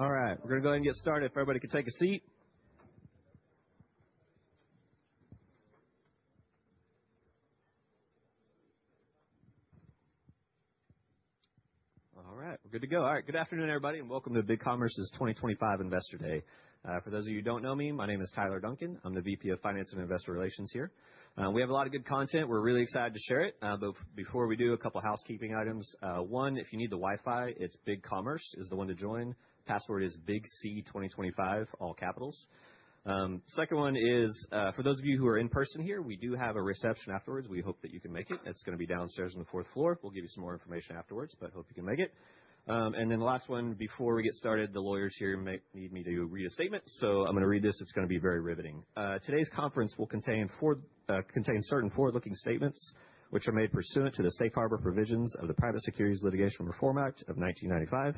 All right, we're going to go ahead and get started. If everybody could take a seat. All right, we're good to go. All right, good afternoon, everybody, and welcome to Commerce.com's 2025 Investor Day. For those of you who don't know me, my name is Tyler Duncan. I'm the VP of Finance and Investor Relations here. We have a lot of good content. We're really excited to share it. Before we do, a couple of housekeeping items. One, if you need the Wi-Fi, it's Commerce.com is the one to join. Password is ComC2025, all capitals. Second one is, for those of you who are in person here, we do have a reception afterwards. We hope that you can make it. It's going to be downstairs on the fourth floor. We'll give you some more information afterwards, but hope you can make it. The last one, before we get started, the lawyers here need me to read a statement. I am going to read this. It is going to be very riveting. Today's conference will contain certain forward-looking statements, which are made pursuant to the Safe Harbor provisions of the Private Securities Litigation Reform Act of 1995.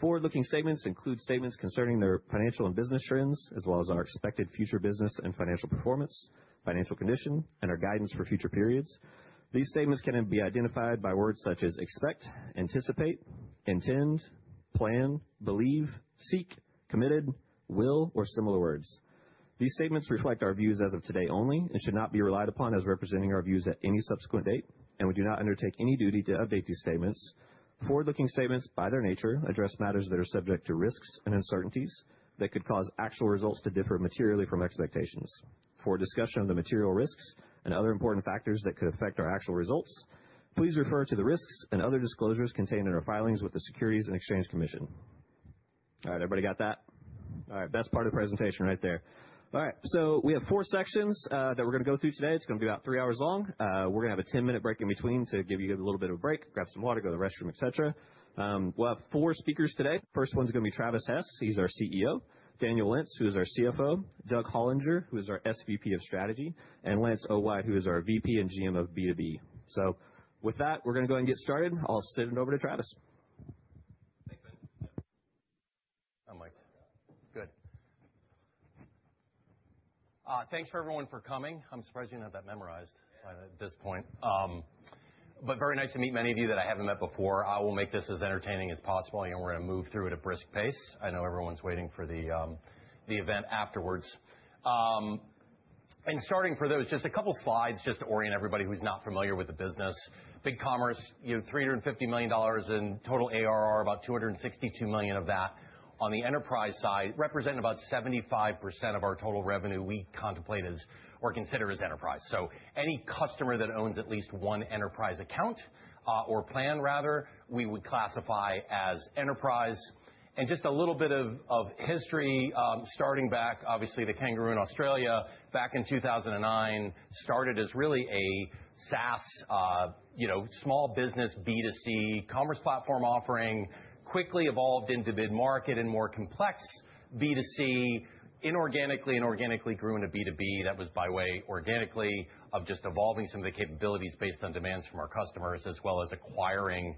Forward-looking statements include statements concerning their financial and business trends, as well as our expected future business and financial performance, financial condition, and our guidance for future periods. These statements can be identified by words such as expect, anticipate, intend, plan, believe, seek, committed, will, or similar words. These statements reflect our views as of today only and should not be relied upon as representing our views at any subsequent date. We do not undertake any duty to update these statements. Forward-looking statements, by their nature, address matters that are subject to risks and uncertainties that could cause actual results to differ materially from expectations. For discussion of the material risks and other important factors that could affect our actual results, please refer to the risks and other disclosures contained in our filings with the Securities and Exchange Commission. All right, everybody got that? All right, best part of the presentation right there. All right, we have four sections that we're going to go through today. It's going to be about three hours long. We're going to have a 10-minute break in between to give you a little bit of a break, grab some water, go to the restroom, et cetera. We'll have four speakers today. First one's going to be Travis Hess. He's our CEO. Daniel Lentz, who is our CFO. Doug Hollinger, who is our SVP of Strategy. Lance Owide, who is our VP and GM of B2B. With that, we're going to go ahead and get started. I'll send it over to Travis. Thanks, man. I'm mic'd. Good. Thanks for everyone for coming. I'm surprised you didn't have that memorized by this point. Very nice to meet many of you that I haven't met before. I will make this as entertaining as possible, and we're going to move through it at a brisk pace. I know everyone's waiting for the event afterwards. Starting for those, just a couple of slides just to orient everybody who's not familiar with the business. Commerce.com, you have $350 million in total ARR, about $262 million of that. On the enterprise side, representing about 75% of our total revenue we contemplate as or consider as enterprise. Any customer that owns at least one enterprise account or plan, rather, we would classify as enterprise. Just a little bit of history, starting back, obviously, the kangaroo in Australia back in 2009 started as really a SaaS, small business B2C commerce platform offering, quickly evolved into mid-market and more complex B2C, inorganically and organically grew into B2B that was, by way organically, of just evolving some of the capabilities based on demands from our customers, as well as acquiring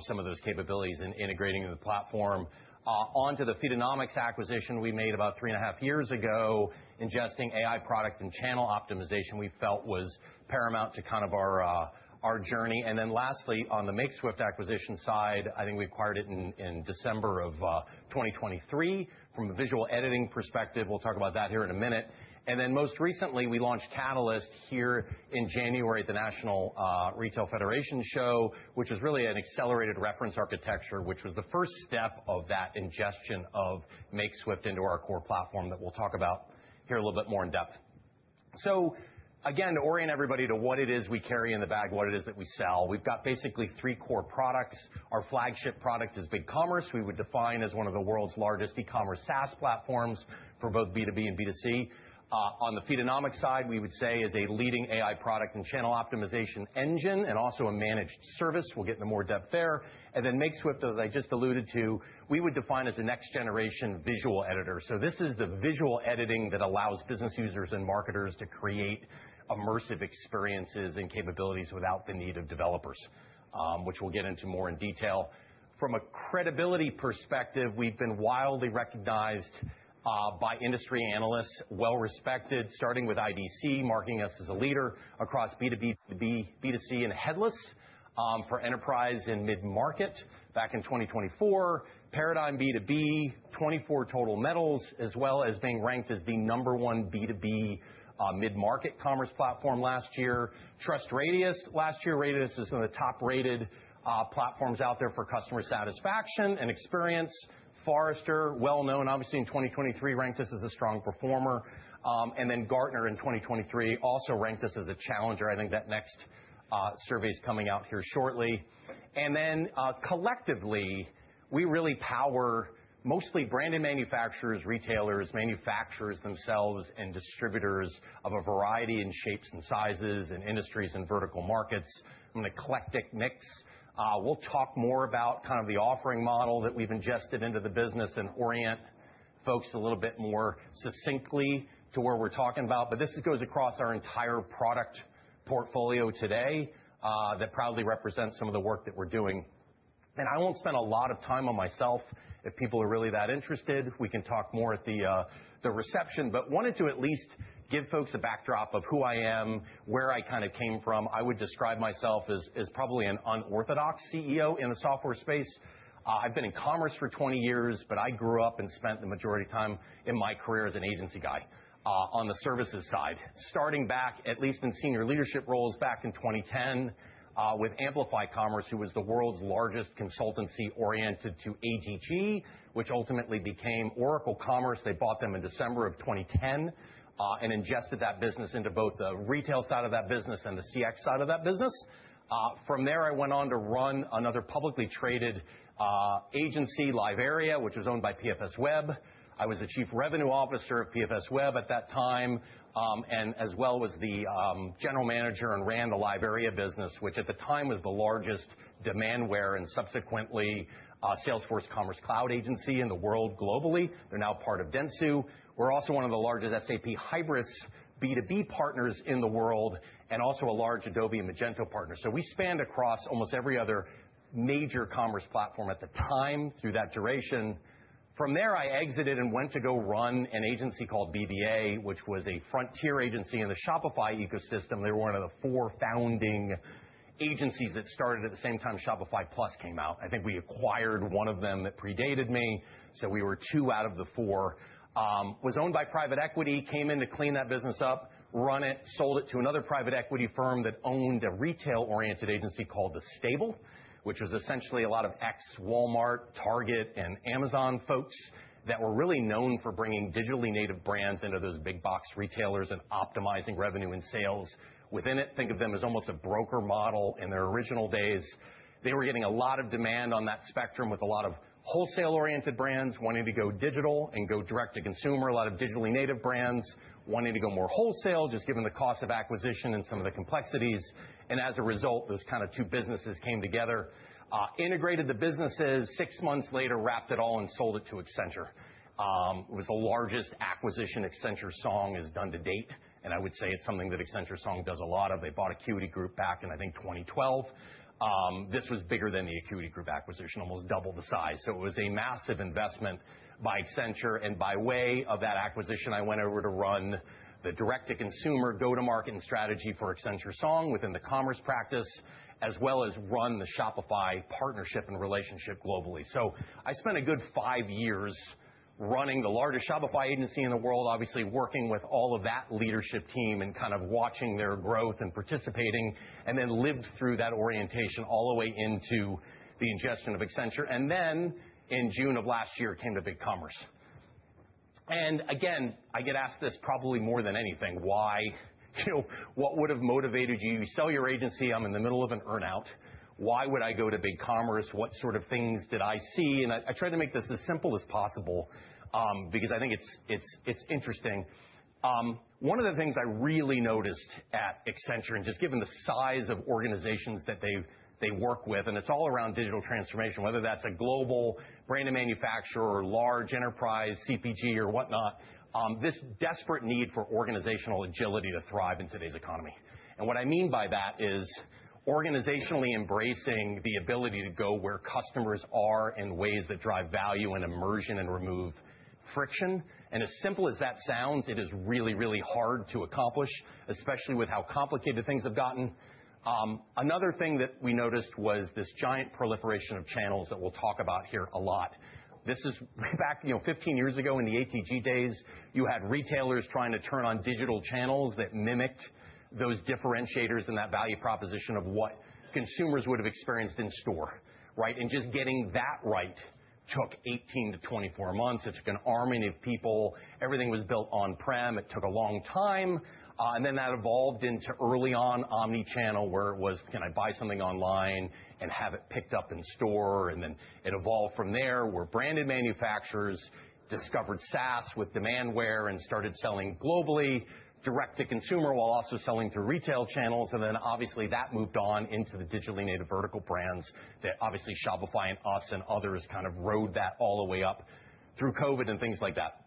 some of those capabilities and integrating the platform onto the Feedonomics acquisition we made about three and a half years ago, ingesting AI product and channel optimization we felt was paramount to kind of our journey. Lastly, on the Makeswift acquisition side, I think we acquired it in December of 2023. From a visual editing perspective, we'll talk about that here in a minute. Most recently, we launched Catalyst here in January at the National Retail Federation Show, which is really an accelerated reference architecture, which was the first step of that ingestion of Makeswift into our core platform that we'll talk about here a little bit more in depth. Again, to orient everybody to what it is we carry in the bag, what it is that we sell, we've got basically three core products. Our flagship product is Commerce.com, we would define as one of the world's largest e-commerce SaaS platforms for both B2B and B2C. On the Feedonomics side, we would say is a leading AI product and channel optimization engine and also a managed service. We'll get into more depth there. Makeswift, as I just alluded to, we would define as a next-generation visual editor. This is the visual editing that allows business users and marketers to create immersive experiences and capabilities without the need of developers, which we'll get into more in detail. From a credibility perspective, we've been widely recognized by industry analysts, well-respected, starting with IDC, marking us as a leader across B2B, B2C, and headless for enterprise and mid-market back in 2024, Paradigm B2B, 24 total medals, as well as being ranked as the number one B2B mid-market commerce platform last year. TrustRadius, last year, is one of the top-rated platforms out there for customer satisfaction and experience. Forrester, well-known, obviously in 2023, ranked us as a strong performer. Gartner in 2023 also ranked us as a challenger. I think that next survey is coming out here shortly. Then collectively, we really power mostly branded manufacturers, retailers, manufacturers themselves, and distributors of a variety in shapes and sizes and industries and vertical markets. I'm an eclectic mix. We'll talk more about kind of the offering model that we've ingested into the business and orient folks a little bit more succinctly to where we're talking about. This goes across our entire product portfolio today that proudly represents some of the work that we're doing. I won't spend a lot of time on myself. If people are really that interested, we can talk more at the reception. Wanted to at least give folks a backdrop of who I am, where I kind of came from. I would describe myself as probably an unorthodox CEO in the software space. I've been in commerce for 20 years, but I grew up and spent the majority of time in my career as an agency guy on the services side, starting back at least in senior leadership roles back in 2010 with Amplify Commerce, who was the world's largest consultancy oriented to ATG, which ultimately became Oracle Commerce. They bought them in December of 2010 and ingested that business into both the retail side of that business and the CX side of that business. From there, I went on to run another publicly traded agency, Live Area, which was owned by PFSweb. I was a Chief Revenue Officer of PFSweb at that time, and as well was the General Manager and ran the Live Area business, which at the time was the largest Demandware and subsequently Salesforce Commerce Cloud agency in the world globally. They're now part of Dentsu. We're also one of the largest SAP Hybris B2B partners in the world and also a large Adobe and Magento partner. We spanned across almost every other major commerce platform at the time through that duration. From there, I exited and went to go run an agency called BBA, which was a frontier agency in the Shopify ecosystem. They were one of the four founding agencies that started at the same time Shopify Plus came out. I think we acquired one of them that predated me. We were two out of the four. Was owned by private equity, came in to clean that business up, run it, sold it to another private equity firm that owned a retail-oriented agency called The Stable, which was essentially a lot of ex-Walmart, Target, and Amazon folks that were really known for bringing digitally native brands into those big box retailers and optimizing revenue and sales within it. Think of them as almost a broker model in their original days. They were getting a lot of demand on that spectrum with a lot of wholesale-oriented brands wanting to go digital and go direct to consumer. A lot of digitally native brands wanting to go more wholesale, just given the cost of acquisition and some of the complexities. As a result, those kind of two businesses came together, integrated the businesses, six months later wrapped it all and sold it to Accenture. It was the largest acquisition Accenture Song has done to date. I would say it's something that Accenture Song does a lot of. They bought Acuity Group back in, I think, 2012. This was bigger than the Acuity Group acquisition, almost double the size. It was a massive investment by Accenture. By way of that acquisition, I went over to run the direct-to-consumer go-to-market and strategy for Accenture Song within the commerce practice, as well as run the Shopify partnership and relationship globally. I spent a good five years running the largest Shopify agency in the world, obviously working with all of that leadership team and kind of watching their growth and participating, and then lived through that orientation all the way into the ingestion of Accenture. In June of last year I came to Commerce.com. I get asked this probably more than anything, why? What would have motivated you? You sell your agency. I'm in the middle of an earnout. Why would I go to Commerce.com? What sort of things did I see? I tried to make this as simple as possible because I think it's interesting. One of the things I really noticed at Accenture, and just given the size of organizations that they work with, and it's all around digital transformation, whether that's a global branded manufacturer or large enterprise, CPG or whatnot, this desperate need for organizational agility to thrive in today's economy. What I mean by that is organizationally embracing the ability to go where customers are in ways that drive value and immersion and remove friction. As simple as that sounds, it is really, really hard to accomplish, especially with how complicated things have gotten. Another thing that we noticed was this giant proliferation of channels that we'll talk about here a lot. This is back 15 years ago in the ATG days. You had retailers trying to turn on digital channels that mimicked those differentiators and that value proposition of what consumers would have experienced in store. Just getting that right took 18-24 months. It took an army of people. Everything was built on-prem. It took a long time. That evolved into early on omnichannel where it was, can I buy something online and have it picked up in store? It evolved from there where branded manufacturers discovered SaaS with Demandware and started selling globally direct to consumer while also selling through retail channels. Obviously, that moved on into the digitally native vertical brands that obviously Shopify and us and others kind of rode that all the way up through COVID and things like that.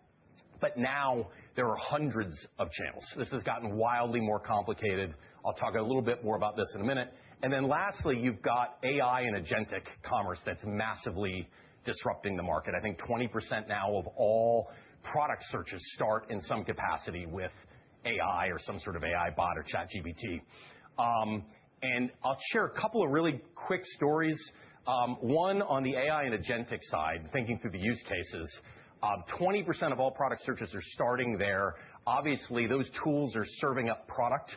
Now there are hundreds of channels. This has gotten wildly more complicated. I'll talk a little bit more about this in a minute. Lastly, you've got AI and agentic commerce that's massively disrupting the market. I think 20% now of all product searches start in some capacity with AI or some sort of AI bot or ChatGPT. I'll share a couple of really quick stories. One on the AI and agentic side, thinking through the use cases, 20% of all product searches are starting there. Obviously, those tools are serving up product.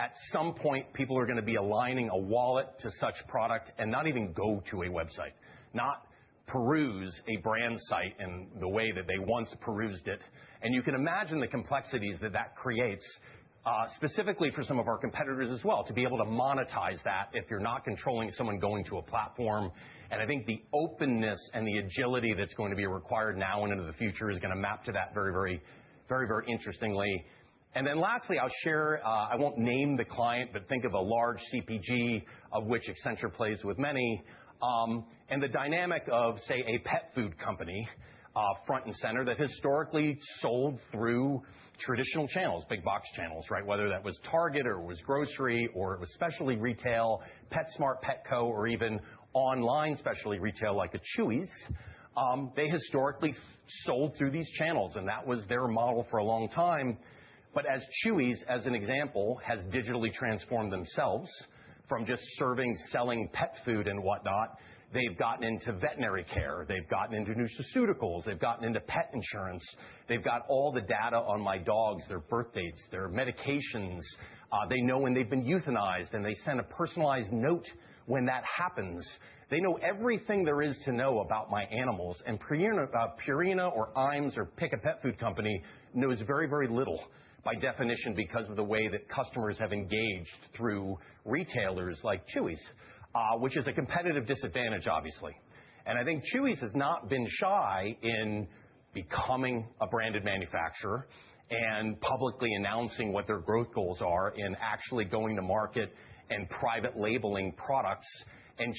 At some point, people are going to be aligning a wallet to such product and not even go to a website, not peruse a brand site in the way that they once perused it. You can imagine the complexities that that creates specifically for some of our competitors as well to be able to monetize that if you're not controlling someone going to a platform. I think the openness and the agility that's going to be required now and into the future is going to map to that very, very, very, very interestingly. Lastly, I'll share, I won't name the client, but think of a large CPG of which Accenture plays with many. The dynamic of, say, a pet food company front and center that historically sold through traditional channels, big box channels, whether that was Target or it was grocery or it was specialty retail, PetSmart, Petco, or even online specialty retail like Chewy, they historically sold through these channels. That was their model for a long time. As Chewy, as an example, has digitally transformed themselves from just serving, selling pet food and whatnot, they've gotten into veterinary care. They've gotten into new surgicals. They've gotten into pet insurance. They've got all the data on my dogs, their birth dates, their medications. They know when they've been euthanized and they send a personalized note when that happens. They know everything there is to know about my animals. Purina or Iams or pick a pet food company knows very, very little by definition because of the way that customers have engaged through retailers like Chewy, which is a competitive disadvantage, obviously. I think Chewy has not been shy in becoming a branded manufacturer and publicly announcing what their growth goals are in actually going to market and private labeling products.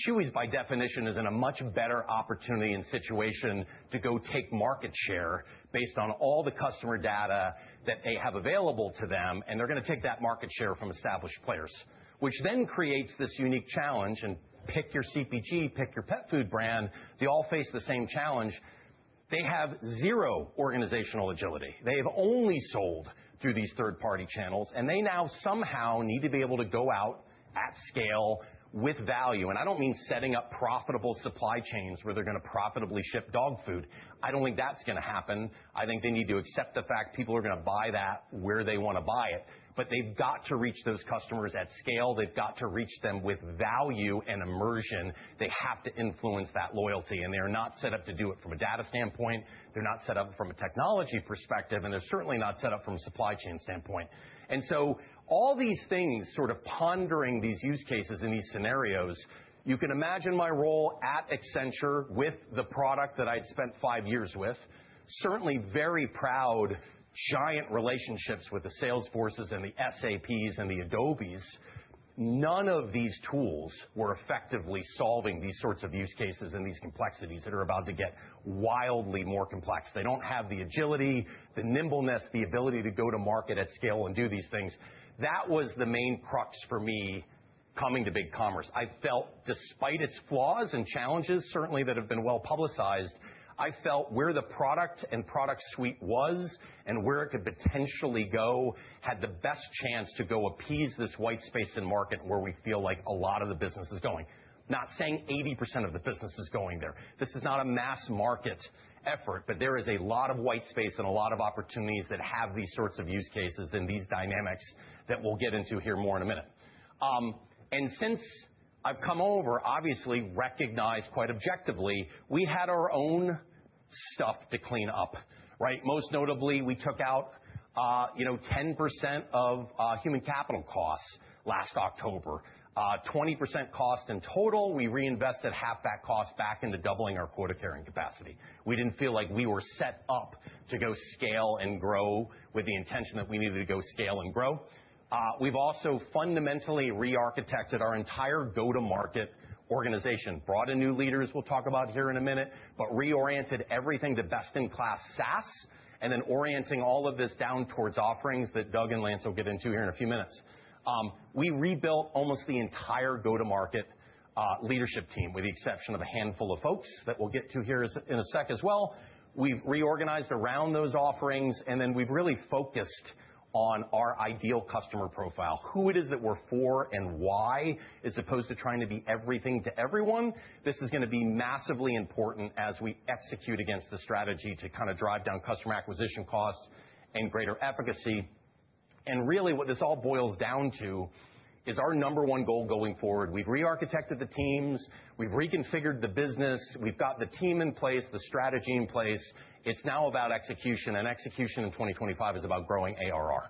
Chewy, by definition, is in a much better opportunity and situation to go take market share based on all the customer data that they have available to them. They are going to take that market share from established players, which creates this unique challenge. Pick your CPG, pick your pet food brand, they all face the same challenge. They have zero organizational agility. They have only sold through these third-party channels. They now somehow need to be able to go out at scale with value. I don't mean setting up profitable supply chains where they're going to profitably ship dog food. I don't think that's going to happen. I think they need to accept the fact people are going to buy that where they want to buy it. They've got to reach those customers at scale. They've got to reach them with value and immersion. They have to influence that loyalty. They're not set up to do it from a data standpoint. They're not set up from a technology perspective. They're certainly not set up from a supply chain standpoint. All these things, sort of pondering these use cases and these scenarios, you can imagine my role at Accenture with the product that I had spent five years with, certainly very proud, giant relationships with the Salesforces and the SAPs and the Adobes. None of these tools were effectively solving these sorts of use cases and these complexities that are about to get wildly more complex. They do not have the agility, the nimbleness, the ability to go to market at scale and do these things. That was the main crux for me coming to Commerce.com. I felt, despite its flaws and challenges, certainly that have been well publicized, I felt where the product and product suite was and where it could potentially go had the best chance to go appease this white space in market where we feel like a lot of the business is going. Not saying 80% of the business is going there. This is not a mass market effort, but there is a lot of white space and a lot of opportunities that have these sorts of use cases and these dynamics that we will get into here more in a minute. Since I have come over, obviously recognized quite objectively, we had our own stuff to clean up. Most notably, we took out 10% of human capital costs last October, 20% cost in total. We reinvested half that cost back into doubling our quota carrying capacity. We did not feel like we were set up to go scale and grow with the intention that we needed to go scale and grow. We've also fundamentally re-architected our entire go-to-market organization, brought in new leaders we'll talk about here in a minute, but reoriented everything to best-in-class SaaS and then orienting all of this down towards offerings that Doug and Lance will get into here in a few minutes. We rebuilt almost the entire go-to-market leadership team with the exception of a handful of folks that we'll get to here in a sec as well. We've reorganized around those offerings. We have really focused on our ideal customer profile, who it is that we're for and why. As opposed to trying to be everything to everyone, this is going to be massively important as we execute against the strategy to kind of drive down customer acquisition costs and greater efficacy. Really what this all boils down to is our number one goal going forward. We've re-architected the teams. We've reconfigured the business. We've got the team in place, the strategy in place. It's now about execution. Execution in 2025 is about growing ARR.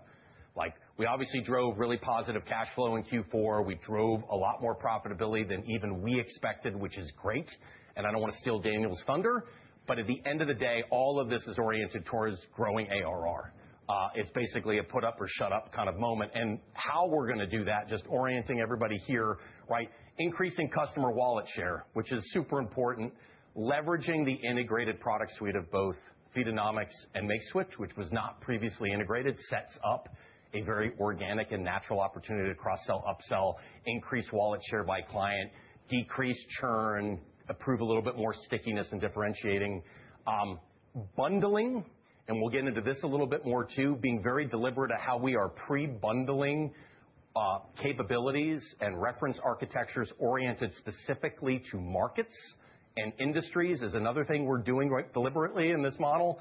We obviously drove really positive cash flow in Q4. We drove a lot more profitability than even we expected, which is great. I don't want to steal Daniel's thunder, but at the end of the day, all of this is oriented towards growing ARR. It's basically a put up or shut up kind of moment. How we're going to do that, just orienting everybody here, increasing customer wallet share, which is super important, leveraging the integrated product suite of both Feedonomics and Makeswift, which was not previously integrated, sets up a very organic and natural opportunity to cross-sell, upsell, increase wallet share by client, decrease churn, improve a little bit more stickiness and differentiating. Bundling, and we'll get into this a little bit more too, being very deliberate of how we are pre-bundling capabilities and reference architectures oriented specifically to markets and industries is another thing we're doing deliberately in this model.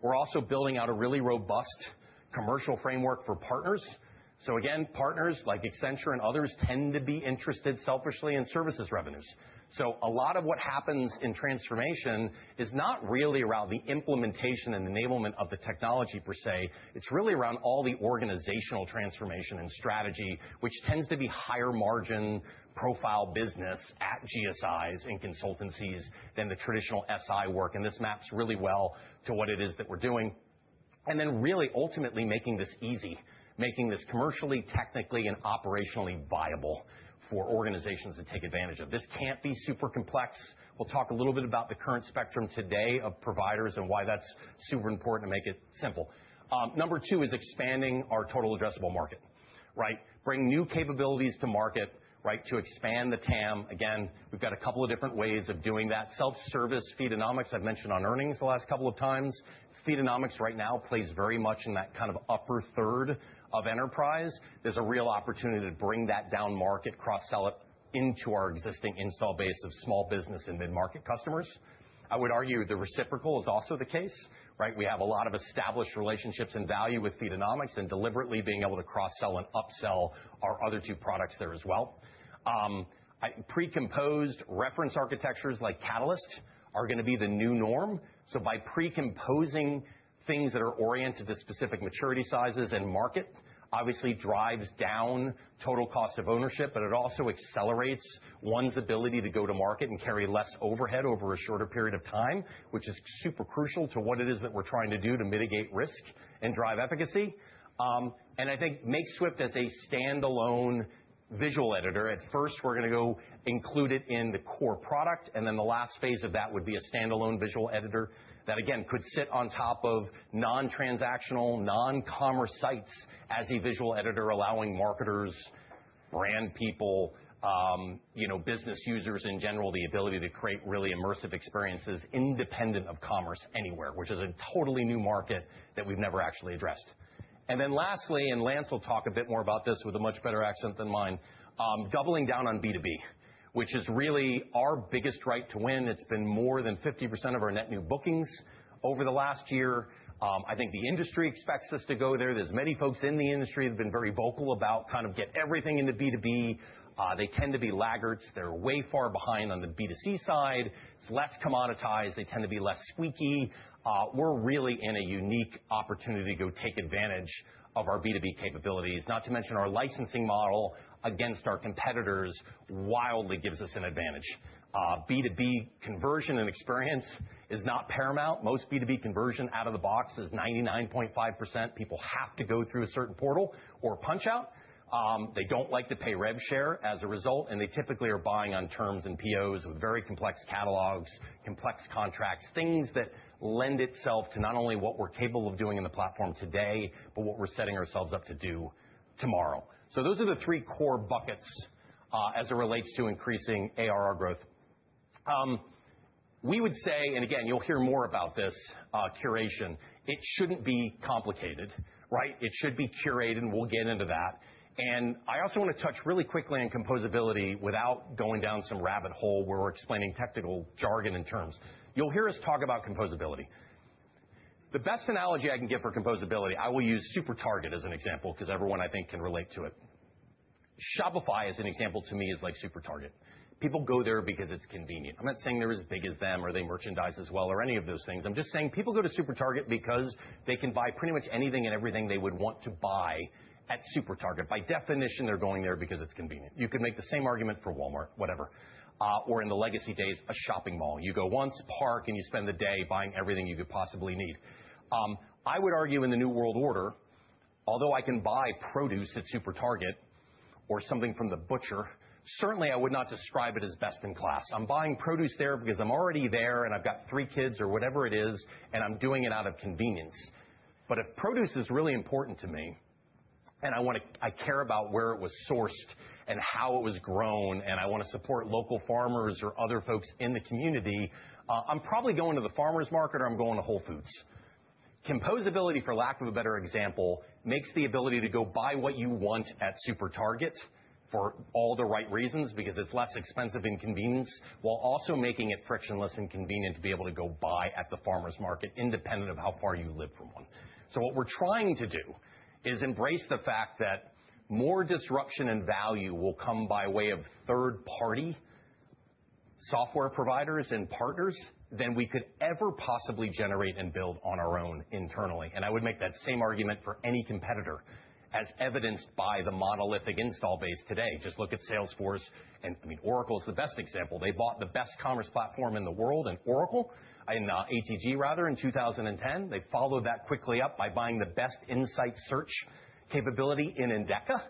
We're also building out a really robust commercial framework for partners. Again, partners like Accenture and others tend to be interested selfishly in services revenues. A lot of what happens in transformation is not really around the implementation and enablement of the technology per se. It's really around all the organizational transformation and strategy, which tends to be higher margin profile business at GSIs and consultancies than the traditional SI work. This maps really well to what it is that we're doing. Ultimately making this easy, making this commercially, technically, and operationally viable for organizations to take advantage of. This can't be super complex. We'll talk a little bit about the current spectrum today of providers and why that's super important to make it simple. Number two is expanding our total addressable market, bring new capabilities to market to expand the TAM. Again, we've got a couple of different ways of doing that. Self-service Feedonomics I've mentioned on earnings the last couple of times. Feedonomics right now plays very much in that kind of upper third of enterprise. There's a real opportunity to bring that down market, cross-sell it into our existing install base of small business and mid-market customers. I would argue the reciprocal is also the case. We have a lot of established relationships and value with Feedonomics and deliberately being able to cross-sell and upsell our other two products there as well. Pre-composed reference architectures like Catalyst are going to be the new norm. By pre-composing things that are oriented to specific maturity sizes and market, obviously drives down total cost of ownership, but it also accelerates one's ability to go to market and carry less overhead over a shorter period of time, which is super crucial to what it is that we're trying to do to mitigate risk and drive efficacy. I think Makeswift as a standalone visual editor, at first we're going to go include it in the core product. The last phase of that would be a standalone visual editor that again could sit on top of non-transactional, non-commerce sites as a visual editor, allowing marketers, brand people, business users in general, the ability to create really immersive experiences independent of commerce anywhere, which is a totally new market that we've never actually addressed. Lastly, and Lance will talk a bit more about this with a much better accent than mine, doubling down on B2B, which is really our biggest right to win. It's been more than 50% of our net new bookings over the last year. I think the industry expects us to go there. There are many folks in the industry that have been very vocal about kind of get everything into B2B. They tend to be laggards. They're way far behind on the B2C side. It's less commoditized. They tend to be less squeaky. We're really in a unique opportunity to go take advantage of our B2B capabilities. Not to mention our licensing model against our competitors wildly gives us an advantage. B2B conversion and experience is not paramount. Most B2B conversion out of the box is 99.5%. People have to go through a certain portal or punch out. They do not like to pay rev share as a result, and they typically are buying on terms and POs with very complex catalogs, complex contracts, things that lend itself to not only what we are capable of doing in the platform today, but what we are setting ourselves up to do tomorrow. Those are the three core buckets as it relates to increasing ARR growth. We would say, and again, you will hear more about this curation, it should not be complicated. It should be curated, and we will get into that. I also want to touch really quickly on composability without going down some rabbit hole where we are explaining technical jargon and terms. You will hear us talk about composability. The best analogy I can give for composability, I will use Super Target as an example because everyone I think can relate to it. Shopify as an example to me is like Super Target. People go there because it's convenient. I'm not saying they're as big as them or they merchandise as well or any of those things. I'm just saying people go to Super Target because they can buy pretty much anything and everything they would want to buy at Super Target. By definition, they're going there because it's convenient. You could make the same argument for Walmart, whatever, or in the legacy days, a shopping mall. You go once, park, and you spend the day buying everything you could possibly need. I would argue in the new world order, although I can buy produce at Super Target or something from the butcher, certainly I would not describe it as best in class. I'm buying produce there because I'm already there and I've got three kids or whatever it is, and I'm doing it out of convenience. If produce is really important to me and I care about where it was sourced and how it was grown and I want to support local farmers or other folks in the community, I'm probably going to the farmer's market or I'm going to Whole Foods. Composability, for lack of a better example, makes the ability to go buy what you want at Super Target for all the right reasons because it's less expensive and convenient while also making it frictionless and convenient to be able to go buy at the farmer's market independent of how far you live from one. What we're trying to do is embrace the fact that more disruption and value will come by way of third-party software providers and partners than we could ever possibly generate and build on our own internally. I would make that same argument for any competitor as evidenced by the monolithic install base today. Just look at Salesforce. I mean, Oracle is the best example. They bought the best commerce platform in the world in ATG in 2010. They followed that quickly up by buying the best insight search capability in Endeca,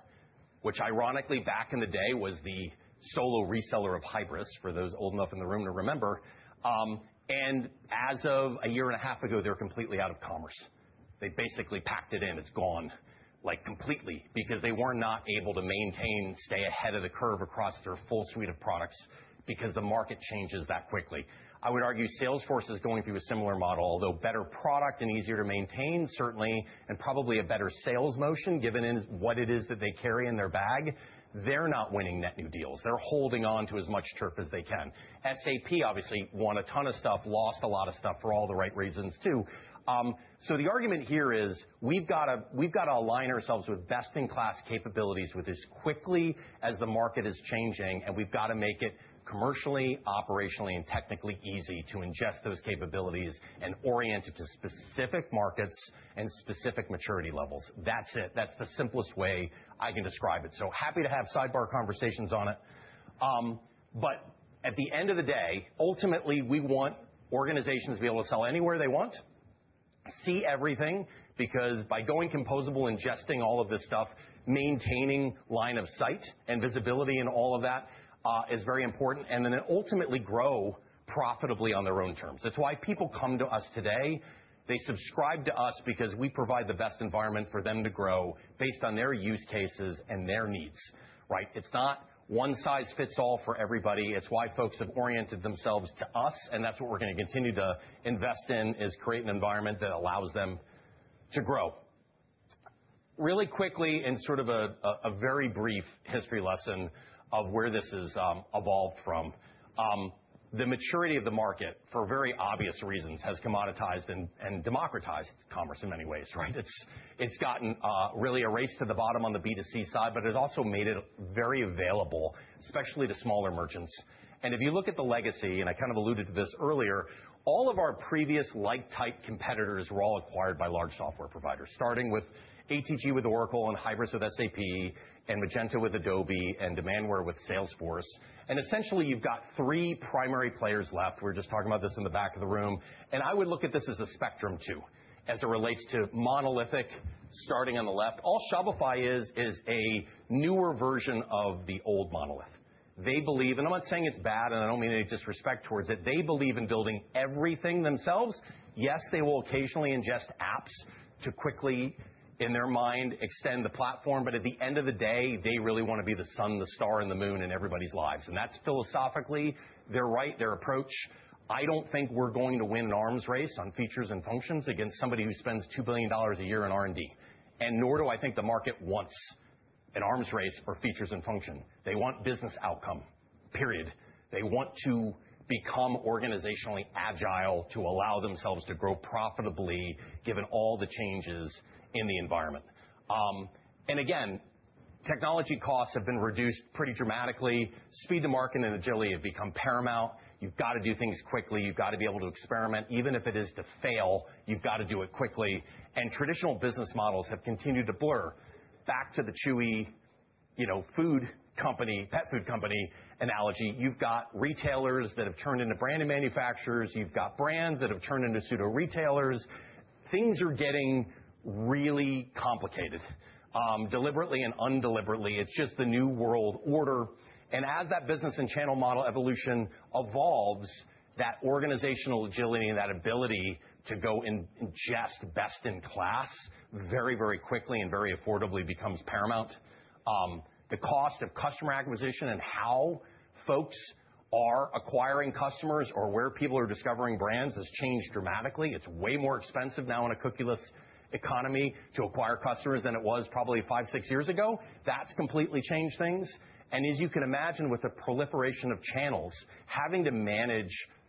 which ironically back in the day was the solo reseller of Hybris for those old enough in the room to remember. As of a year and a half ago, they're completely out of commerce. They basically packed it in. It's gone completely because they were not able to maintain, stay ahead of the curve across their full suite of products because the market changes that quickly. I would argue Salesforce is going through a similar model, although better product and easier to maintain, certainly, and probably a better sales motion given what it is that they carry in their bag. They're not winning net new deals. They're holding on to as much turf as they can. SAP obviously won a ton of stuff, lost a lot of stuff for all the right reasons too. The argument here is we've got to align ourselves with best-in-class capabilities with as quickly as the market is changing, and we've got to make it commercially, operationally, and technically easy to ingest those capabilities and orient it to specific markets and specific maturity levels. That's it. That's the simplest way I can describe it. Happy to have sidebar conversations on it. At the end of the day, ultimately we want organizations to be able to sell anywhere they want, see everything, because by going composable, ingesting all of this stuff, maintaining line of sight and visibility and all of that is very important, and then ultimately grow profitably on their own terms. That's why people come to us today. They subscribe to us because we provide the best environment for them to grow based on their use cases and their needs. It's not one size fits all for everybody. It's why folks have oriented themselves to us, and that's what we're going to continue to invest in, is create an environment that allows them to grow. Really quickly and sort of a very brief history lesson of where this has evolved from, the maturity of the market for very obvious reasons has commoditized and democratized commerce in many ways. It's gotten really erased to the bottom on the B2C side, but it also made it very available, especially to smaller merchants. If you look at the legacy, and I kind of alluded to this earlier, all of our previous like-type competitors were all acquired by large software providers, starting with ATG with Oracle and Hybris with SAP and Magento with Adobe and Demandware with Salesforce. Essentially you've got three primary players left. We were just talking about this in the back of the room. I would look at this as a spectrum too, as it relates to monolithic starting on the left. All Shopify is a newer version of the old monolith. They believe, and I'm not saying it's bad and I don't mean any disrespect towards it, they believe in building everything themselves. Yes, they will occasionally ingest apps to quickly, in their mind, extend the platform, but at the end of the day, they really want to be the sun, the star, and the moon in everybody's lives. That is philosophically their right, their approach. I don't think we're going to win an arms race on features and functions against somebody who spends $2 billion a year in R&D. Nor do I think the market wants an arms race for features and function. They want business outcome, period. They want to become organizationally agile to allow themselves to grow profitably given all the changes in the environment. Technology costs have been reduced pretty dramatically. Speed to market and agility have become paramount. You've got to do things quickly. You've got to be able to experiment. Even if it is to fail, you've got to do it quickly. Traditional business models have continued to blur. Back to the Chewy pet food company analogy, you've got retailers that have turned into branded manufacturers. You've got brands that have turned into pseudo retailers. Things are getting really complicated, deliberately and undeliberately. It's just the new world order. As that business and channel model evolution evolves, that organizational agility and that ability to go and ingest best in class very, very quickly and very affordably becomes paramount. The cost of customer acquisition and how folks are acquiring customers or where people are discovering brands has changed dramatically. It's way more expensive now in a cookieless economy to acquire customers than it was probably five, six years ago. That's completely changed things. As you can imagine, with the proliferation of channels, having to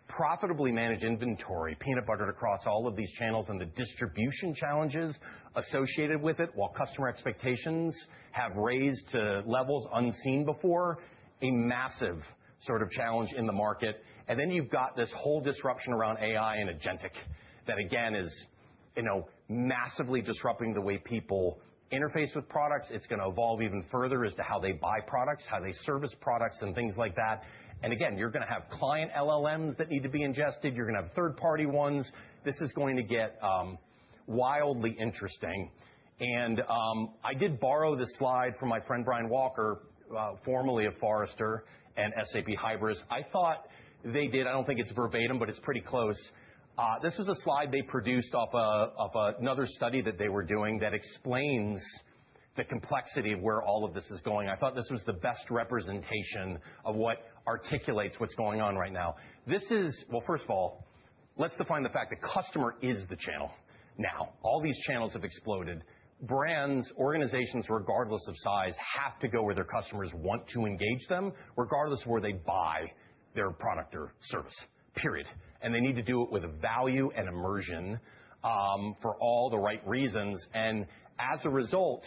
profitably manage inventory, peanut butter to cross all of these channels and the distribution challenges associated with it, while customer expectations have raised to levels unseen before, a massive sort of challenge in the market. You have this whole disruption around AI and agentic that again is massively disrupting the way people interface with products. It is going to evolve even further as to how they buy products, how they service products, and things like that. You are going to have client LLMs that need to be ingested. You are going to have third-party ones. This is going to get wildly interesting. I did borrow this slide from my friend Brian Walker, formerly of Forrester and SAP Hybris. I thought they did, I do not think it is verbatim, but it is pretty close. This is a slide they produced off of another study that they were doing that explains the complexity of where all of this is going. I thought this was the best representation of what articulates what's going on right now. First of all, let's define the fact that customer is the channel now. All these channels have exploded. Brands, organizations, regardless of size, have to go where their customers want to engage them, regardless of where they buy their product or service, period. They need to do it with value and immersion for all the right reasons. As a result,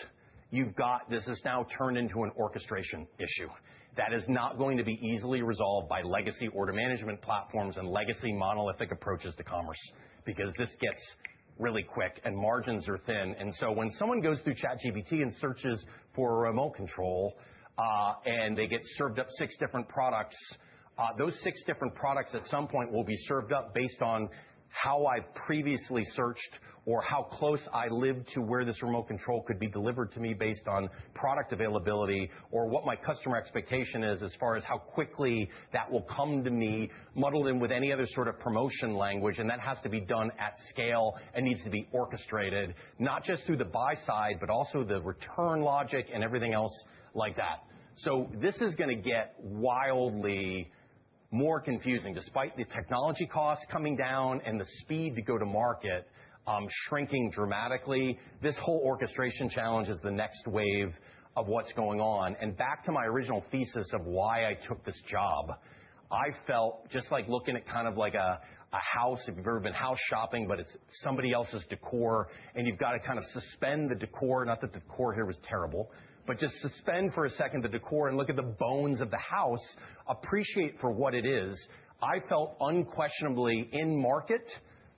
this has now turned into an orchestration issue that is not going to be easily resolved by legacy order management platforms and legacy monolithic approaches to commerce because this gets really quick and margins are thin. When someone goes through ChatGPT and searches for remote control and they get served up six different products, those six different products at some point will be served up based on how I've previously searched or how close I live to where this remote control could be delivered to me based on product availability or what my customer expectation is as far as how quickly that will come to me, muddled in with any other sort of promotion language. That has to be done at scale and needs to be orchestrated, not just through the buy side, but also the return logic and everything else like that. This is going to get wildly more confusing despite the technology costs coming down and the speed to go to market shrinking dramatically. This whole orchestration challenge is the next wave of what's going on. Back to my original thesis of why I took this job, I felt just like looking at kind of like a house, if you've ever been house shopping, but it's somebody else's decor, and you've got to kind of suspend the decor, not that the decor here was terrible, but just suspend for a second the decor and look at the bones of the house, appreciate for what it is. I felt unquestionably in market,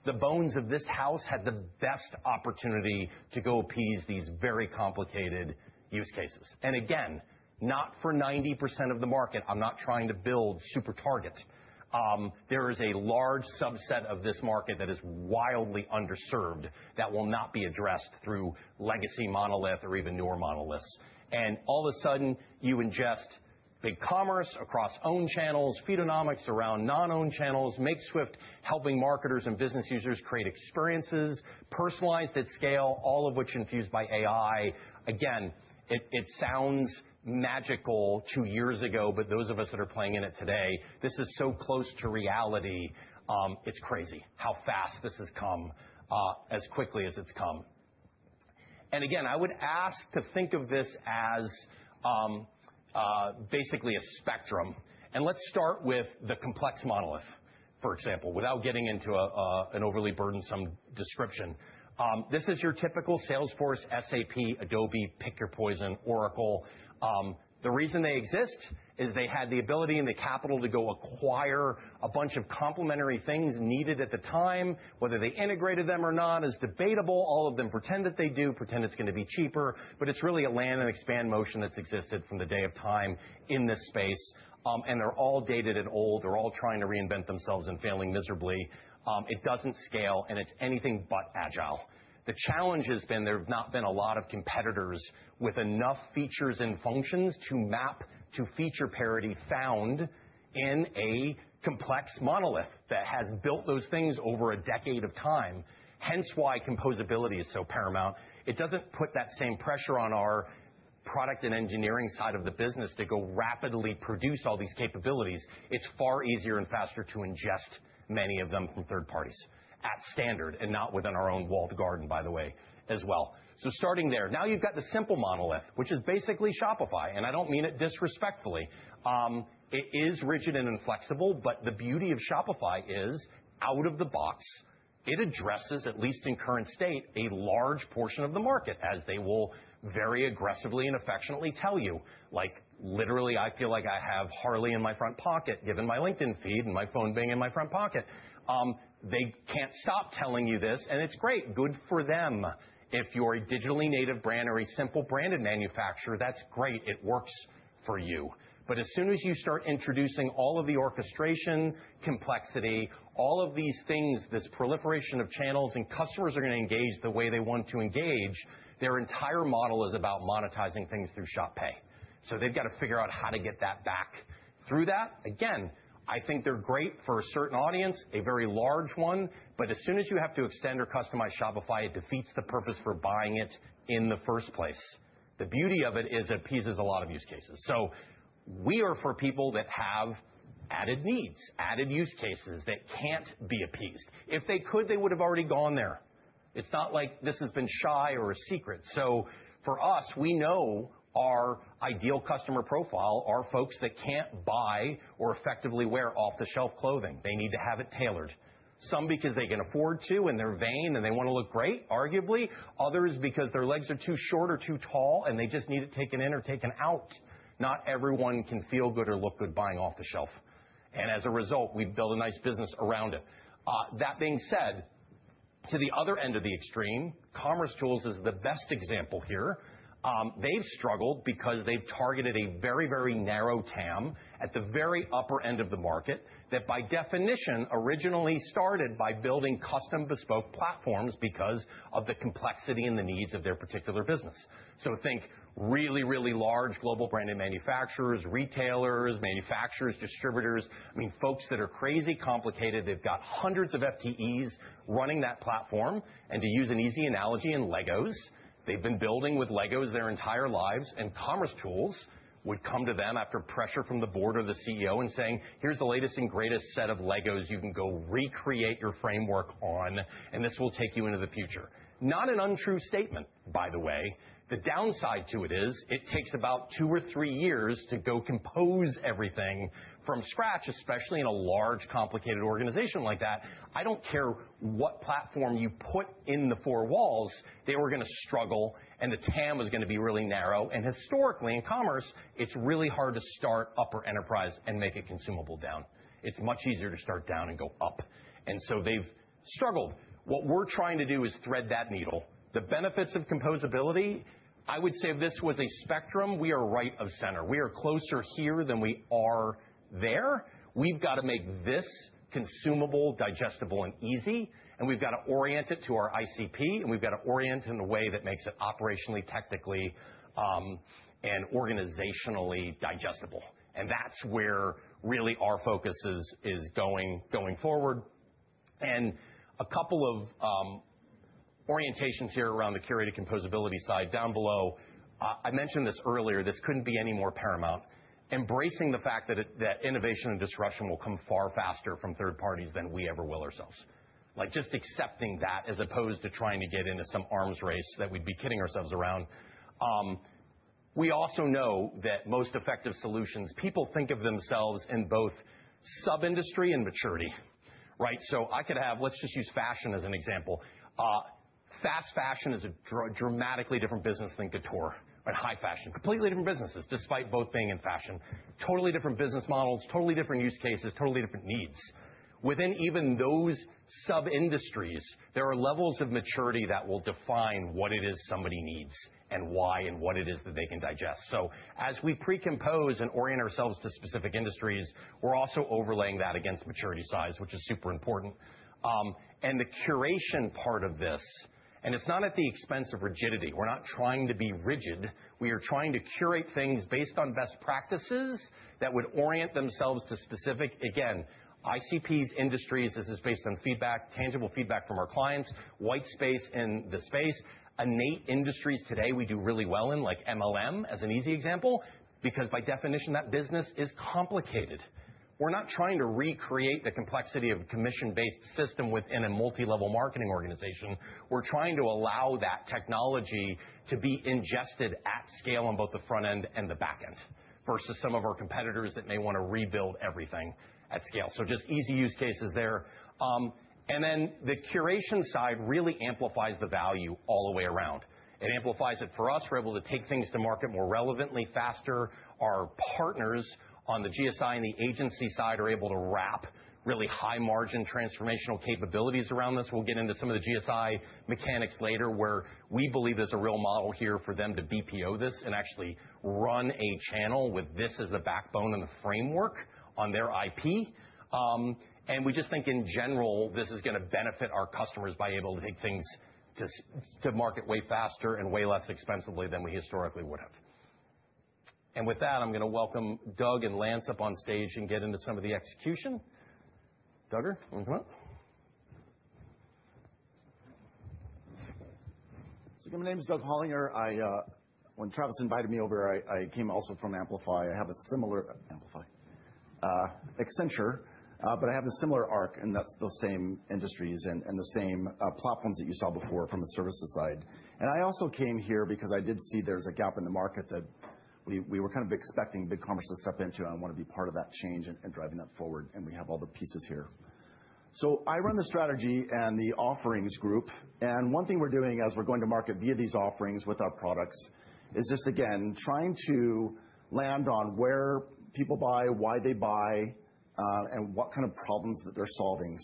the bones of this house had the best opportunity to go appease these very complicated use cases. Again, not for 90% of the market. I'm not trying to build Super Target. There is a large subset of this market that is wildly underserved that will not be addressed through legacy monolith or even newer monoliths. All of a sudden, you ingest BigCommerce across owned channels, Feedonomics around non-owned channels, Makeswift helping marketers and business users create experiences personalized at scale, all of which infused by AI. Again, it sounds magical two years ago, but those of us that are playing in it today, this is so close to reality. It's crazy how fast this has come as quickly as it's come. I would ask to think of this as basically a spectrum. Let's start with the complex monolith, for example, without getting into an overly burdensome description. This is your typical Salesforce, SAP, Adobe, pick your poison, Oracle. The reason they exist is they had the ability and the capital to go acquire a bunch of complementary things needed at the time. Whether they integrated them or not is debatable. All of them pretend that they do, pretend it's going to be cheaper, but it's really a land and expand motion that's existed from the day of time in this space. They're all dated and old. They're all trying to reinvent themselves and failing miserably. It doesn't scale, and it's anything but agile. The challenge has been there have not been a lot of competitors with enough features and functions to map to feature parity found in a complex monolith that has built those things over a decade of time. Hence why composability is so paramount. It doesn't put that same pressure on our product and engineering side of the business to go rapidly produce all these capabilities. It's far easier and faster to ingest many of them from third parties at standard and not within our own walled garden, by the way, as well. Starting there, now you've got the simple monolith, which is basically Shopify. I don't mean it disrespectfully. It is rigid and inflexible, but the beauty of Shopify is out of the box. It addresses, at least in current state, a large portion of the market, as they will very aggressively and affectionately tell you. Like literally, I feel like I have Harley in my front pocket given my LinkedIn feed and my phone being in my front pocket. They can't stop telling you this, and it's great. Good for them. If you're a digitally native brand or a simple branded manufacturer, that's great. It works for you. As soon as you start introducing all of the orchestration, complexity, all of these things, this proliferation of channels and customers are going to engage the way they want to engage. Their entire model is about monetizing things through Shop Pay. They have got to figure out how to get that back through that. Again, I think they are great for a certain audience, a very large one, but as soon as you have to extend or customize Shopify, it defeats the purpose for buying it in the first place. The beauty of it is it appeases a lot of use cases. We are for people that have added needs, added use cases that cannot be appeased. If they could, they would have already gone there. It is not like this has been shy or a secret. For us, we know our ideal customer profile are folks that cannot buy or effectively wear off-the-shelf clothing. They need to have it tailored. Some because they can afford to in their vein and they want to look great, arguably. Others because their legs are too short or too tall and they just need it taken in or taken out. Not everyone can feel good or look good buying off-the-shelf. As a result, we've built a nice business around it. That being said, to the other end of the extreme, Commerce Tools is the best example here. They've struggled because they've targeted a very, very narrow TAM at the very upper end of the market that by definition originally started by building custom bespoke platforms because of the complexity and the needs of their particular business. Think really, really large global branded manufacturers, retailers, manufacturers, distributors. I mean, folks that are crazy complicated. They've got hundreds of FTEs running that platform. To use an easy analogy in Legos, they've been building with Legos their entire lives. Commerce Tools would come to them after pressure from the board or the CEO and say, "Here's the latest and greatest set of Legos you can go recreate your framework on, and this will take you into the future." Not an untrue statement, by the way. The downside to it is it takes about two or three years to go compose everything from scratch, especially in a large complicated organization like that. I do not care what platform you put in the four walls, they were going to struggle and the TAM was going to be really narrow. Historically in commerce, it is really hard to start upper enterprise and make it consumable down. It is much easier to start down and go up. They have struggled. What we are trying to do is thread that needle. The benefits of composability, I would say if this was a spectrum, we are right of center. We are closer here than we are there. We've got to make this consumable, digestible, and easy. We've got to orient it to our ICP, and we've got to orient it in a way that makes it operationally, technically, and organizationally digestible. That's where really our focus is going forward. A couple of orientations here around the curated composability side down below. I mentioned this earlier. This couldn't be any more paramount. Embracing the fact that innovation and disruption will come far faster from third parties than we ever will ourselves. Like just accepting that as opposed to trying to get into some arms race that we'd be kidding ourselves around. We also know that most effective solutions, people think of themselves in both sub-industry and maturity, right? I could have, let's just use fashion as an example. Fast fashion is a dramatically different business than couture and high fashion. Completely different businesses despite both being in fashion. Totally different business models, totally different use cases, totally different needs. Within even those sub-industries, there are levels of maturity that will define what it is somebody needs and why and what it is that they can digest. As we precompose and orient ourselves to specific industries, we're also overlaying that against maturity size, which is super important. The curation part of this, and it's not at the expense of rigidity. We're not trying to be rigid. We are trying to curate things based on best practices that would orient themselves to specific, again, ICPs, industries. This is based on feedback, tangible feedback from our clients, white space in the space, innate industries today we do really well in, like MLM as an easy example, because by definition that business is complicated. We're not trying to recreate the complexity of a commission-based system within a multilevel marketing organization. We're trying to allow that technology to be ingested at scale on both the front end and the back end versus some of our competitors that may want to rebuild everything at scale. Just easy use cases there. The curation side really amplifies the value all the way around. It amplifies it for us. We're able to take things to market more relevantly, faster. Our partners on the GSI and the agency side are able to wrap really high-margin transformational capabilities around this. We'll get into some of the GSI mechanics later where we believe there's a real model here for them to BPO this and actually run a channel with this as the backbone and the framework on their IP. We just think in general this is going to benefit our customers by able to take things to market way faster and way less expensively than we historically would have. With that, I'm going to welcome Doug and Lance up on stage and get into some of the execution. Doug, are you coming up? My name is Doug Hollinger. When Travis invited me over, I came also from Amplify. I have a similar Amplify, Accenture, but I have a similar arc, and that's those same industries and the same platforms that you saw before from the services side. I also came here because I did see there is a gap in the market that we were kind of expecting Commerce.com to step into and want to be part of that change and driving that forward. We have all the pieces here. I run the strategy and the offerings group. One thing we are doing as we are going to market via these offerings with our products is just, again, trying to land on where people buy, why they buy, and what kind of problems they are solving.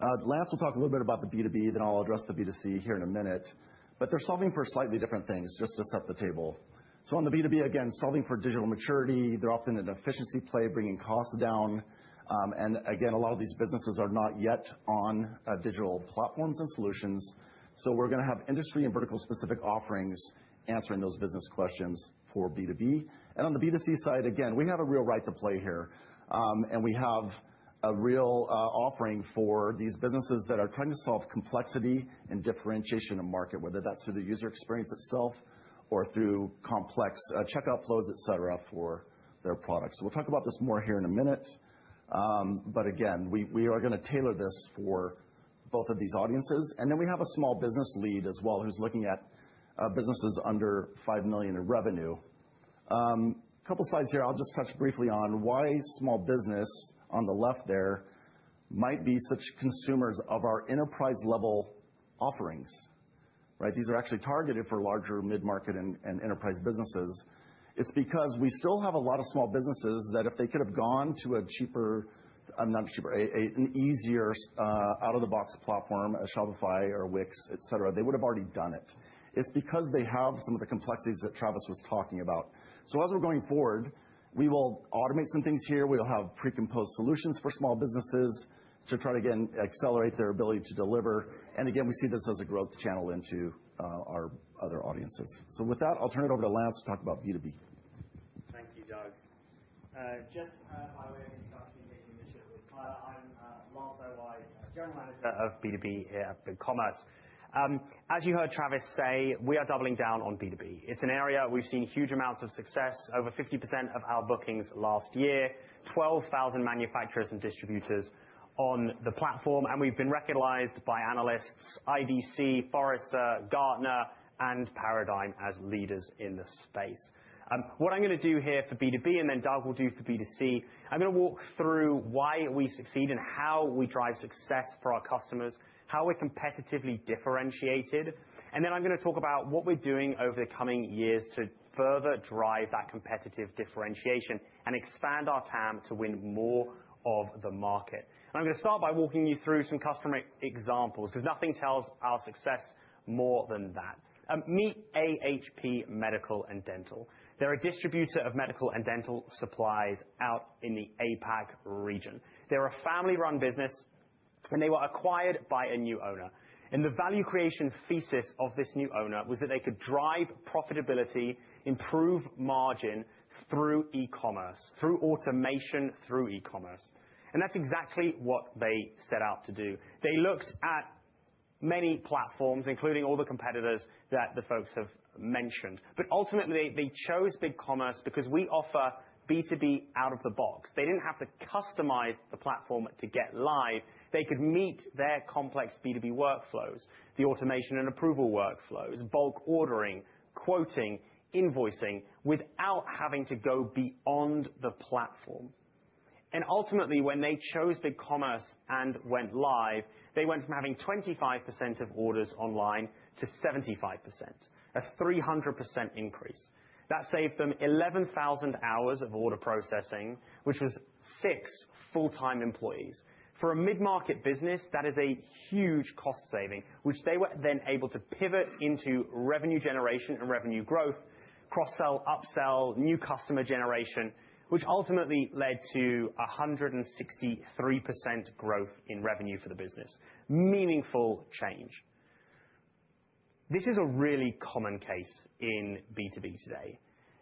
Lance will talk a little bit about the B2B, then I will address the B2C here in a minute. They are solving for slightly different things just to set the table. On the B2B, again, solving for digital maturity. They are often an efficiency play bringing costs down. Again, a lot of these businesses are not yet on digital platforms and solutions. We are going to have industry and vertical-specific offerings answering those business questions for B2B. On the B2C side, we have a real right to play here. We have a real offering for these businesses that are trying to solve complexity and differentiation of market, whether that is through the user experience itself or through complex checkout flows, et cetera, for their products. We will talk about this more here in a minute. We are going to tailor this for both of these audiences. We have a small business lead as well who is looking at businesses under $5 million in revenue. A couple of slides here. I will just touch briefly on why small business on the left there might be such consumers of our enterprise-level offerings, right? These are actually targeted for larger, mid-market and enterprise businesses. It's because we still have a lot of small businesses that if they could have gone to a cheaper, not cheaper, an easier out-of-the-box platform, a Shopify or Wix, et cetera, they would have already done it. It's because they have some of the complexities that Travis was talking about. As we are going forward, we will automate some things here. We will have precomposed solutions for small businesses to try to, again, accelerate their ability to deliver. Again, we see this as a growth channel into our other audiences. With that, I'll turn it over to Lance to talk about B2B. Thank you, Doug. Just by way of introduction and making this short, I'm Lance Owhite, General Manager of B2B at Commerce.com. As you heard Travis say, we are doubling down on B2B. It's an area we've seen huge amounts of success, over 50% of our bookings last year, 12,000 manufacturers and distributors on the platform. We've been recognized by analysts IDC, Forrester, Gartner, and Paradigm as leaders in the space. What I'm going to do here for B2B, and then Doug will do for B2C, I'm going to walk through why we succeed and how we drive success for our customers, how we're competitively differentiated. I'm going to talk about what we're doing over the coming years to further drive that competitive differentiation and expand our TAM to win more of the market. I'm going to start by walking you through some customer examples because nothing tells our success more than that. Meet AHP Medical and Dental. They're a distributor of medical and dental supplies out in the APAC region. They're a family-run business, and they were acquired by a new owner. The value creation thesis of this new owner was that they could drive profitability, improve margin through e-commerce, through automation, through e-commerce. That's exactly what they set out to do. They looked at many platforms, including all the competitors that the folks have mentioned. Ultimately, they chose BigCommerce because we offer B2B out of the box. They did not have to customize the platform to get live. They could meet their complex B2B workflows, the automation and approval workflows, bulk ordering, quoting, invoicing without having to go beyond the platform. Ultimately, when they chose BigCommerce and went live, they went from having 25% of orders online to 75%, a 300% increase. That saved them 11,000 hours of order processing, which was six full-time employees. For a mid-market business, that is a huge cost saving, which they were then able to pivot into revenue generation and revenue growth, cross-sell, upsell, new customer generation, which ultimately led to 163% growth in revenue for the business. Meaningful change. This is a really common case in B2B today.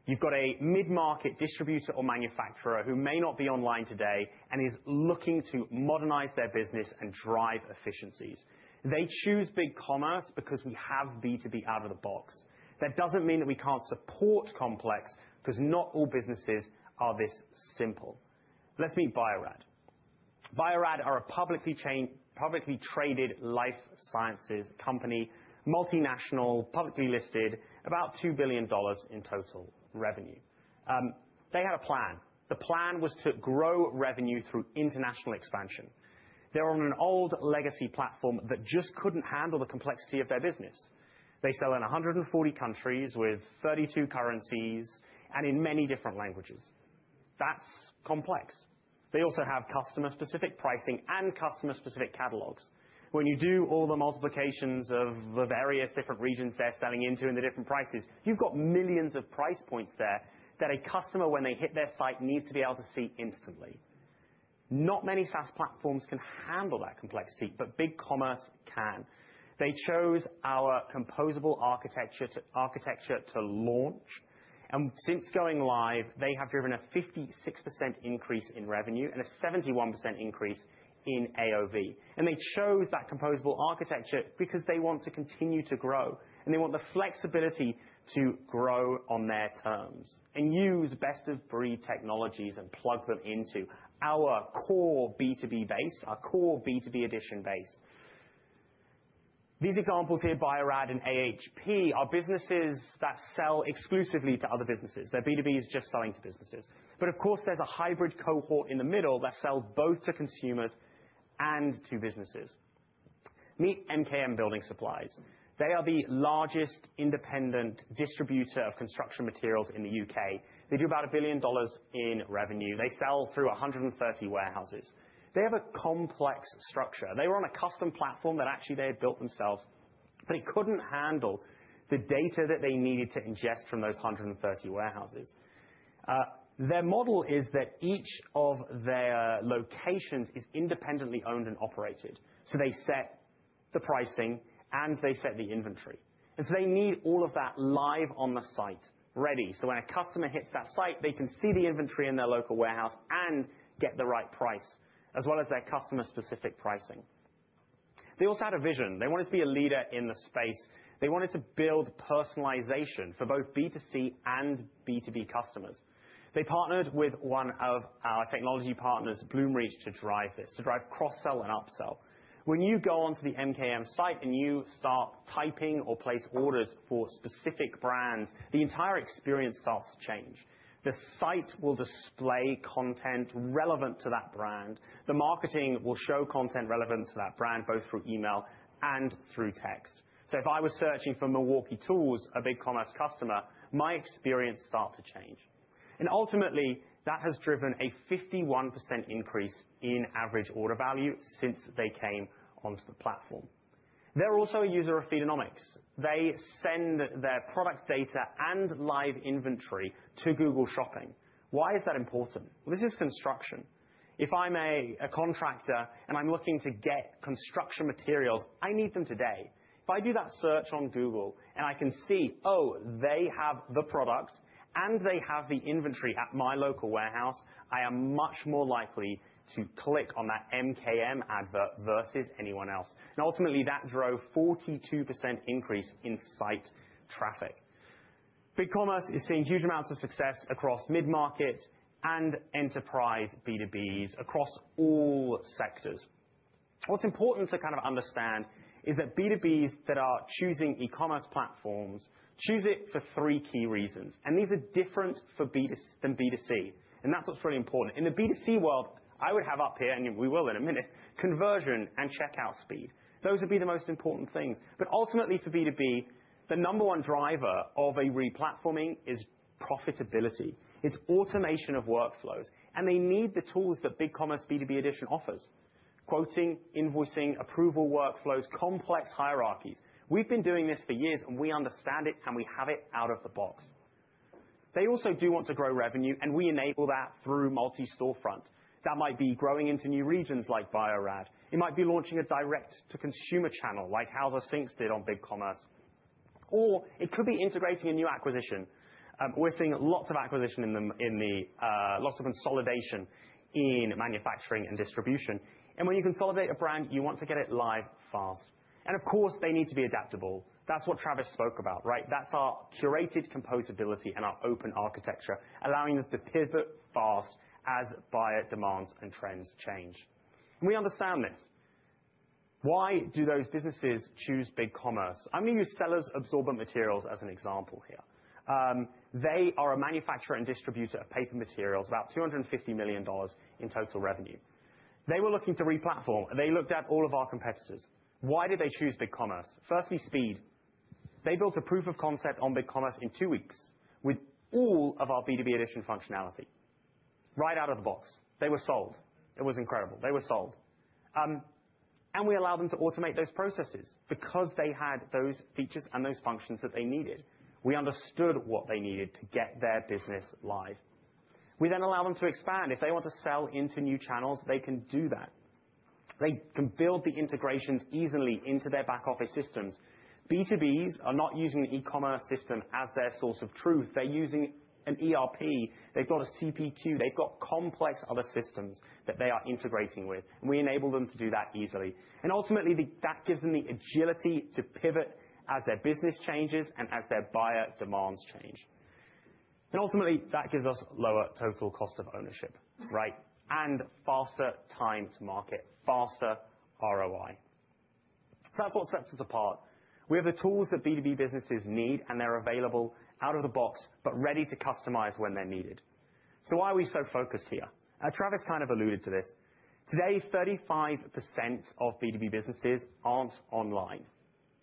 You've got a mid-market distributor or manufacturer who may not be online today and is looking to modernize their business and drive efficiencies. They choose BigCommerce because we have B2B out of the box. That doesn't mean that we can't support complex because not all businesses are this simple. Let's meet Bio-Rad Laboratories. Bio-Rad Laboratories are a publicly traded life sciences company, multinational, publicly listed, about $2 billion in total revenue. They had a plan. The plan was to grow revenue through international expansion. They're on an old legacy platform that just couldn't handle the complexity of their business. They sell in 140 countries with 32 currencies and in many different languages. That's complex. They also have customer-specific pricing and customer-specific catalogs. When you do all the multiplications of the various different regions they're selling into and the different prices, you've got millions of price points there that a customer, when they hit their site, needs to be able to see instantly. Not many SaaS platforms can handle that complexity, but Commerce.com can. They chose our composable architecture to launch. Since going live, they have driven a 56% increase in revenue and a 71% increase in AOV. They chose that composable architecture because they want to continue to grow. They want the flexibility to grow on their terms and use best-of-breed technologies and plug them into our core B2B base, our core B2B edition base. These examples here, Bio-Rad and AHP, are businesses that sell exclusively to other businesses. Their B2B is just selling to businesses. Of course, there is a hybrid cohort in the middle that sells both to consumers and to businesses. Meet MKM Building Supplies. They are the largest independent distributor of construction materials in the U.K. They do about $1 billion in revenue. They sell through 130 warehouses. They have a complex structure. They were on a custom platform that actually they had built themselves, but it could not handle the data that they needed to ingest from those 130 warehouses. Their model is that each of their locations is independently owned and operated. They set the pricing and they set the inventory. They need all of that live on the site, ready. When a customer hits that site, they can see the inventory in their local warehouse and get the right price as well as their customer-specific pricing. They also had a vision. They wanted to be a leader in the space. They wanted to build personalization for both B2C and B2B customers. They partnered with one of our technology partners, Bloomreach, to drive this, to drive cross-sell and upsell. When you go onto the MKM site and you start typing or place orders for specific brands, the entire experience starts to change. The site will display content relevant to that brand. The marketing will show content relevant to that brand both through email and through text. If I was searching for Milwaukee Tools, a BigCommerce customer, my experience starts to change. Ultimately, that has driven a 51% increase in average order value since they came onto the platform. They're also a user of Feedonomics. They send their product data and live inventory to Google Shopping. Why is that important? This is construction. If I'm a contractor and I'm looking to get construction materials, I need them today. If I do that search on Google and I can see, oh, they have the product and they have the inventory at my local warehouse, I am much more likely to click on that MKM advert versus anyone else. Ultimately, that drove a 42% increase in site traffic. Commerce.com is seeing huge amounts of success across mid-market and enterprise B2Bs across all sectors. What's important to kind of understand is that B2Bs that are choosing e-commerce platforms choose it for three key reasons. These are different than B2C. That's what's really important. In the B2C world, I would have up here, and we will in a minute, conversion and checkout speed. Those would be the most important things. Ultimately, for B2B, the number one driver of a replatforming is profitability. It is automation of workflows. They need the tools that Commerce.com B2B edition offers: quoting, invoicing, approval workflows, complex hierarchies. We have been doing this for years, and we understand it, and we have it out of the box. They also do want to grow revenue, and we enable that through multi-storefront. That might be growing into new regions like Bio-Rad Laboratories. It might be launching a direct-to-consumer channel like Houser Sinks did on Commerce.com. It could be integrating a new acquisition. We are seeing lots of acquisition in the, lots of consolidation in manufacturing and distribution. When you consolidate a brand, you want to get it live fast. Of course, they need to be adaptable. That is what Travis spoke about, right? That is our curated composability and our open architecture, allowing us to pivot fast as buyer demands and trends change. We understand this. Why do those businesses choose Commerce.com? I am going to use Sellers Absorbent Materials as an example here. They are a manufacturer and distributor of paper materials, about $250 million in total revenue. They were looking to replatform. They looked at all of our competitors. Why did they choose Commerce.com? Firstly, speed. They built a proof of concept on Commerce.com in two weeks with all of our B2B Edition functionality right out of the box. They were sold. It was incredible. They were sold. We allowed them to automate those processes because they had those features and those functions that they needed. We understood what they needed to get their business live. We then allowed them to expand. If they want to sell into new channels, they can do that. They can build the integrations easily into their back-office systems. B2Bs are not using an e-commerce system as their source of truth. They're using an ERP. They've got a CPQ. They've got complex other systems that they are integrating with. We enable them to do that easily. Ultimately, that gives them the agility to pivot as their business changes and as their buyer demands change. Ultimately, that gives us lower total cost of ownership, right? Faster time to market, faster ROI. That is what sets us apart. We have the tools that B2B businesses need, and they're available out of the box, but ready to customize when they're needed. Why are we so focused here? Travis kind of alluded to this. Today, 35% of B2B businesses aren't online.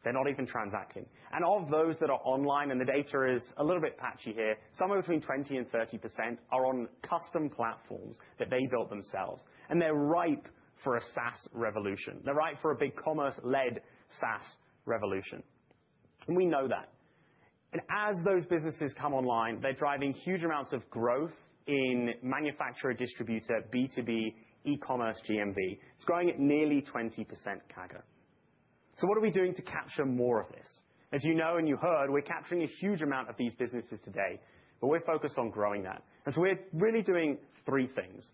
They're not even transacting. And of those that are online, and the data is a little bit patchy here, somewhere between 20%-30% are on custom platforms that they built themselves. They're ripe for a SaaS revolution. They're ripe for a Commerce.com-led SaaS revolution. We know that. As those businesses come online, they're driving huge amounts of growth in manufacturer-distributor B2B e-commerce GMV. It's growing at nearly 20% CAGR. What are we doing to capture more of this? As you know and you heard, we're capturing a huge amount of these businesses today. We're focused on growing that. We're really doing three things.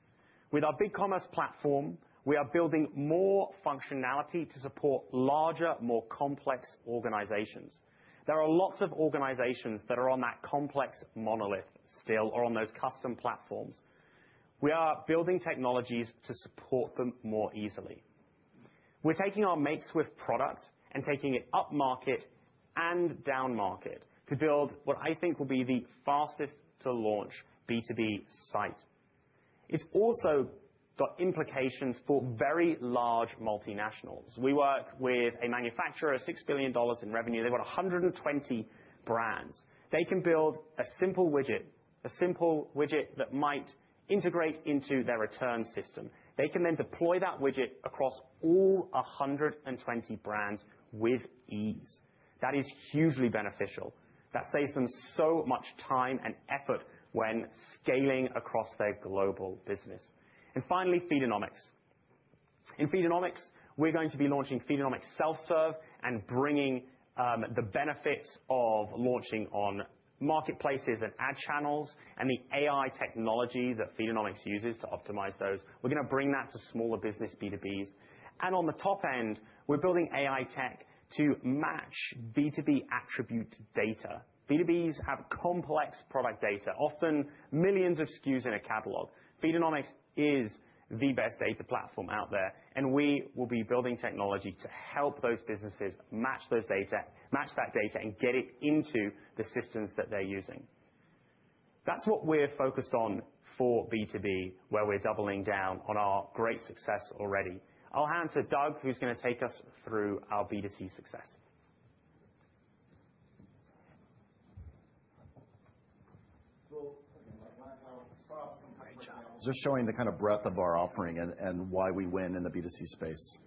With our Commerce.com platform, we are building more functionality to support larger, more complex organizations. There are lots of organizations that are on that complex monolith still or on those custom platforms. We are building technologies to support them more easily. We're taking our Makeswift product and taking it up market and down market to build what I think will be the fastest-to-launch B2B site. It also has implications for very large multinationals. We work with a manufacturer of $6 billion in revenue. They've got 120 brands. They can build a simple widget, a simple widget that might integrate into their return system. They can then deploy that widget across all 120 brands with ease. That is hugely beneficial. That saves them so much time and effort when scaling across their global business. Finally, Feedonomics. In Feedonomics, we're going to be launching Feedonomics Self-Serve and bringing the benefits of launching on marketplaces and ad channels and the AI technology that Feedonomics uses to optimize those. We're going to bring that to smaller business B2Bs. On the top end, we're building AI tech to match B2B attribute data. B2Bs have complex product data, often millions of SKUs in a catalog. Feedonomics is the best data platform out there. We will be building technology to help those businesses match that data and get it into the systems that they're using. That's what we're focused on for B2B, where we're doubling down on our great success already. I'll hand to Doug, who's going to take us through our B2C success. I'll start off with some quick breakdown. Just showing the kind of breadth of our offering and why we win in the B2C space.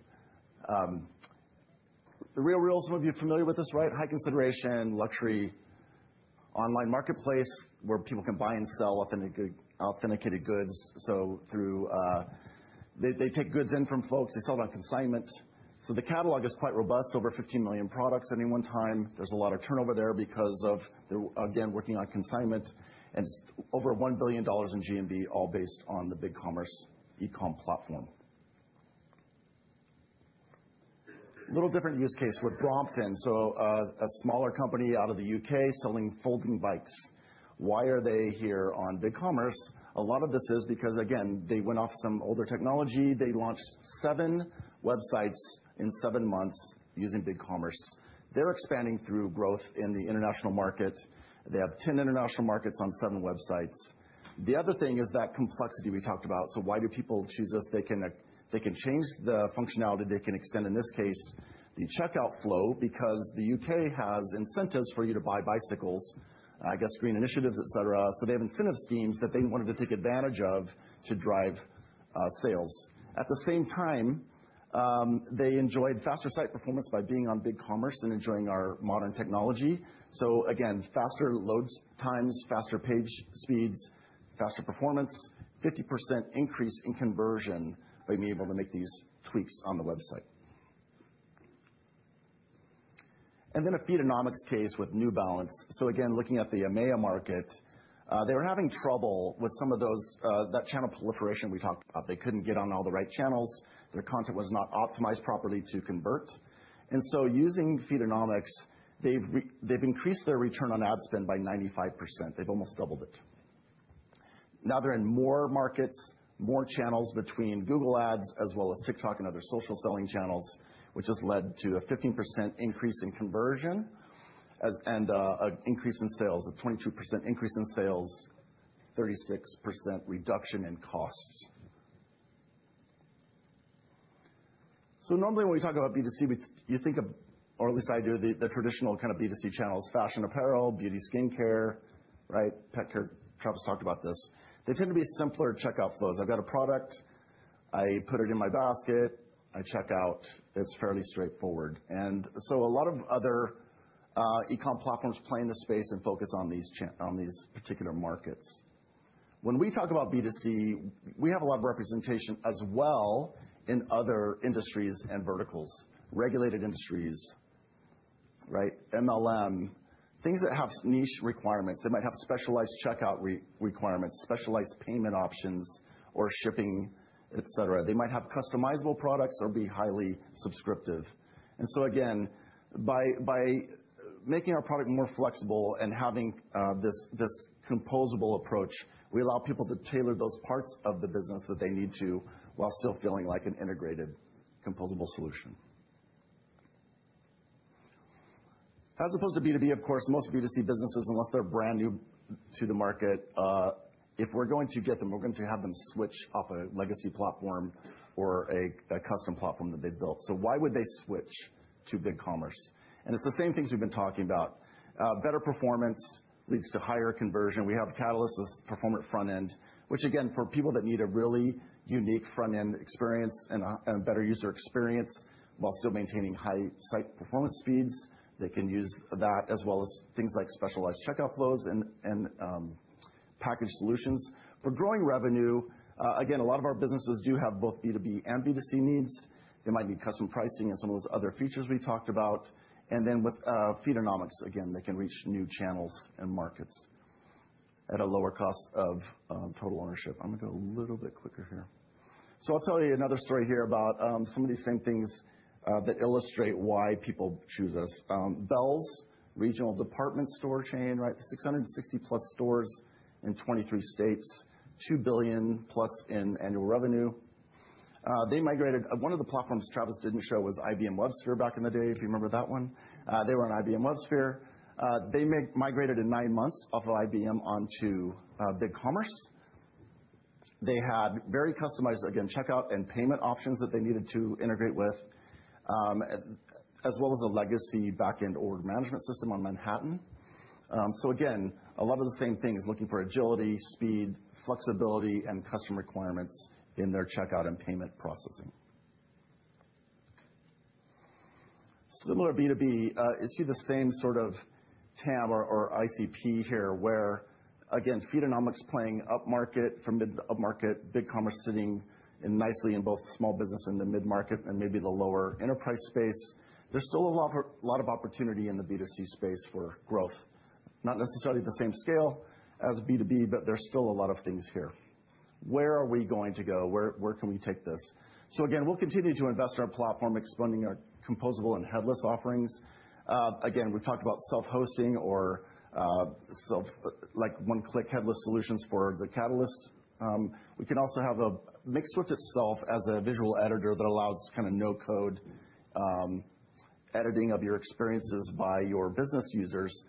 The real realism, if you're familiar with this, right? High consideration, luxury, online marketplace where people can buy and sell authenticated goods. They take goods in from folks. They sell it on consignment. The catalog is quite robust, over 15 million products at any one time. There's a lot of turnover there because of, again, working on consignment and over $1 billion in GMV, all based on the BigCommerce e-com platform. A little different use case with Brompton. A smaller company out of the U.K. selling folding bikes. Why are they here on BigCommerce? A lot of this is because, again, they went off some older technology. They launched seven websites in seven months using BigCommerce. They're expanding through growth in the international market. They have 10 international markets on seven websites. The other thing is that complexity we talked about. Why do people choose us? They can change the functionality. They can extend, in this case, the checkout flow because the U.K. has incentives for you to buy bicycles, I guess, green initiatives, etc. They have incentive schemes that they wanted to take advantage of to drive sales. At the same time, they enjoyed faster site performance by being on BigCommerce and enjoying our modern technology. Faster load times, faster page speeds, faster performance, 50% increase in conversion by being able to make these tweaks on the website. In a Feedonomics case with New Balance, looking at the EMEA market, they were having trouble with some of that channel proliferation we talked about. They couldn't get on all the right channels. Their content was not optimized properly to convert. Using Feedonomics, they've increased their return on ad spend by 95%. They've almost doubled it. Now they're in more markets, more channels between Google Ads as well as TikTok and other social selling channels, which has led to a 15% increase in conversion and an increase in sales, a 22% increase in sales, 36% reduction in costs. Normally when we talk about B2C, you think of, or at least I do, the traditional kind of B2C channels: fashion, apparel, beauty, skincare, right? Pet care, Travis talked about this. They tend to be simpler checkout flows. I've got a product. I put it in my basket. I check out. It's fairly straightforward. A lot of other e-com platforms play in this space and focus on these particular markets. When we talk about B2C, we have a lot of representation as well in other industries and verticals, regulated industries, right? MLM, things that have niche requirements. They might have specialized checkout requirements, specialized payment options, or shipping, etc. They might have customizable products or be highly subscriptive. Again, by making our product more flexible and having this composable approach, we allow people to tailor those parts of the business that they need to while still feeling like an integrated composable solution. As opposed to B2B, of course, most B2C businesses, unless they're brand new to the market, if we're going to get them, we're going to have them switch off a legacy platform or a custom platform that they've built. Why would they switch to Commerce.com? It's the same things we've been talking about. Better performance leads to higher conversion. We have Catalyst as a performance front end, which again, for people that need a really unique front end experience and a better user experience while still maintaining high site performance speeds, they can use that as well as things like specialized checkout flows and package solutions. For growing revenue, again, a lot of our businesses do have both B2B and B2C needs. They might need custom pricing and some of those other features we talked about. With Feedonomics, again, they can reach new channels and markets at a lower cost of total ownership. I'm going to go a little bit quicker here. I'll tell you another story here about some of these same things that illustrate why people choose us. Bells, regional department store chain, right? 660+ stores in 23 states, $2+ billion in annual revenue. They migrated. One of the platforms Travis did not show was IBM WebSphere back in the day. If you remember that one, they were on IBM WebSphere. They migrated in nine months off of IBM onto BigCommerce. They had very customized, again, checkout and payment options that they needed to integrate with, as well as a legacy back-end order management system on Manhattan. Again, a lot of the same things, looking for agility, speed, flexibility, and custom requirements in their checkout and payment processing. Similar B2B, you see the same sort of TAM or ICP here where, again, Feedonomics playing up market from mid-to-up market, BigCommerce sitting nicely in both small business and the mid-market and maybe the lower enterprise space. There is still a lot of opportunity in the B2C space for growth, not necessarily the same scale as B2B, but there is still a lot of things here. Where are we going to go? Where can we take this? We'll continue to invest in our platform, expanding our composable and headless offerings. We've talked about self-hosting or one-click headless solutions for the Catalyst. We can also have Makeswift itself as a visual editor that allows kind of no-code editing of your experiences by your business users.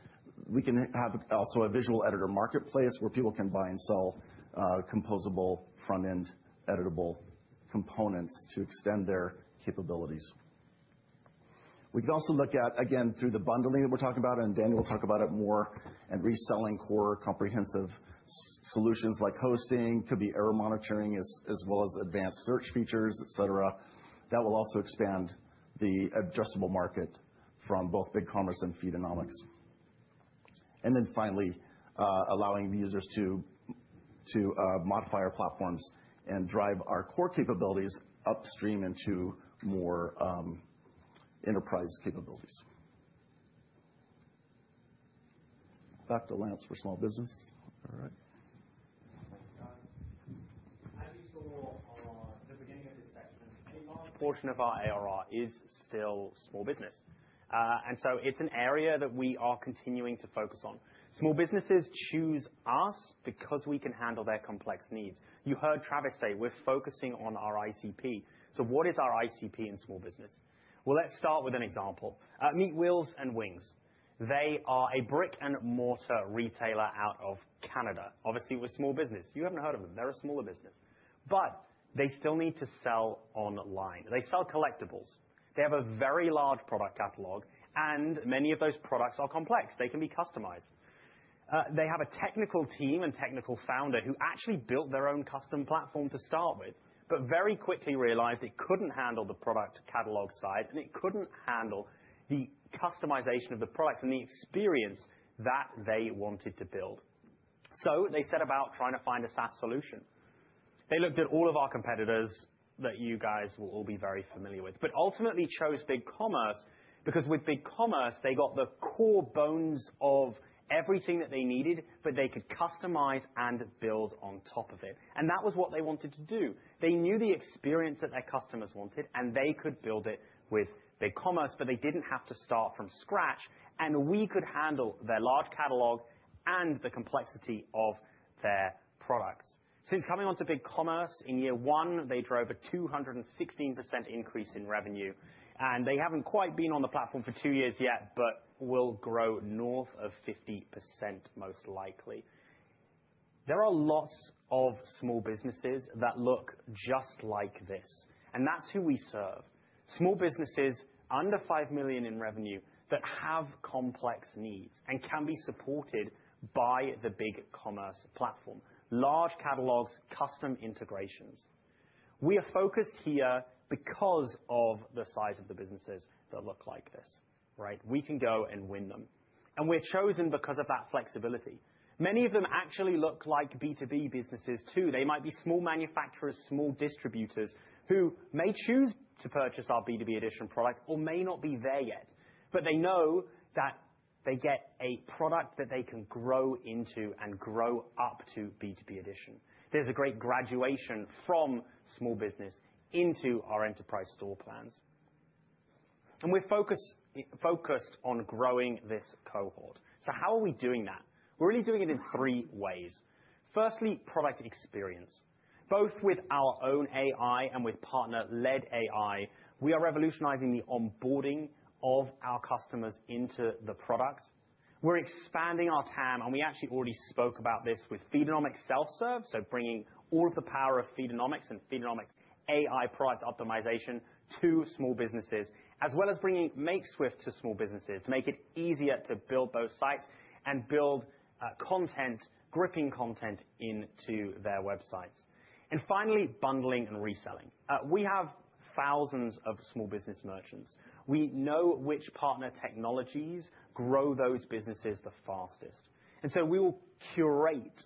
We can also have a visual editor marketplace where people can buy and sell composable front-end editable components to extend their capabilities. We can also look at, through the bundling that we're talking about, and Daniel will talk about it more, reselling core comprehensive solutions like hosting. It could be error monitoring as well as advanced search features, etc. That will also expand the addressable market from both Commerce.com and Feedonomics. Finally, allowing users to modify our platforms and drive our core capabilities upstream into more enterprise capabilities. Back to Lance for small business. All right. Thanks, guys. As you saw at the beginning of this section, any large portion of our ARR is still small business. It is an area that we are continuing to focus on. Small businesses choose us because we can handle their complex needs. You heard Travis say, "We're focusing on our ICP." What is our ICP in small business? Let's start with an example. Meet Wheels and Wings. They are a brick-and-mortar retailer out of Canada. Obviously, we're small business. You have not heard of them. They are a smaller business. They still need to sell online. They sell collectibles. They have a very large product catalog, and many of those products are complex. They can be customized. They have a technical team and technical founder who actually built their own custom platform to start with, but very quickly realized it could not handle the product catalog side and it could not handle the customization of the products and the experience that they wanted to build. They set about trying to find a SaaS solution. They looked at all of our competitors that you guys will all be very familiar with, but ultimately chose Commerce.com because with Commerce.com, they got the core bones of everything that they needed, but they could customize and build on top of it. That was what they wanted to do. They knew the experience that their customers wanted, and they could build it with Commerce.com, but they did not have to start from scratch, and we could handle their large catalog and the complexity of their products. Since coming onto Commerce.com in year one, they drove a 216% increase in revenue. They have not quite been on the platform for two years yet, but will grow north of 50% most likely. There are lots of small businesses that look just like this, and that is who we serve. Small businesses under $5 million in revenue that have complex needs and can be supported by the Commerce.com platform. Large catalogs, custom integrations. We are focused here because of the size of the businesses that look like this, right? We can go and win them. We are chosen because of that flexibility. Many of them actually look like B2B businesses too. They might be small manufacturers, small distributors who may choose to purchase our B2B Edition product or may not be there yet, but they know that they get a product that they can grow into and grow up to B2B Edition. There is a great graduation from small business into our enterprise store plans. We are focused on growing this cohort. How are we doing that? We are really doing it in three ways. Firstly, product experience. Both with our own AI and with partner-led AI, we are revolutionizing the onboarding of our customers into the product. We are expanding our TAM, and we actually already spoke about this with Feedonomics Self-Serve, bringing all of the power of Feedonomics and Feedonomics AI product optimization to small businesses, as well as bringing Makeswift to small businesses to make it easier to build both sites and build gripping content into their websites. Finally, bundling and reselling. We have thousands of small business merchants. We know which partner technologies grow those businesses the fastest. We will curate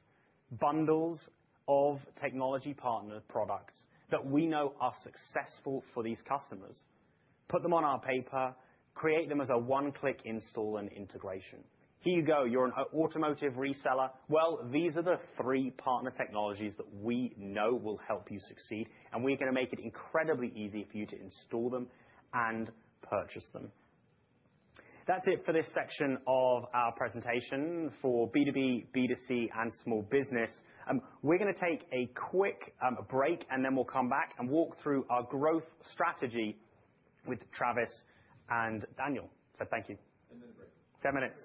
bundles of technology partner products that we know are successful for these customers, put them on our paper, create them as a one-click install and integration. Here you go. You are an automotive reseller. These are the three partner technologies that we know will help you succeed, and we are going to make it incredibly easy for you to install them and purchase them. That is it for this section of our presentation for B2B, B2C, and small business. We are going to take a quick break, and then we will come back and walk through our growth strategy with Travis and Daniel. Thank you. 10-minute break. Ten minutes.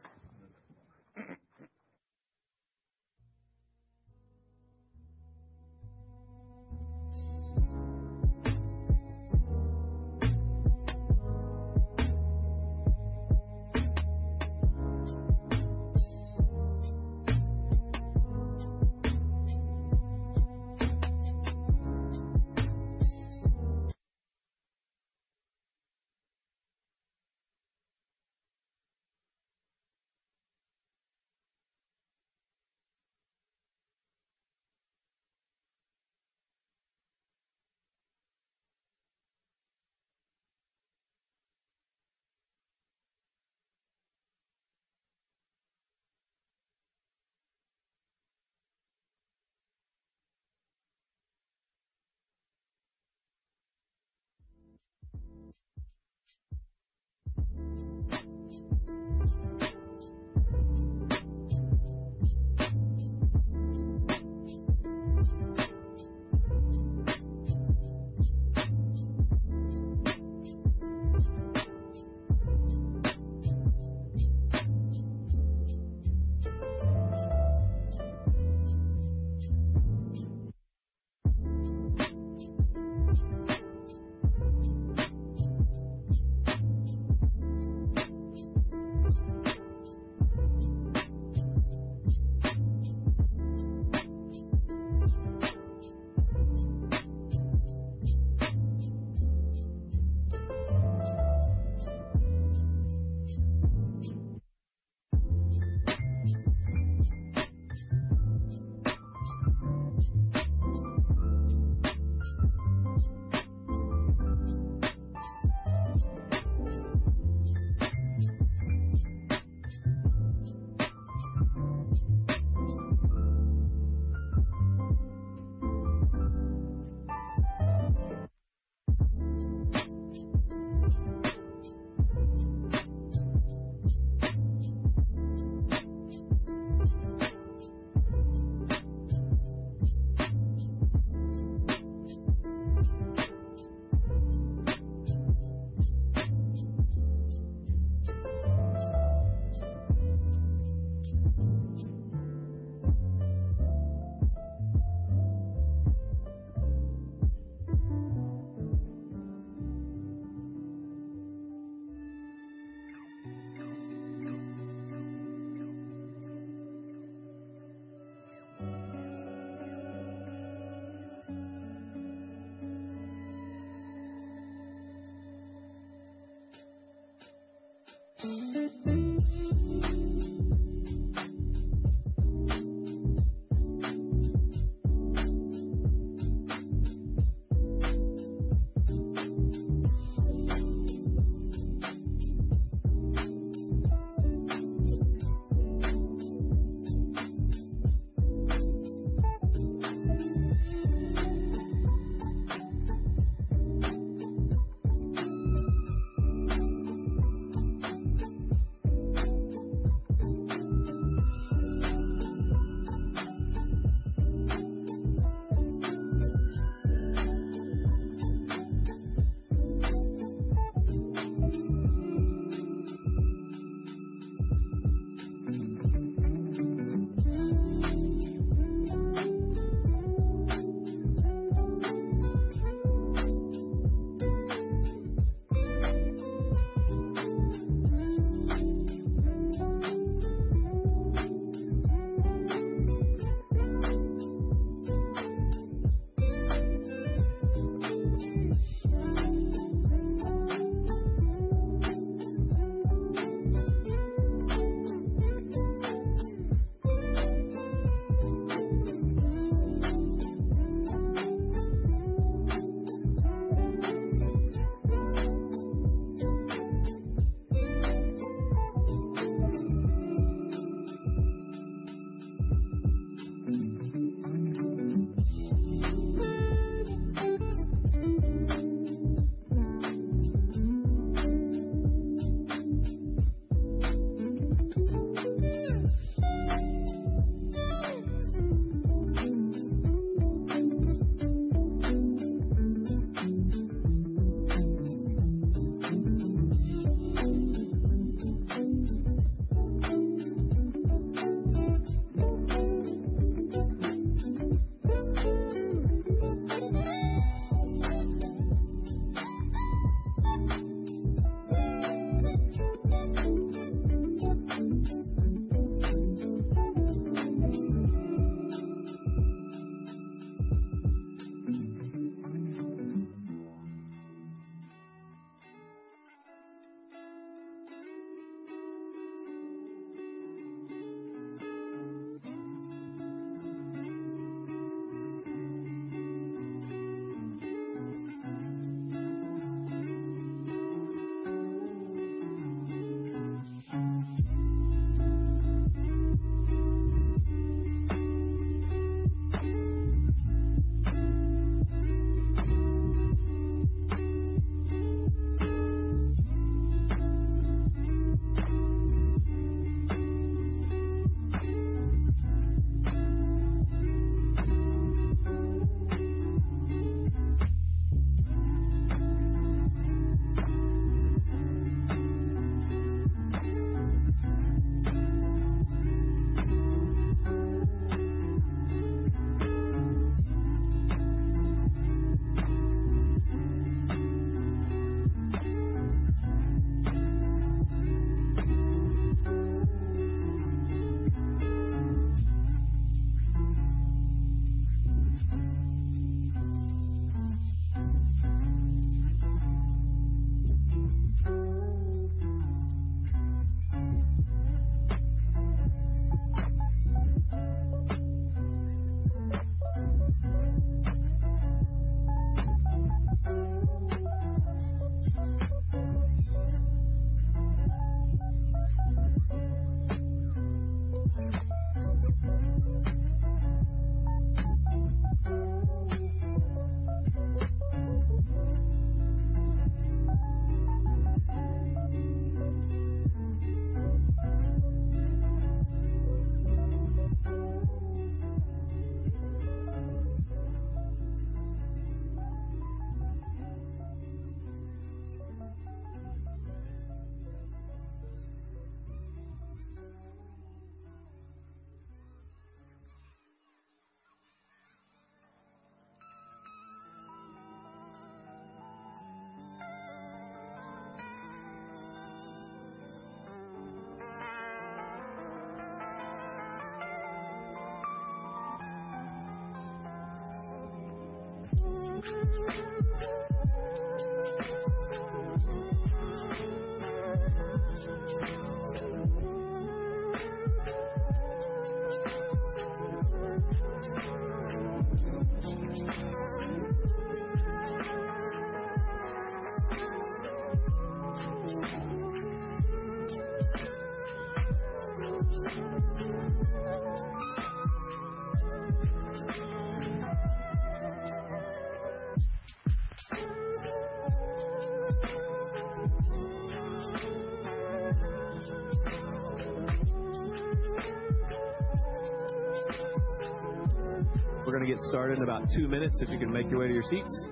We're going to get started in about two minutes. If you can make your way to your seats.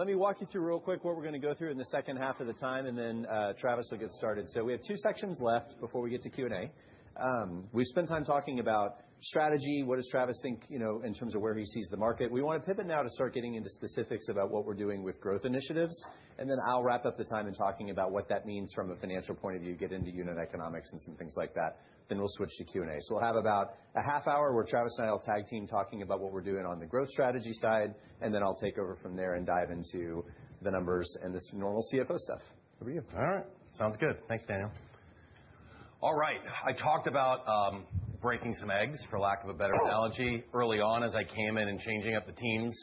Let me walk you through real quick what we're going to go through in the second half of the time, and then Travis will get started. We have two sections left before we get to Q&A. We've spent time talking about strategy. What does Travis think in terms of where he sees the market? We want to pivot now to start getting into specifics about what we're doing with growth initiatives. I'll wrap up the time in talking about what that means from a financial point of view, get into unit economics and some things like that. We will switch to Q&A. We will have about a half hour where Travis and I will tag team talking about what we are doing on the growth strategy side, and then I will take over from there and dive into the numbers and this normal CFO stuff. Over to you. All right. Sounds good. Thanks, Daniel. All right. I talked about breaking some eggs, for lack of a better analogy, early on as I came in and changing up the teams.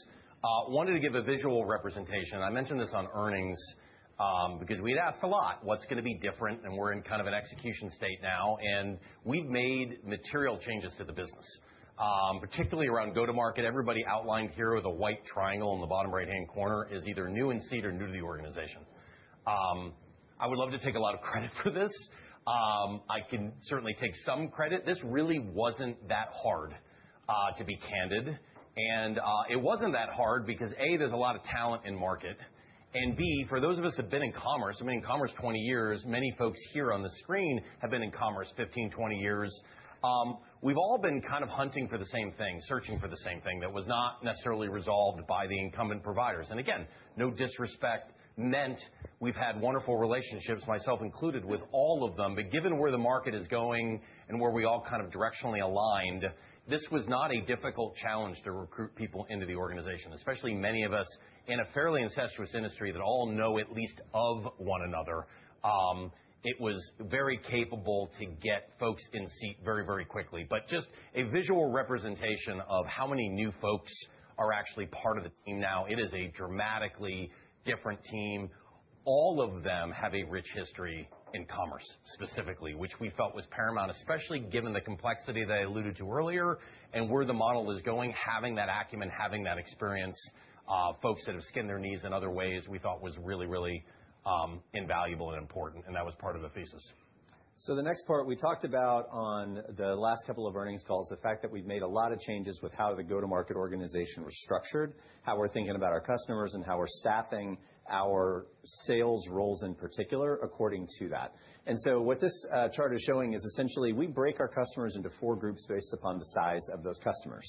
I wanted to give a visual representation. I mentioned this on earnings because we had asked a lot. What is going to be different? We are in kind of an execution state now, and we have made material changes to the business, particularly around go-to-market. Everybody outlined here with a white triangle in the bottom right-hand corner is either new in seat or new to the organization. I would love to take a lot of credit for this. I can certainly take some credit. This really was not that hard, to be candid. It was not that hard because, A, there is a lot of talent in market, and B, for those of us who have been in commerce, I have been in commerce 20 years. Many folks here on the screen have been in commerce 15, 20 years. We have all been kind of hunting for the same thing, searching for the same thing that was not necessarily resolved by the incumbent providers. No disrespect meant, we have had wonderful relationships, myself included, with all of them. Given where the market is going and where we all kind of directionally aligned, this was not a difficult challenge to recruit people into the organization, especially many of us in a fairly incestuous industry that all know at least of one another. It was very capable to get folks in seat very, very quickly. Just a visual representation of how many new folks are actually part of the team now, it is a dramatically different team. All of them have a rich history in commerce specifically, which we felt was paramount, especially given the complexity that I alluded to earlier. Where the model is going, having that acumen, having that experience, folks that have skinned their knees in other ways, we thought was really, really invaluable and important. That was part of the thesis. The next part we talked about on the last couple of earnings calls, the fact that we've made a lot of changes with how the go-to-market organization was structured, how we're thinking about our customers, and how we're staffing our sales roles in particular according to that. What this chart is showing is essentially we break our customers into four groups based upon the size of those customers,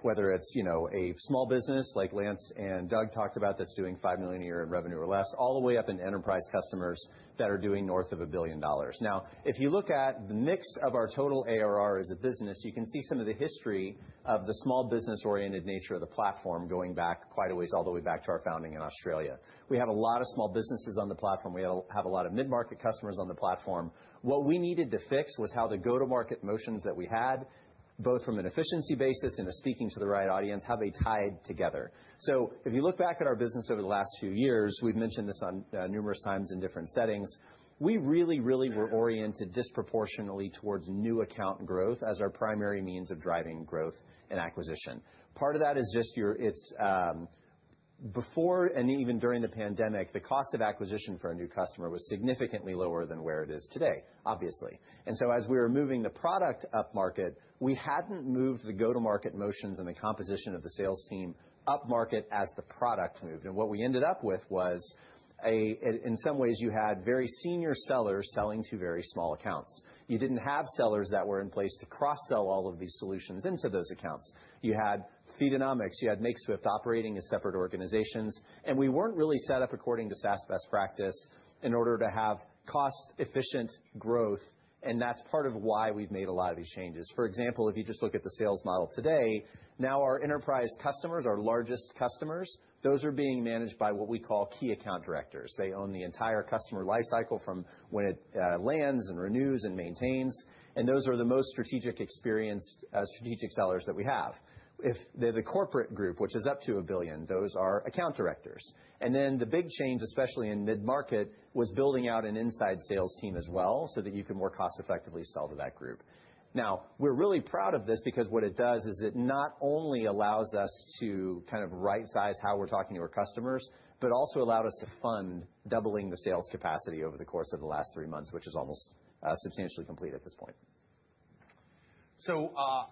whether it is a small business like Lance and Doug talked about that is doing $5 million a year in revenue or less, all the way up in enterprise customers that are doing north of a billion dollars. Now, if you look at the mix of our total ARR as a business, you can see some of the history of the small business-oriented nature of the platform going back quite a ways, all the way back to our founding in Australia. We have a lot of small businesses on the platform. We have a lot of mid-market customers on the platform. What we needed to fix was how the go-to-market motions that we had, both from an efficiency basis and speaking to the right audience, how they tied together. If you look back at our business over the last few years, we've mentioned this numerous times in different settings. We really, really were oriented disproportionately towards new account growth as our primary means of driving growth and acquisition. Part of that is just before and even during the pandemic, the cost of acquisition for a new customer was significantly lower than where it is today, obviously. As we were moving the product upmarket, we hadn't moved the go-to-market motions and the composition of the sales team upmarket as the product moved. What we ended up with was, in some ways, you had very senior sellers selling to very small accounts. You didn't have sellers that were in place to cross-sell all of these solutions into those accounts. You had Feedonomics, you had Makeswift operating as separate organizations. We were not really set up according to SaaS best practice in order to have cost-efficient growth. That is part of why we have made a lot of these changes. For example, if you just look at the sales model today, now our enterprise customers, our largest customers, those are being managed by what we call key account directors. They own the entire customer lifecycle from when it lands and renews and maintains. Those are the most strategic, experienced strategic sellers that we have. The corporate group, which is up to a billion, those are account directors. The big change, especially in mid-market, was building out an inside sales team as well so that you can more cost-effectively sell to that group. Now, we're really proud of this because what it does is it not only allows us to kind of right-size how we're talking to our customers, but also allowed us to fund doubling the sales capacity over the course of the last three months, which is almost substantially complete at this point.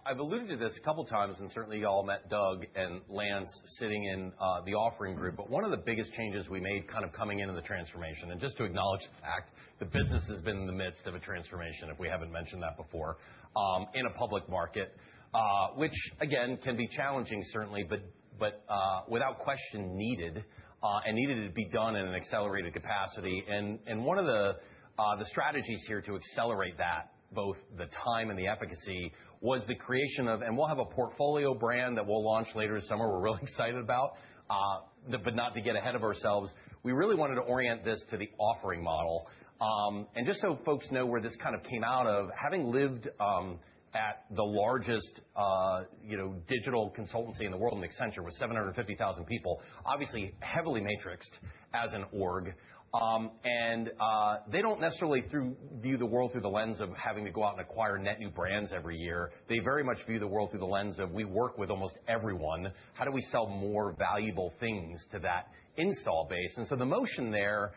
I've alluded to this a couple of times, and certainly you all met Doug and Lance sitting in the offering group. One of the biggest changes we made kind of coming into the transformation, and just to acknowledge the fact, the business has been in the midst of a transformation, if we haven't mentioned that before, in a public market, which again can be challenging, certainly, but without question needed and needed to be done in an accelerated capacity. One of the strategies here to accelerate that, both the time and the efficacy, was the creation of, and we will have a portfolio brand that we will launch later this summer we are really excited about, but not to get ahead of ourselves. We really wanted to orient this to the offering model. Just so folks know where this kind of came out of, having lived at the largest digital consultancy in the world, Accenture, with 750,000 people, obviously heavily matrixed as an organization. They do not necessarily view the world through the lens of having to go out and acquire net new brands every year. They very much view the world through the lens of, we work with almost everyone. How do we sell more valuable things to that install base? The motion there,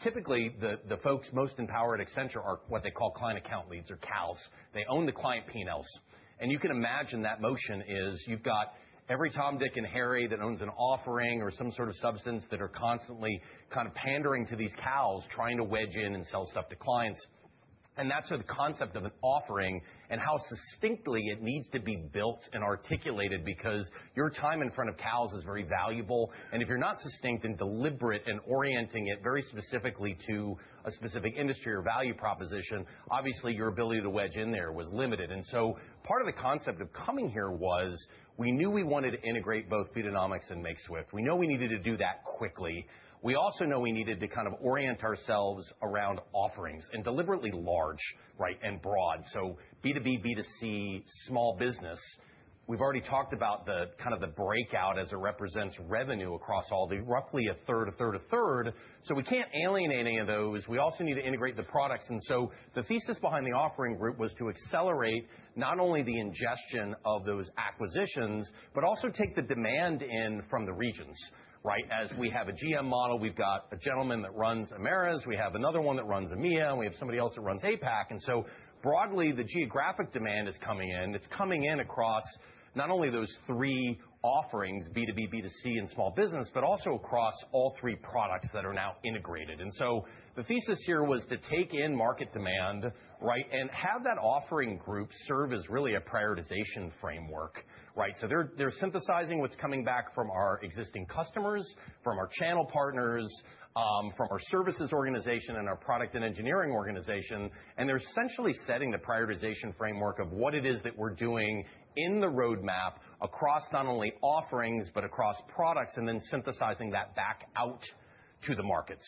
typically the folks most in power at Accenture are what they call client account leads or CALs. They own the client panels. You can imagine that motion is you have every Tom, Dick, and Harry that owns an offering or some sort of substance that are constantly kind of pandering to these CALs, trying to wedge in and sell stuff to clients. That is the concept of an offering and how succinctly it needs to be built and articulated because your time in front of CALs is very valuable. If you are not succinct and deliberate in orienting it very specifically to a specific industry or value proposition, obviously your ability to wedge in there is limited. Part of the concept of coming here was we knew we wanted to integrate both Feedonomics and Makeswift. We know we needed to do that quickly. We also know we needed to kind of orient ourselves around offerings and deliberately large, right, and broad. B2B, B2C, small business. We've already talked about kind of the breakout as it represents revenue across all the roughly a third, a third, a third. We can't alienate any of those. We also need to integrate the products. The thesis behind the offering group was to accelerate not only the ingestion of those acquisitions, but also take the demand in from the regions, right? As we have a GM model, we've got a gentleman that runs Americas. We have another one that runs EMEA, and we have somebody else that runs APAC. Broadly, the geographic demand is coming in. It's coming in across not only those three offerings, B2B, B2C, and small business, but also across all three products that are now integrated. The thesis here was to take in market demand, right, and have that offering group serve as really a prioritization framework, right? They're synthesizing what's coming back from our existing customers, from our channel partners, from our services organization and our product and engineering organization. They're essentially setting the prioritization framework of what it is that we're doing in the roadmap across not only offerings, but across products, and then synthesizing that back out to the market.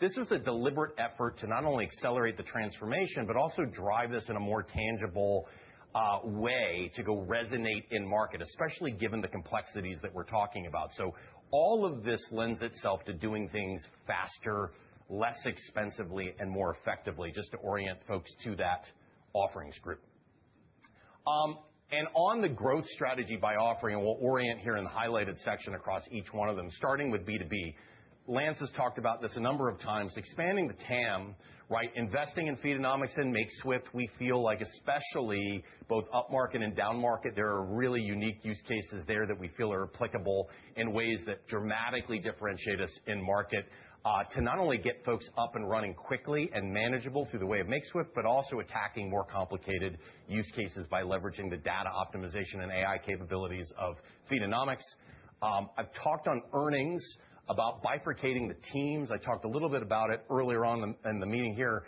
This was a deliberate effort to not only accelerate the transformation, but also drive this in a more tangible way to go resonate in market, especially given the complexities that we're talking about. All of this lends itself to doing things faster, less expensively, and more effectively just to orient folks to that offerings group. On the growth strategy by offering, we'll orient here in the highlighted section across each one of them, starting with B2B. Lance has talked about this a number of times, expanding the TAM, right, investing in Feedonomics and Makeswift. We feel like especially both upmarket and downmarket, there are really unique use cases there that we feel are applicable in ways that dramatically differentiate us in market to not only get folks up and running quickly and manageable through the way of Makeswift, but also attacking more complicated use cases by leveraging the data optimization and AI capabilities of Feedonomics. I've talked on earnings about bifurcating the teams. I talked a little bit about it earlier on in the meeting here.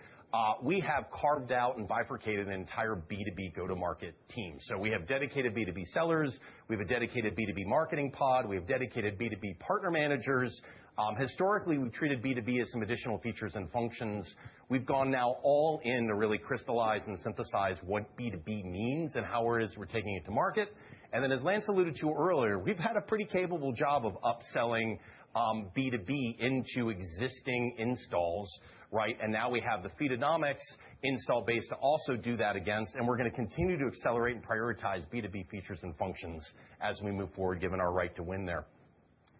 We have carved out and bifurcated an entire B2B go-to-market team. We have dedicated B2B sellers. We have a dedicated B2B marketing pod. We have dedicated B2B partner managers. Historically, we have treated B2B as some additional features and functions. We have gone now all in to really crystallize and synthesize what B2B means and how we are taking it to market. As Lance alluded to earlier, we have had a pretty capable job of upselling B2B into existing installs, right? Now we have the Feedonomics install base to also do that against. We are going to continue to accelerate and prioritize B2B features and functions as we move forward, given our right to win there.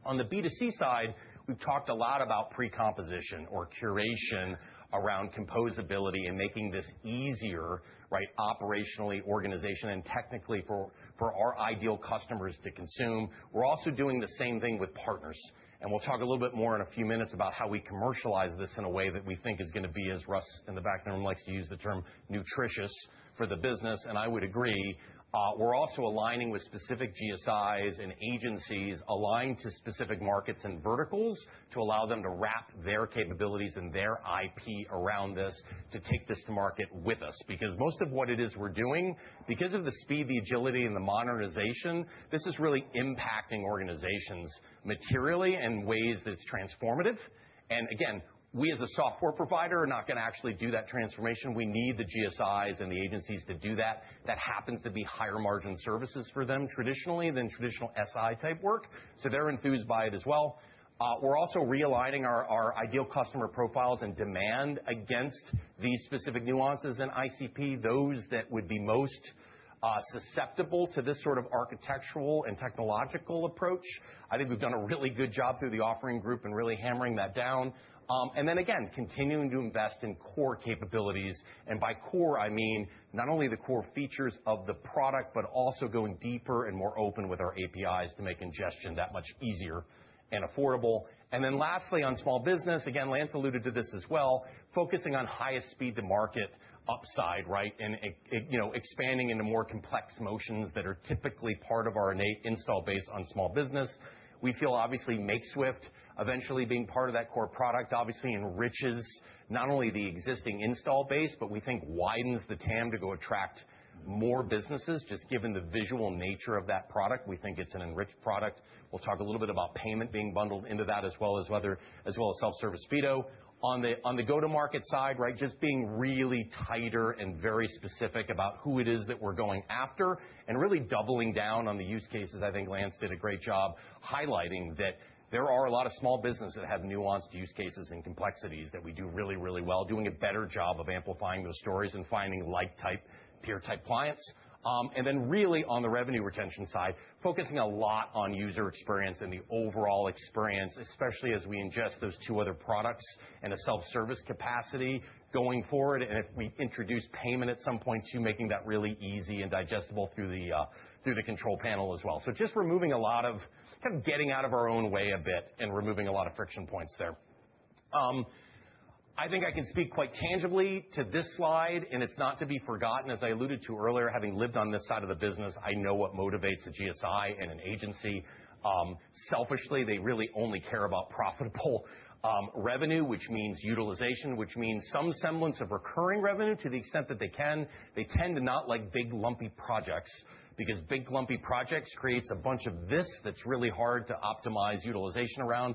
On the B2C side, we have talked a lot about precomposition or curation around composability and making this easier, right, operationally, organizationally, and technically for our ideal customers to consume. We're also doing the same thing with partners. We'll talk a little bit more in a few minutes about how we commercialize this in a way that we think is going to be, as Russ in the back room likes to use the term, nutritious for the business. I would agree. We're also aligning with specific GSIs and agencies aligned to specific markets and verticals to allow them to wrap their capabilities and their IP around this to take this to market with us. Most of what it is we're doing, because of the speed, the agility, and the modernization, this is really impacting organizations materially in ways that it's transformative. Again, we as a software provider are not going to actually do that transformation. We need the GSIs and the agencies to do that. That happens to be higher margin services for them traditionally than traditional SI-type work. They are enthused by it as well. We are also realigning our ideal customer profiles and demand against these specific nuances in ICP, those that would be most susceptible to this sort of architectural and technological approach. I think we have done a really good job through the offering group and really hammering that down. Again, continuing to invest in core capabilities. By core, I mean not only the core features of the product, but also going deeper and more open with our APIs to make ingestion that much easier and affordable. Lastly, on small business, again, Lance alluded to this as well, focusing on highest speed to market upside, right, and expanding into more complex motions that are typically part of our innate install base on small business. We feel obviously Makeswift, eventually being part of that core product, obviously enriches not only the existing install base, but we think widens the TAM to go attract more businesses. Just given the visual nature of that product, we think it's an enriched product. We'll talk a little bit about payment being bundled into that as well as self-service FIDO. On the go-to-market side, right, just being really tighter and very specific about who it is that we're going after and really doubling down on the use cases. I think Lance did a great job highlighting that there are a lot of small businesses that have nuanced use cases and complexities that we do really, really well, doing a better job of amplifying those stories and finding like-type, peer-type clients. On the revenue retention side, focusing a lot on user experience and the overall experience, especially as we ingest those two other products in a self-service capacity going forward. If we introduce payment at some point too, making that really easy and digestible through the control panel as well. Just removing a lot of kind of getting out of our own way a bit and removing a lot of friction points there. I think I can speak quite tangibly to this slide, and it is not to be forgotten. As I alluded to earlier, having lived on this side of the business, I know what motivates a GSI and an agency. Selfishly, they really only care about profitable revenue, which means utilization, which means some semblance of recurring revenue to the extent that they can. They tend to not like big, lumpy projects because big, lumpy projects creates a bunch of this that's really hard to optimize utilization around.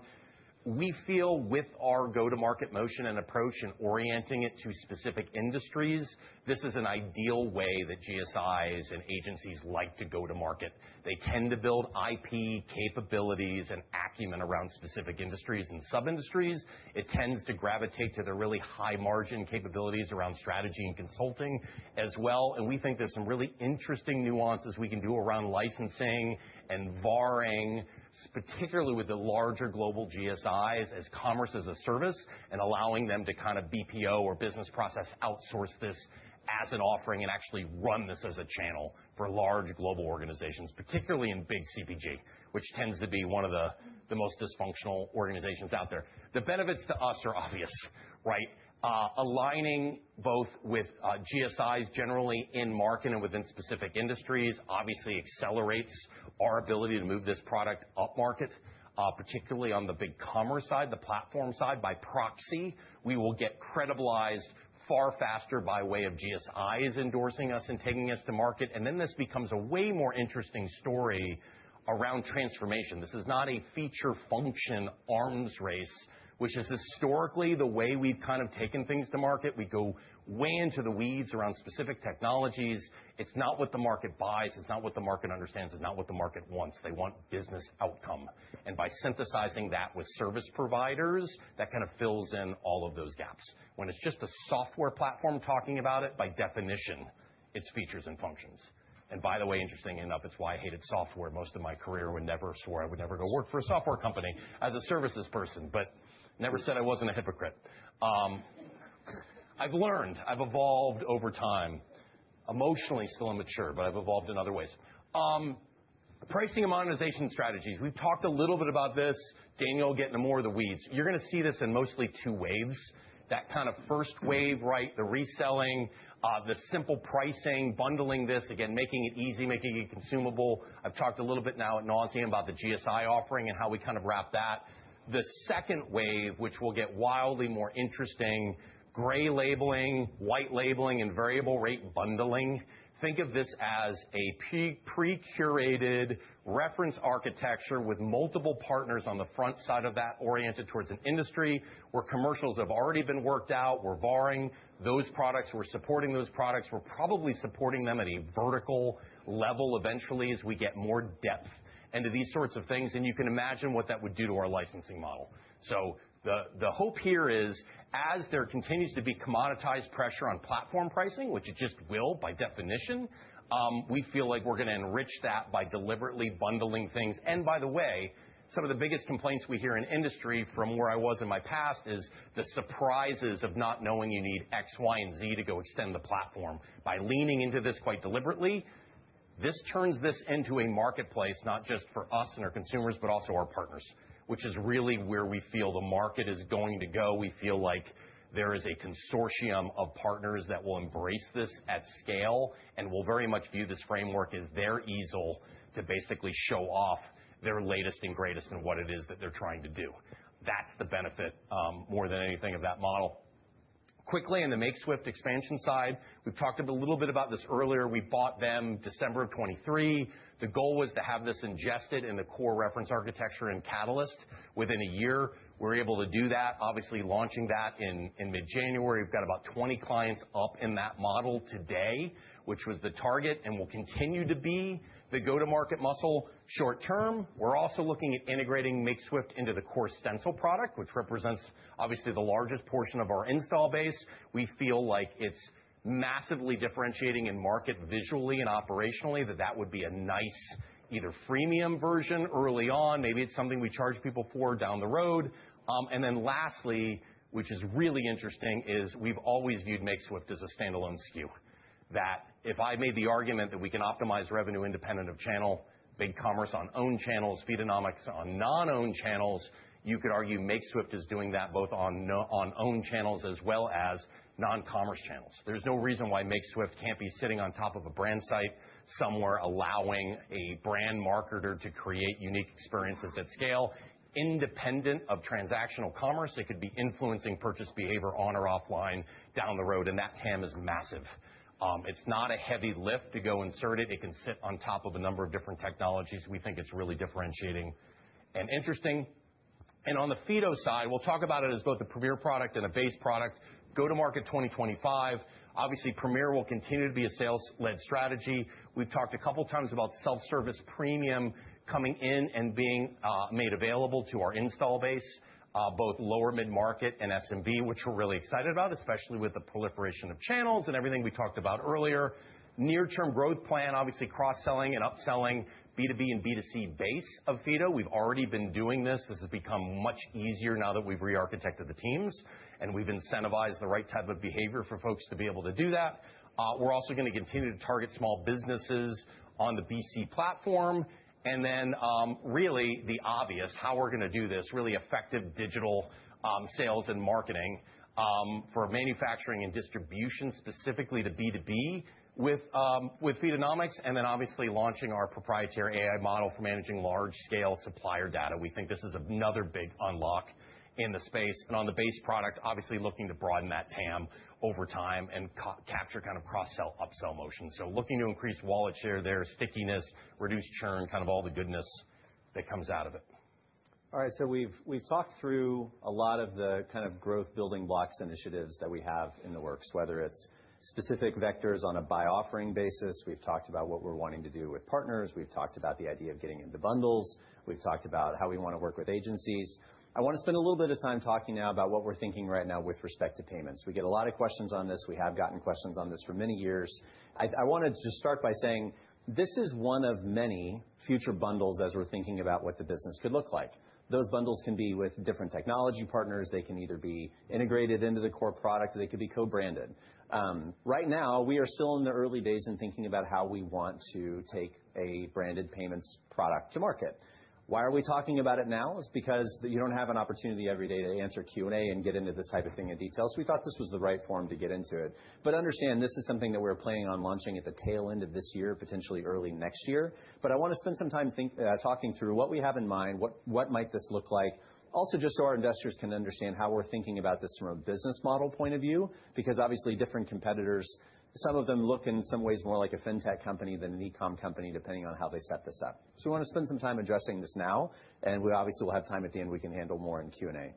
We feel with our go-to-market motion and approach and orienting it to specific industries, this is an ideal way that GSIs and agencies like to go-to-market. They tend to build IP capabilities and acumen around specific industries and sub-industries. It tends to gravitate to their really high-margin capabilities around strategy and consulting as well. We think there's some really interesting nuances we can do around licensing and varring, particularly with the larger global GSIs as commerce as a service and allowing them to kind of BPO or business process outsource this as an offering and actually run this as a channel for large global organizations, particularly in big CPG, which tends to be one of the most dysfunctional organizations out there. The benefits to us are obvious, right? Aligning both with GSIs generally in market and within specific industries obviously accelerates our ability to move this product upmarket, particularly on the BigCommerce side, the platform side. By proxy, we will get credibilized far faster by way of GSIs endorsing us and taking us to market. This becomes a way more interesting story around transformation. This is not a feature function arms race, which is historically the way we've kind of taken things to market. We go way into the weeds around specific technologies. It's not what the market buys. It's not what the market understands. It's not what the market wants. They want business outcome. By synthesizing that with service providers, that kind of fills in all of those gaps. When it's just a software platform talking about it, by definition, it's features and functions. By the way, interestingly enough, it's why I hated software most of my career. I would never swear I would never go work for a software company as a services person, but never said I wasn't a hypocrite. I've learned. I've evolved over time. Emotionally, still immature, but I've evolved in other ways. Pricing and modernization strategies. We've talked a little bit about this. Daniel, getting into more of the weeds. You're going to see this in mostly two waves. That kind of first wave, right, the reselling, the simple pricing, bundling this, again, making it easy, making it consumable. I've talked a little bit now at Nauseam about the GSI offering and how we kind of wrap that. The second wave, which will get wildly more interesting, gray labeling, white labeling, and variable rate bundling. Think of this as a pre-curated reference architecture with multiple partners on the front side of that oriented towards an industry where commercials have already been worked out. We're varying. Those products, we're supporting those products. We're probably supporting them at a vertical level eventually as we get more depth into these sorts of things. You can imagine what that would do to our licensing model. The hope here is, as there continues to be commoditized pressure on platform pricing, which it just will by definition, we feel like we're going to enrich that by deliberately bundling things. By the way, some of the biggest complaints we hear in industry from where I was in my past is the surprises of not knowing you need X, Y, and Z to go extend the platform. By leaning into this quite deliberately, this turns this into a marketplace not just for us and our consumers, but also our partners, which is really where we feel the market is going to go. We feel like there is a consortium of partners that will embrace this at scale and will very much view this framework as their easel to basically show off their latest and greatest in what it is that they're trying to do. That's the benefit more than anything of that model. Quickly, on the Makeswift expansion side, we've talked a little bit about this earlier. We bought them December of 2023. The goal was to have this ingested in the core reference architecture and Catalyst. Within a year, we're able to do that, obviously launching that in mid-January. We've got about 20 clients up in that model today, which was the target and will continue to be the go-to-market muscle short term. We're also looking at integrating Makeswift into the core Stencil product, which represents obviously the largest portion of our install base. We feel like it's massively differentiating in market visually and operationally that that would be a nice either freemium version early on. Maybe it's something we charge people for down the road. Lastly, which is really interesting, is we've always viewed Makeswift as a standalone SKU. If I made the argument that we can optimize revenue independent of channel, Commerce.com on own channels, Feedonomics on non-owned channels, you could argue Makeswift is doing that both on owned channels as well as non-commerce channels. There's no reason why Makeswift can't be sitting on top of a brand site somewhere allowing a brand marketer to create unique experiences at scale. Independent of transactional commerce, it could be influencing purchase behavior on or offline down the road. That TAM is massive. It's not a heavy lift to go insert it. It can sit on top of a number of different technologies. We think it's really differentiating and interesting. On the Feedonomics side, we'll talk about it as both a premier product and a base product. Go-to-market 2025. Obviously, premier will continue to be a sales-led strategy. We've talked a couple of times about self-service premium coming in and being made available to our install base, both lower mid-market and SMB, which we're really excited about, especially with the proliferation of channels and everything we talked about earlier. Near-term growth plan, obviously cross-selling and upselling B2B and B2C base of FIDO. We've already been doing this. This has become much easier now that we've re-architected the teams and we've incentivized the right type of behavior for folks to be able to do that. We're also going to continue to target small businesses on the BC platform. The obvious, how we're going to do this, really effective digital sales and marketing for manufacturing and distribution, specifically the B2B with Feedonomics. Obviously launching our proprietary AI model for managing large-scale supplier data. We think this is another big unlock in the space. On the base product, obviously looking to broaden that TAM over time and capture kind of cross-sell, upsell motion. Looking to increase wallet share there, stickiness, reduce churn, kind of all the goodness that comes out of it. All right. We have talked through a lot of the kind of growth building blocks initiatives that we have in the works, whether it is specific vectors on a buy-offering basis. We have talked about what we are wanting to do with partners. We have talked about the idea of getting into bundles. We have talked about how we want to work with agencies. I want to spend a little bit of time talking now about what we are thinking right now with respect to payments. We get a lot of questions on this. We have gotten questions on this for many years. I want to just start by saying this is one of many future bundles as we are thinking about what the business could look like. Those bundles can be with different technology partners. They can either be integrated into the core product or they could be co-branded. Right now, we are still in the early days in thinking about how we want to take a branded payments product to market. Why are we talking about it now? It's because you do not have an opportunity every day to answer Q&A and get into this type of thing in detail. We thought this was the right form to get into it. Understand this is something that we are planning on launching at the tail end of this year, potentially early next year. I want to spend some time talking through what we have in mind, what might this look like. Also just so our investors can understand how we are thinking about this from a business model point of view, because obviously different competitors, some of them look in some ways more like a fintech company than an e-com company depending on how they set this up. We want to spend some time addressing this now. We obviously will have time at the end we can handle more in Q&A.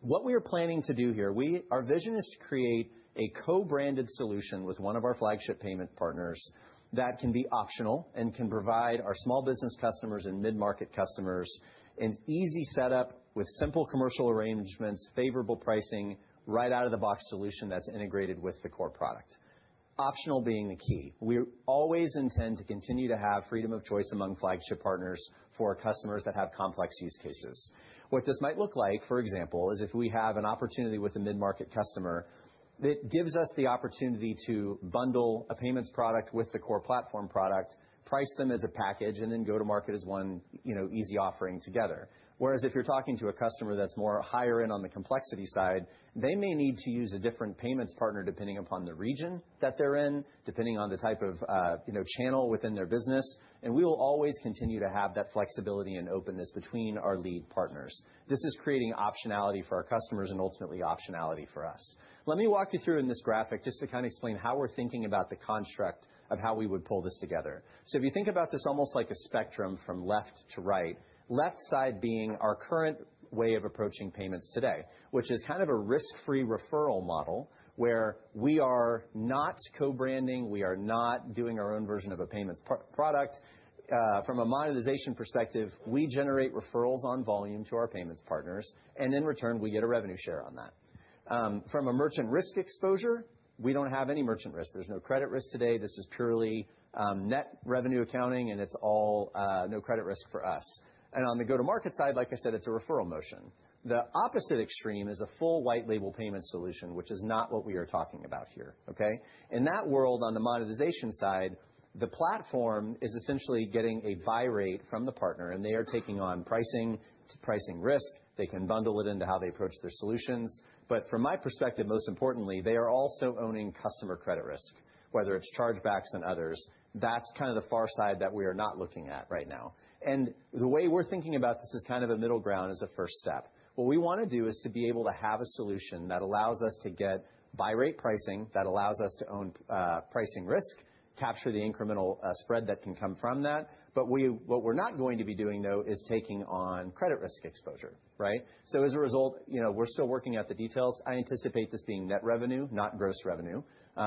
What we are planning to do here, our vision is to create a co-branded solution with one of our flagship payment partners that can be optional and can provide our small business customers and mid-market customers an easy setup with simple commercial arrangements, favorable pricing, right out of the box solution that is integrated with the core product. Optional being the key. We always intend to continue to have freedom of choice among flagship partners for our customers that have complex use cases. What this might look like, for example, is if we have an opportunity with a mid-market customer, it gives us the opportunity to bundle a payments product with the core platform product, price them as a package, and then go-to-market as one easy offering together. Whereas if you're talking to a customer that's more higher in on the complexity side, they may need to use a different payments partner depending upon the region that they're in, depending on the type of channel within their business. We will always continue to have that flexibility and openness between our lead partners. This is creating optionality for our customers and ultimately optionality for us. Let me walk you through in this graphic just to kind of explain how we're thinking about the construct of how we would pull this together. If you think about this almost like a spectrum from left to right, left side being our current way of approaching payments today, which is kind of a risk-free referral model where we are not co-branding. We are not doing our own version of a payments product. From a monetization perspective, we generate referrals on volume to our payments partners, and in return, we get a revenue share on that. From a merchant risk exposure, we do not have any merchant risk. There is no credit risk today. This is purely net revenue accounting, and it is all no credit risk for us. On the go-to-market side, like I said, it is a referral motion. The opposite extreme is a full white label payment solution, which is not what we are talking about here. Okay? In that world, on the monetization side, the platform is essentially getting a buy rate from the partner, and they are taking on pricing risk. They can bundle it into how they approach their solutions. From my perspective, most importantly, they are also owning customer credit risk, whether it's chargebacks and others. That's kind of the far side that we are not looking at right now. The way we're thinking about this is kind of a middle ground as a first step. What we want to do is to be able to have a solution that allows us to get buy rate pricing, that allows us to own pricing risk, capture the incremental spread that can come from that. What we're not going to be doing, though, is taking on credit risk exposure, right? As a result, we're still working out the details. I anticipate this being net revenue, not gross revenue,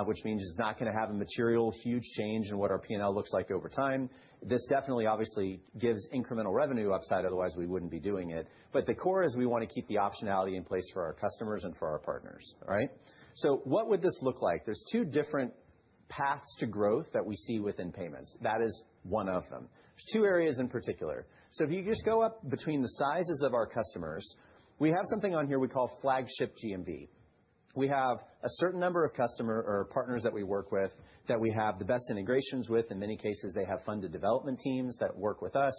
which means it's not going to have a material huge change in what our P&L looks like over time. This definitely obviously gives incremental revenue upside. Otherwise, we wouldn't be doing it. The core is we want to keep the optionality in place for our customers and for our partners, all right? What would this look like? There are two different paths to growth that we see within payments. That is one of them. There are two areas in particular. If you just go up between the sizes of our customers, we have something on here we call flagship GMV. We have a certain number of customers or partners that we work with that we have the best integrations with. In many cases, they have funded development teams that work with us.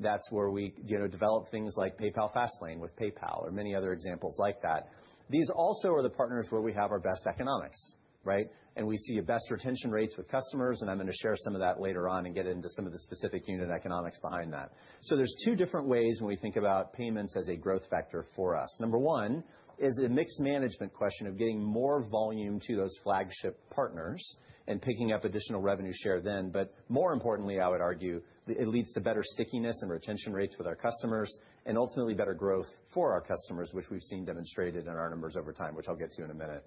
That's where we develop things like PayPal FastLane with PayPal or many other examples like that. These also are the partners where we have our best economics, right? We see best retention rates with customers. I'm going to share some of that later on and get into some of the specific unit economics behind that. There are two different ways when we think about payments as a growth factor for us. Number one is a mixed management question of getting more volume to those flagship partners and picking up additional revenue share then. More importantly, I would argue it leads to better stickiness and retention rates with our customers and ultimately better growth for our customers, which we've seen demonstrated in our numbers over time, which I'll get to in a minute.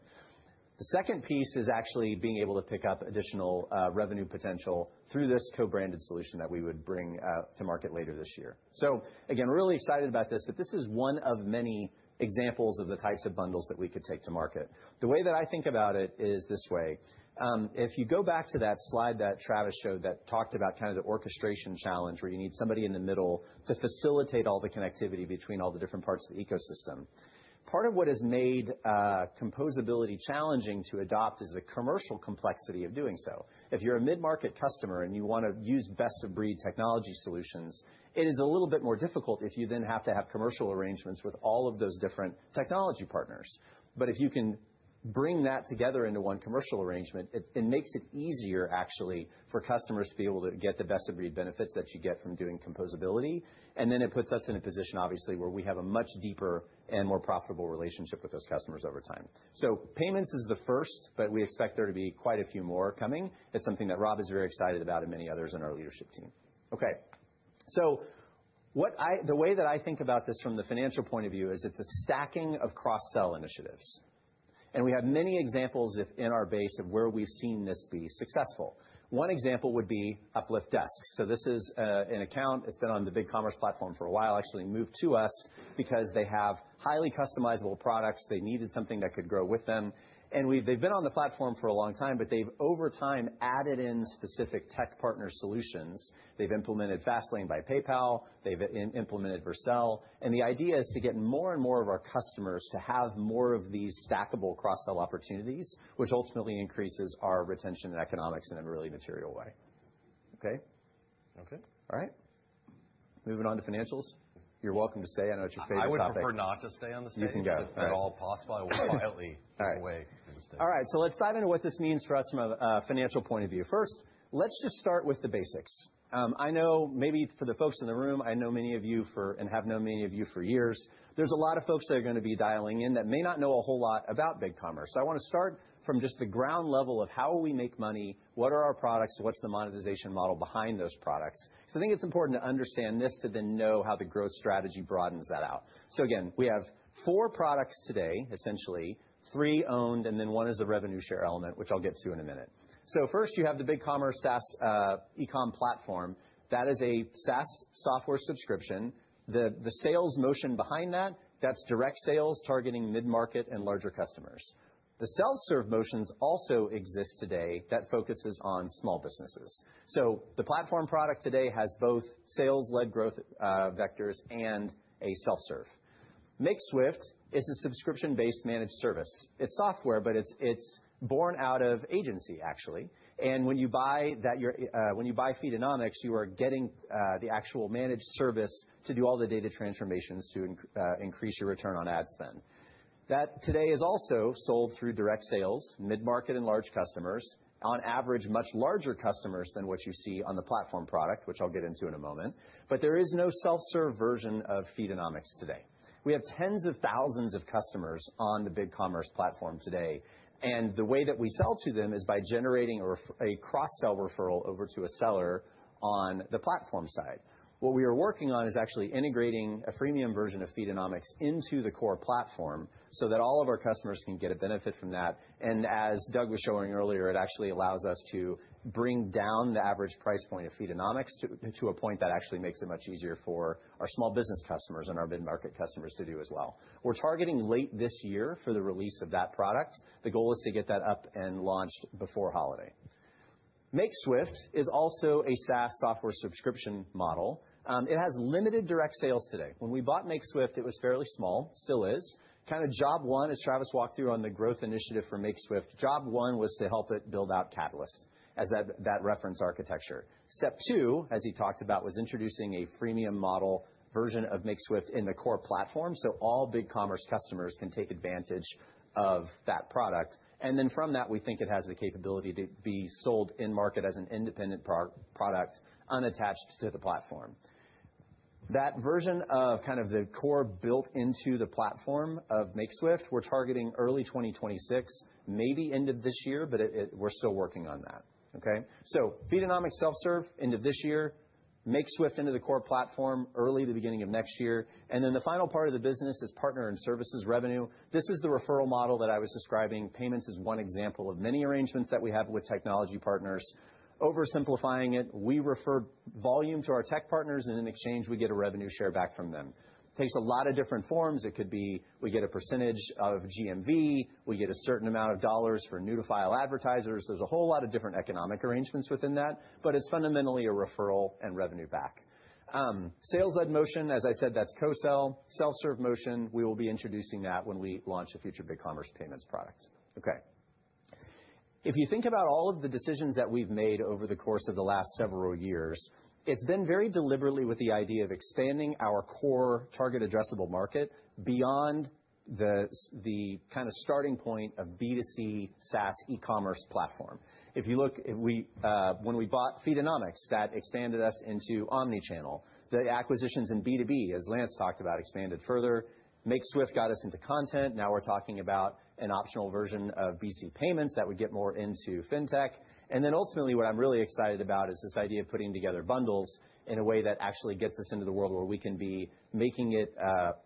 The second piece is actually being able to pick up additional revenue potential through this co-branded solution that we would bring to market later this year. We are really excited about this, but this is one of many examples of the types of bundles that we could take to market. The way that I think about it is this way. If you go back to that slide that Travis showed that talked about kind of the orchestration challenge where you need somebody in the middle to facilitate all the connectivity between all the different parts of the ecosystem. Part of what has made composability challenging to adopt is the commercial complexity of doing so. If you are a mid-market customer and you want to use best-of-breed technology solutions, it is a little bit more difficult if you then have to have commercial arrangements with all of those different technology partners. If you can bring that together into one commercial arrangement, it makes it easier actually for customers to be able to get the best-of-breed benefits that you get from doing composability. It puts us in a position, obviously, where we have a much deeper and more profitable relationship with those customers over time. Payments is the first, but we expect there to be quite a few more coming. It is something that Rob is very excited about and many others in our leadership team. Okay. The way that I think about this from the financial point of view is it's a stacking of cross-sell initiatives. We have many examples in our base of where we've seen this be successful. One example would be Uplift Desk. This is an account. It's been on the BigCommerce platform for a while, actually moved to us because they have highly customizable products. They needed something that could grow with them. They've been on the platform for a long time, but they've over time added in specific tech partner solutions. They've implemented Fastlane by PayPal. They've implemented Vercel. The idea is to get more and more of our customers to have more of these stackable cross-sell opportunities, which ultimately increases our retention and economics in a really material way. Okay? Okay. All right. Moving on to financials. You're welcome to stay. I know it's your favorite topic. I would prefer not to stay on the stage. You can go at all costs. I will quietly walk away from the stage. All right. Let's dive into what this means for us from a financial point of view. First, let's just start with the basics. I know maybe for the folks in the room, I know many of you for and have known many of you for years. There's a lot of folks that are going to be dialing in that may not know a whole lot about Commerce.com. I want to start from just the ground level of how we make money, what are our products, what's the monetization model behind those products. I think it's important to understand this to then know how the growth strategy broadens that out. Again, we have four products today, essentially, three owned, and then one is a revenue share element, which I'll get to in a minute. First, you have the Commerce.com SaaS e-com platform. That is a SaaS software subscription. The sales motion behind that, that's direct sales targeting mid-market and larger customers. The self-serve motions also exist today that focuses on small businesses. The platform product today has both sales-led growth vectors and a self-serve. Makeswift is a subscription-based managed service. It's software, but it's born out of agency, actually. And when you buy that, when you buy Feedonomics, you are getting the actual managed service to do all the data transformations to increase your return on ad spend. That today is also sold through direct sales, mid-market and large customers, on average, much larger customers than what you see on the platform product, which I'll get into in a moment. There is no self-serve version of Feedonomics today. We have tens of thousands of customers on the Commerce.com platform today. The way that we sell to them is by generating a cross-sell referral over to a seller on the platform side. What we are working on is actually integrating a freemium version of Feedonomics into the core platform so that all of our customers can get a benefit from that. As Doug was showing earlier, it actually allows us to bring down the average price point of Feedonomics to a point that actually makes it much easier for our small business customers and our mid-market customers to do as well. We are targeting late this year for the release of that product. The goal is to get that up and launched before holiday. Makeswift is also a SaaS software subscription model. It has limited direct sales today. When we bought Makeswift, it was fairly small, still is. Kind of job one as Travis walked through on the growth initiative for Makeswift, job one was to help it build out Catalyst as that reference architecture. Step two, as he talked about, was introducing a freemium model version of Makeswift in the core platform so all BigCommerce customers can take advantage of that product. From that, we think it has the capability to be sold in market as an independent product unattached to the platform. That version of kind of the core built into the platform of Makeswift, we're targeting early 2026, maybe end of this year, but we're still working on that. Feedonomics Self-Serve end of this year, Makeswift into the core platform early to beginning of next year. The final part of the business is partner and services revenue. This is the referral model that I was describing. Payments is one example of many arrangements that we have with technology partners. Oversimplifying it, we refer volume to our tech partners, and in exchange, we get a revenue share back from them. Takes a lot of different forms. It could be we get a percentage of GMV, we get a certain amount of dollars for new-to-file advertisers. There's a whole lot of different economic arrangements within that, but it's fundamentally a referral and revenue back. Sales-led motion, as I said, that's co-sell. Self-serve motion, we will be introducing that when we launch a future Commerce.com payments product. Okay. If you think about all of the decisions that we've made over the course of the last several years, it's been very deliberately with the idea of expanding our core target addressable market beyond the kind of starting point of B2C SaaS e-commerce platform. If you look, when we bought Feedonomics, that expanded us into omnichannel. The acquisitions in B2B, as Lance talked about, expanded further. Makeswift got us into content. Now we're talking about an optional version of BC payments that would get more into fintech. Ultimately, what I'm really excited about is this idea of putting together bundles in a way that actually gets us into the world where we can be making it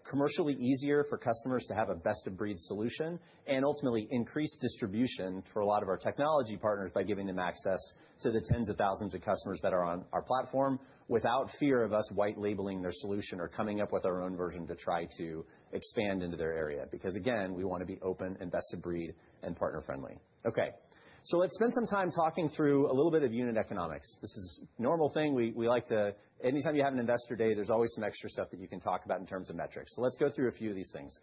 commercially easier for customers to have a best-of-breed solution and ultimately increase distribution for a lot of our technology partners by giving them access to the tens of thousands of customers that are on our platform without fear of us white labeling their solution or coming up with our own version to try to expand into their area. Because again, we want to be open, and best-of-breed, and partner-friendly. Okay. Let's spend some time talking through a little bit of unit economics. This is a normal thing. We like to, anytime you have an investor day, there's always some extra stuff that you can talk about in terms of metrics. Let's go through a few of these things.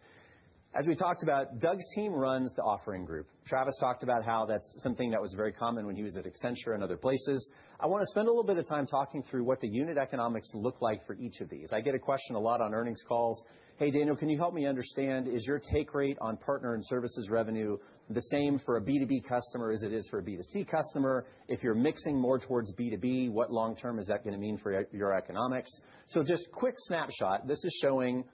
As we talked about, Doug's team runs the offering group. Travis talked about how that's something that was very common when he was at Accenture and other places. I want to spend a little bit of time talking through what the unit economics look like for each of these. I get a question a lot on earnings calls. Hey, Daniel, can you help me understand, is your take rate on partner and services revenue the same for a B2B customer as it is for a B2C customer? If you're mixing more towards B2B, what long-term is that going to mean for your economics? Just quick snapshot, this is showing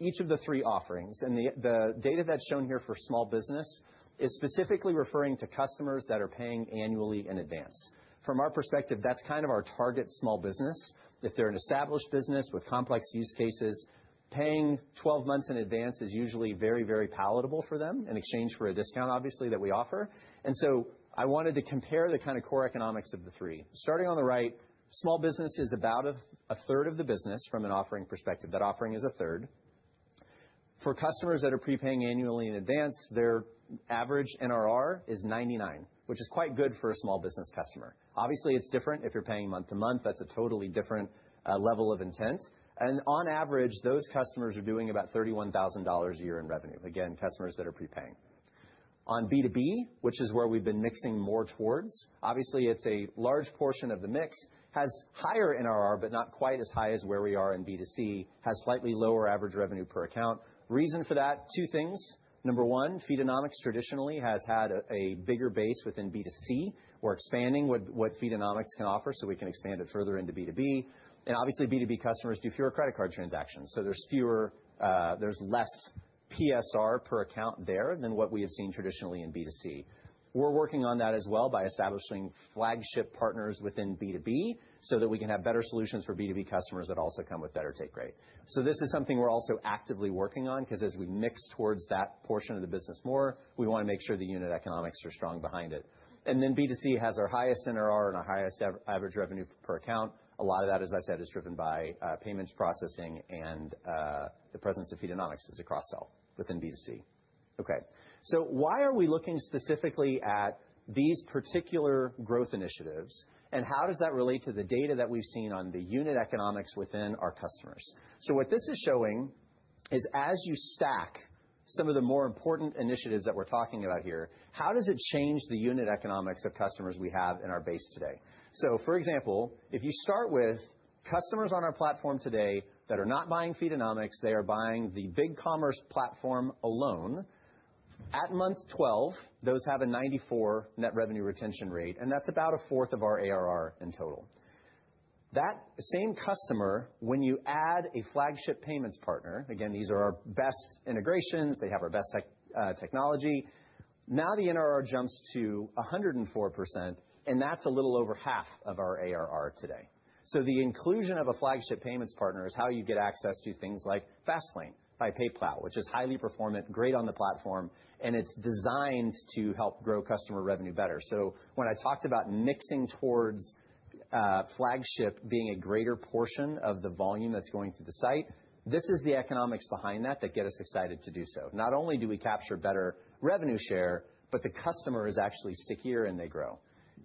each of the three offerings. The data that's shown here for small business is specifically referring to customers that are paying annually in advance. From our perspective, that's kind of our target small business. If they're an established business with complex use cases, paying 12 months in advance is usually very, very palatable for them in exchange for a discount, obviously, that we offer. I wanted to compare the kind of core economics of the three. Starting on the right, small business is about a third of the business from an offering perspective. That offering is a third. For customers that are prepaying annually in advance, their average NRR is 99%, which is quite good for a small business customer. Obviously, it's different. If you're paying month to month, that's a totally different level of intent. On average, those customers are doing about $31,000 a year in revenue. Again, customers that are prepaying. On B2B, which is where we've been mixing more towards, obviously, it's a large portion of the mix, has higher NRR, but not quite as high as where we are in B2C, has slightly lower average revenue per account. Reason for that, two things. Number one, Feedonomics traditionally has had a bigger base within B2C. We're expanding what Feedonomics can offer so we can expand it further into B2B. Obviously, B2B customers do fewer credit card transactions. There's less PSR per account there than what we have seen traditionally in B2C. We're working on that as well by establishing flagship partners within B2B so that we can have better solutions for B2B customers that also come with better take rate. This is something we're also actively working on because as we mix towards that portion of the business more, we want to make sure the unit economics are strong behind it. B2C has our highest NRR and our highest average revenue per account. A lot of that, as I said, is driven by payments processing and the presence of Feedonomics as a cross-sell within B2C. Okay. Why are we looking specifically at these particular growth initiatives, and how does that relate to the data that we've seen on the unit economics within our customers? What this is showing is as you stack some of the more important initiatives that we're talking about here, how does it change the unit economics of customers we have in our base today? For example, if you start with customers on our platform today that are not buying Feedonomics, they are buying the BigCommerce platform alone. At month 12, those have a 94% net revenue retention rate, and that's about a fourth of our ARR in total. That same customer, when you add a flagship payments partner, again, these are our best integrations, they have our best technology, now the NRR jumps to 104%, and that's a little over half of our ARR today. The inclusion of a flagship payments partner is how you get access to things like Fastlane by PayPal, which is highly performant, great on the platform, and it's designed to help grow customer revenue better. When I talked about mixing towards flagship being a greater portion of the volume that's going through the site, this is the economics behind that that get us excited to do so. Not only do we capture better revenue share, but the customer is actually stickier and they grow.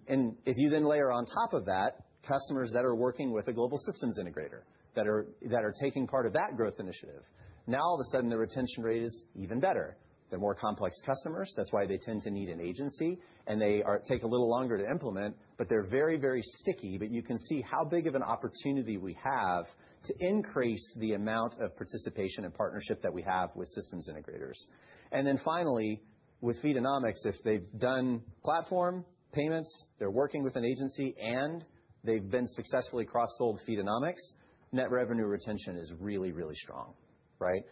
If you then layer on top of that, customers that are working with a global systems integrator that are taking part of that growth initiative, now all of a sudden the retention rate is even better. They're more complex customers. That's why they tend to need an agency, and they take a little longer to implement, but they're very, very sticky. You can see how big of an opportunity we have to increase the amount of participation and partnership that we have with systems integrators. Finally, with Feedonomics, if they've done platform payments, they're working with an agency, and they've been successfully cross-sold Feedonomics, net revenue retention is really, really strong. Right?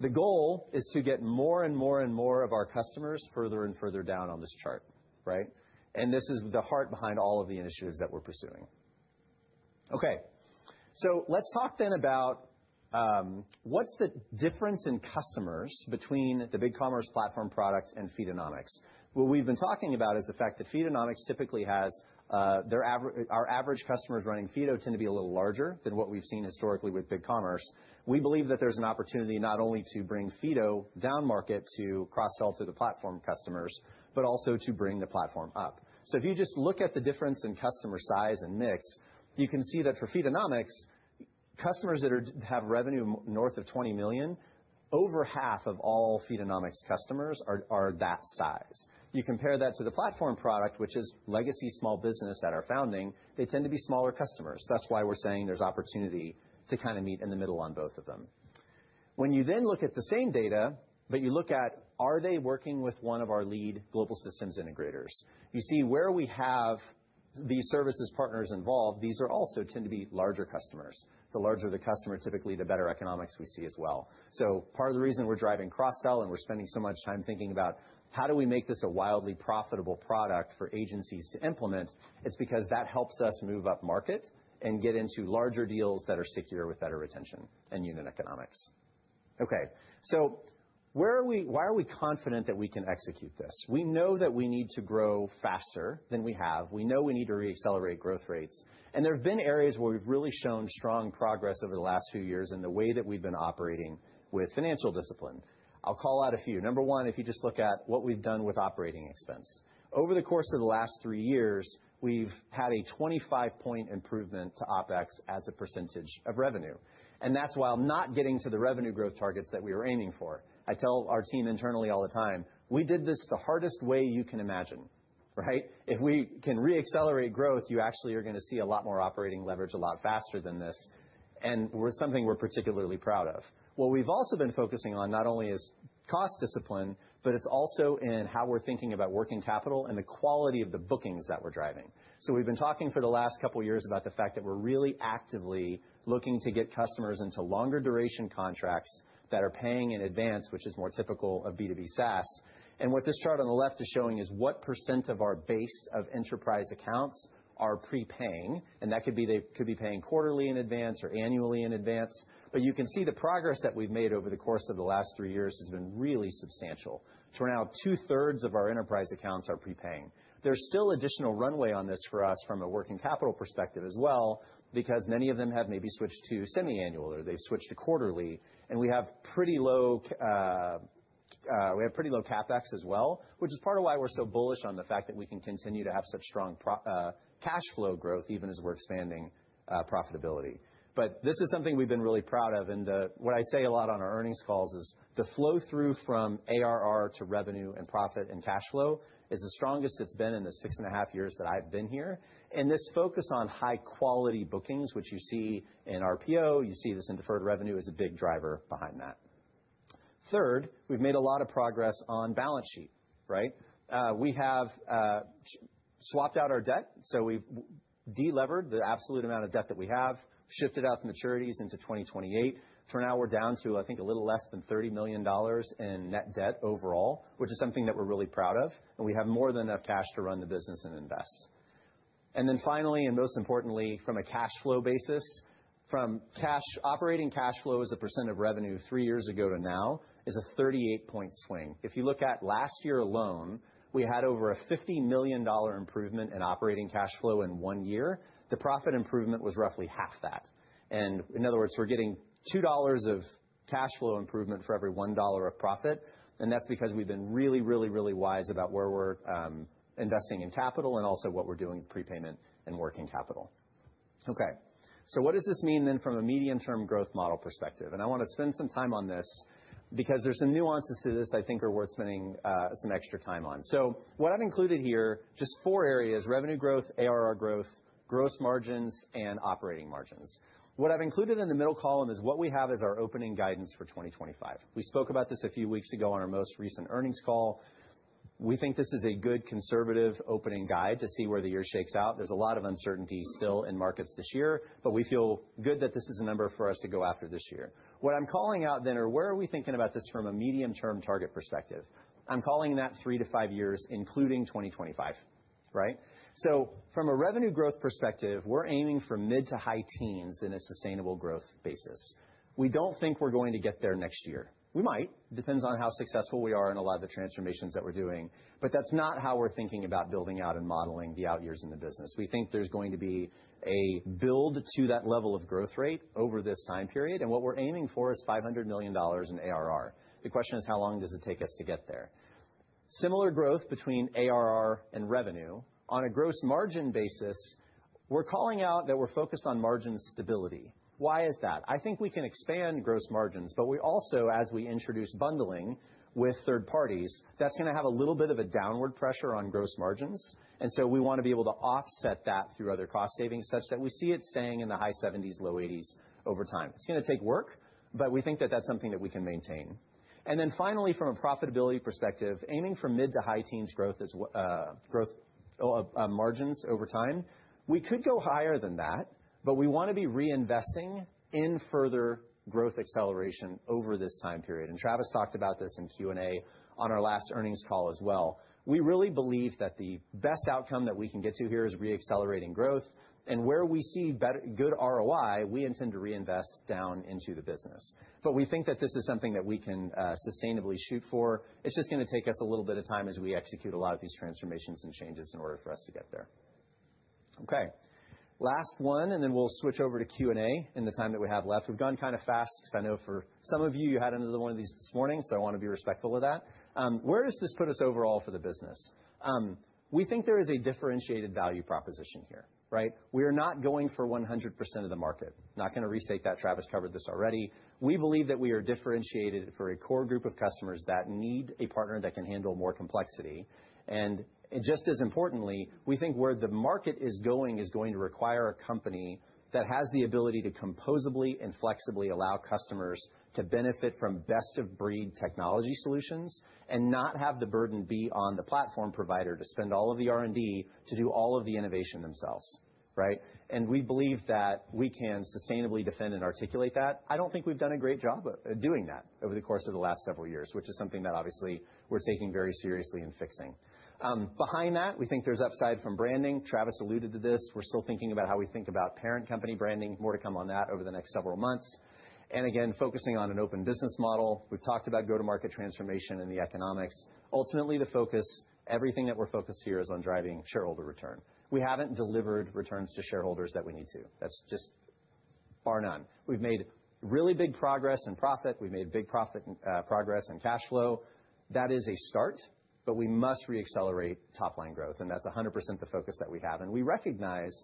The goal is to get more and more and more of our customers further and further down on this chart. Right? This is the heart behind all of the initiatives that we're pursuing. Okay. Let's talk then about what's the difference in customers between the Commerce.com platform product and Feedonomics. What we've been talking about is the fact that Feedonomics typically has our average customers running Feedo tend to be a little larger than what we've seen historically with Commerce.com. We believe that there's an opportunity not only to bring Feedo down market to cross-sell to the platform customers, but also to bring the platform up. If you just look at the difference in customer size and mix, you can see that for Feedonomics, customers that have revenue north of $20 million, over half of all Feedonomics customers are that size. You compare that to the platform product, which is legacy small business at our founding, they tend to be smaller customers. That's why we're saying there's opportunity to kind of meet in the middle on both of them. When you then look at the same data, but you look at are they working with one of our lead global systems integrators. You see where we have these services partners involved, these also tend to be larger customers. The larger the customer, typically the better economics we see as well. Part of the reason we're driving cross-sell and we're spending so much time thinking about how do we make this a wildly profitable product for agencies to implement, it's because that helps us move up market and get into larger deals that are stickier with better retention and unit economics. Okay. Why are we confident that we can execute this? We know that we need to grow faster than we have. We know we need to reaccelerate growth rates. There have been areas where we've really shown strong progress over the last few years in the way that we've been operating with financial discipline. I'll call out a few. Number one, if you just look at what we've done with operating expense. Over the course of the last three years, we've had a 25-point improvement to OpEx as a percentage of revenue. That is while not getting to the revenue growth targets that we were aiming for. I tell our team internally all the time, we did this the hardest way you can imagine. Right? If we can reaccelerate growth, you actually are going to see a lot more operating leverage a lot faster than this, and something we're particularly proud of. What we've also been focusing on not only is cost discipline, but it's also in how we're thinking about working capital and the quality of the bookings that we're driving. We have been talking for the last couple of years about the fact that we're really actively looking to get customers into longer duration contracts that are paying in advance, which is more typical of B2B SaaS. What this chart on the left is showing is what percent of our base of enterprise accounts are prepaying. They could be paying quarterly in advance or annually in advance. You can see the progress that we've made over the course of the last three years has been really substantial. To now, two-thirds of our enterprise accounts are prepaying. There is still additional runway on this for us from a working capital perspective as well, because many of them have maybe switched to semi-annual or they've switched to quarterly. We have pretty low CapEx as well, which is part of why we're so bullish on the fact that we can continue to have such strong cash flow growth even as we're expanding profitability. This is something we've been really proud of. What I say a lot on our earnings calls is the flow through from ARR to revenue and profit and cash flow is the strongest it has been in the six and a half years that I have been here. This focus on high-quality bookings, which you see in RPO, you see this in deferred revenue as a big driver behind that. Third, we have made a lot of progress on balance sheet. Right? We have swapped out our debt. We have delevered the absolute amount of debt that we have, shifted out the maturities into 2028. Now, we are down to, I think, a little less than $30 million in net debt overall, which is something that we are really proud of. We have more than enough cash to run the business and invest. Finally, and most importantly, from a cash flow basis, from operating cash flow as a percent of revenue three years ago to now is a 38-point swing. If you look at last year alone, we had over a $50 million improvement in operating cash flow in one year. The profit improvement was roughly half that. In other words, we're getting $2 of cash flow improvement for every $1 of profit. That is because we've been really, really, really wise about where we're investing in capital and also what we're doing with prepayment and working capital. Okay. What does this mean then from a medium-term growth model perspective? I want to spend some time on this because there's some nuances to this I think are worth spending some extra time on. What I've included here, just four areas: revenue growth, ARR growth, gross margins, and operating margins. What I've included in the middle column is what we have as our opening guidance for 2025. We spoke about this a few weeks ago on our most recent earnings call. We think this is a good conservative opening guide to see where the year shakes out. There is a lot of uncertainty still in markets this year, but we feel good that this is a number for us to go after this year. What I'm calling out then are where are we thinking about this from a medium-term target perspective. I'm calling that three to five years, including 2025. Right? From a revenue growth perspective, we're aiming for mid to high teens in a sustainable growth basis. We do not think we're going to get there next year. We might. It depends on how successful we are in a lot of the transformations that we're doing. That is not how we're thinking about building out and modeling the out years in the business. We think there is going to be a build to that level of growth rate over this time period. What we are aiming for is $500 million in ARR. The question is how long does it take us to get there? Similar growth between ARR and revenue on a gross margin basis. We are calling out that we are focused on margin stability. Why is that? I think we can expand gross margins, but we also, as we introduce bundling with third parties, that is going to have a little bit of a downward pressure on gross margins. We want to be able to offset that through other cost savings such that we see it staying in the high 70%-low 80% over time. It is going to take work, but we think that is something that we can maintain. Finally, from a profitability perspective, aiming for mid to high teens growth margins over time. We could go higher than that, but we want to be reinvesting in further growth acceleration over this time period. Travis talked about this in Q&A on our last earnings call as well. We really believe that the best outcome that we can get to here is reaccelerating growth. Where we see good ROI, we intend to reinvest down into the business. We think that this is something that we can sustainably shoot for. It's just going to take us a little bit of time as we execute a lot of these transformations and changes in order for us to get there. Okay. Last one, and then we'll switch over to Q&A in the time that we have left. We've gone kind of fast because I know for some of you, you had another one of these this morning, so I want to be respectful of that. Where does this put us overall for the business? We think there is a differentiated value proposition here. Right? We are not going for 100% of the market. Not going to restate that. Travis covered this already. We believe that we are differentiated for a core group of customers that need a partner that can handle more complexity. Just as importantly, we think where the market is going is going to require a company that has the ability to composably and flexibly allow customers to benefit from best-of-breed technology solutions and not have the burden be on the platform provider to spend all of the R&D to do all of the innovation themselves. Right? We believe that we can sustainably defend and articulate that. I don't think we've done a great job of doing that over the course of the last several years, which is something that obviously we're taking very seriously and fixing. Behind that, we think there's upside from branding. Travis alluded to this. We're still thinking about how we think about parent company branding. More to come on that over the next several months. Again, focusing on an open business model. We've talked about go-to-market transformation and the economics. Ultimately, the focus, everything that we're focused here is on driving shareholder return. We haven't delivered returns to shareholders that we need to. That's just bar none. We've made really big progress in profit. We've made big profit progress in cash flow. That is a start, but we must reaccelerate top-line growth. That is 100% the focus that we have. We recognize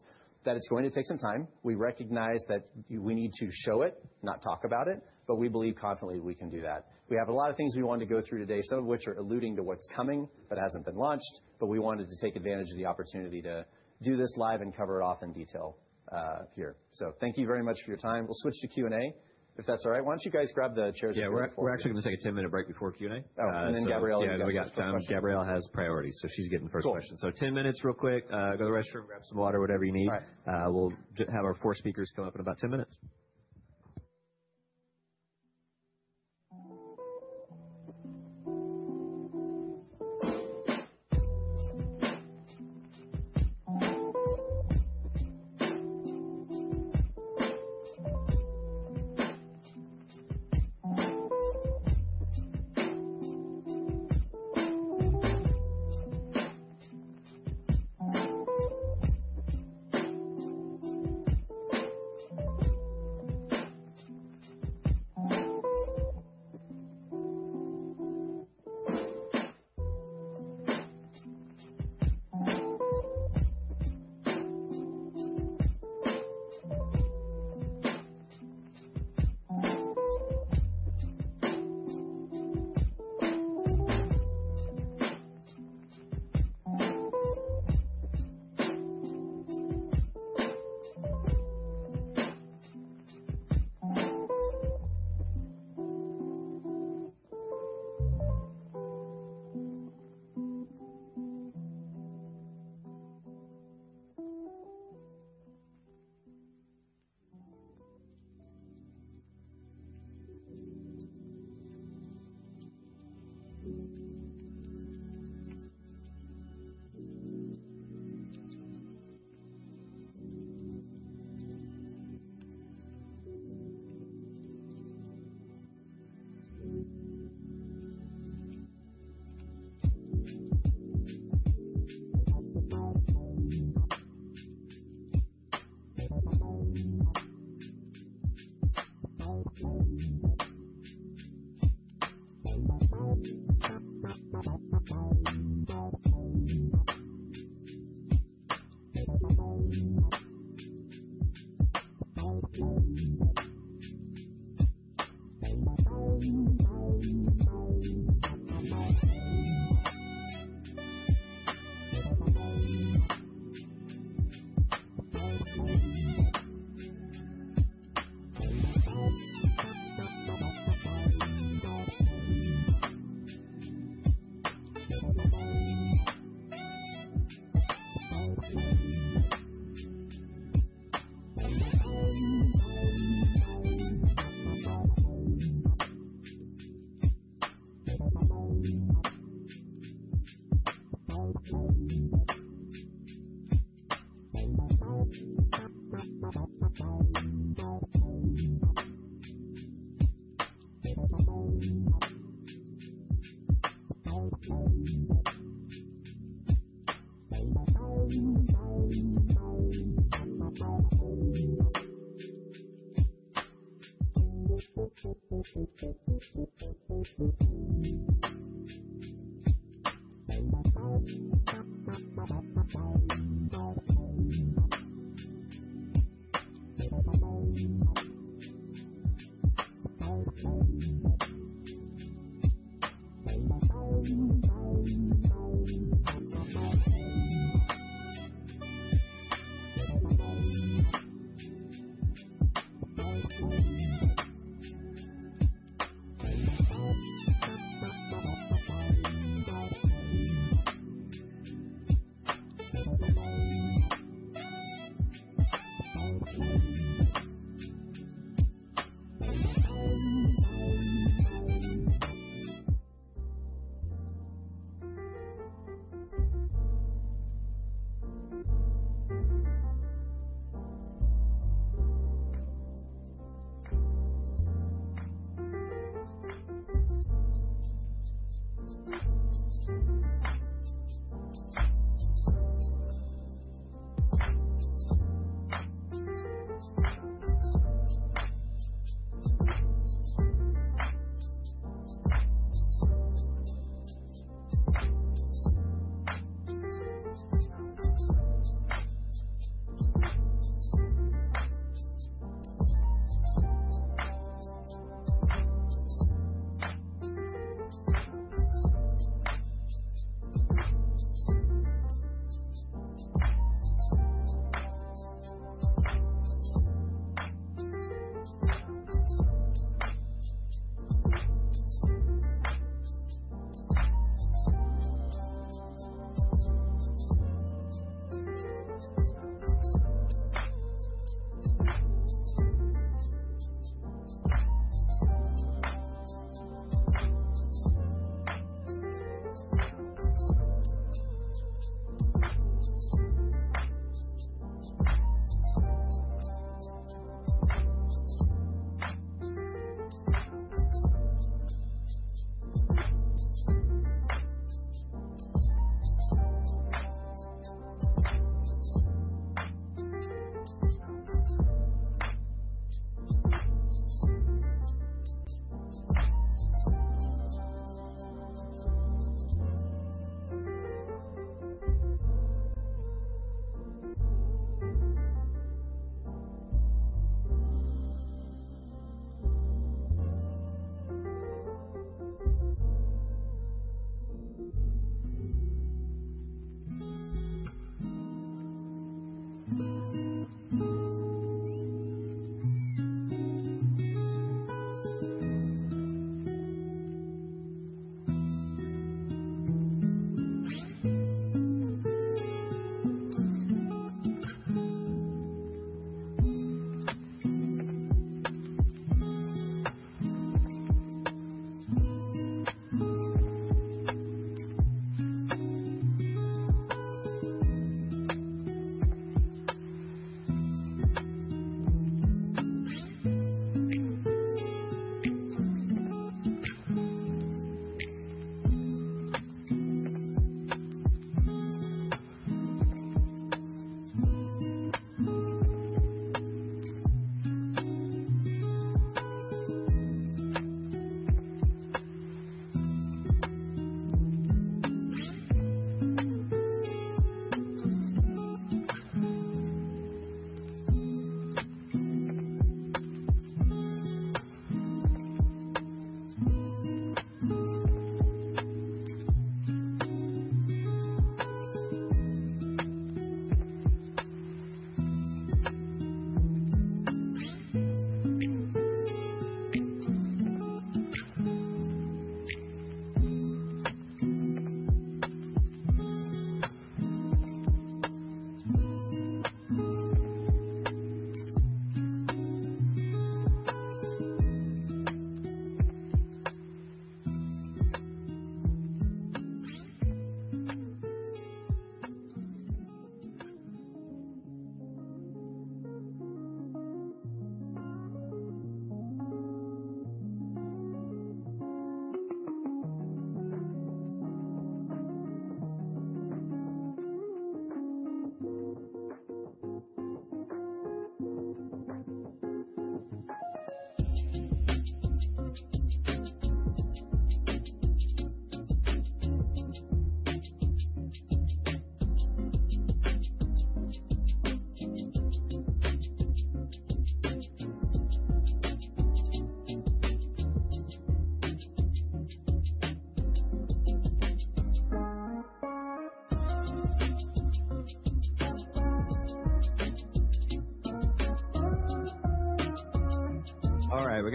that it's going to take some time. We recognize that we need to show it, not talk about it, but we believe confidently we can do that. We have a lot of things we wanted to go through today, some of which are alluding to what's coming, but it hasn't been launched. We wanted to take advantage of the opportunity to do this live and cover it off in detail here. Thank you very much for your time. We'll switch to Q&A, if that's all right. Why don't you guys grab the chairs and take a quick break? Yeah, we're actually going to take a 10-minute break before Q&A. Oh, and then Gabriella is going to start. Yeah, then we got time. Gabriella has priorities, so she's getting the first question. 10 minutes, real quick. Go to the restroom, grab some water, whatever you need. We'll have our four speakers come up in about 10 minutes.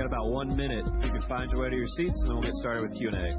All right. We've got about one minute. You can find your way to your seats, and then we'll get started with Q&A. All right. We're about to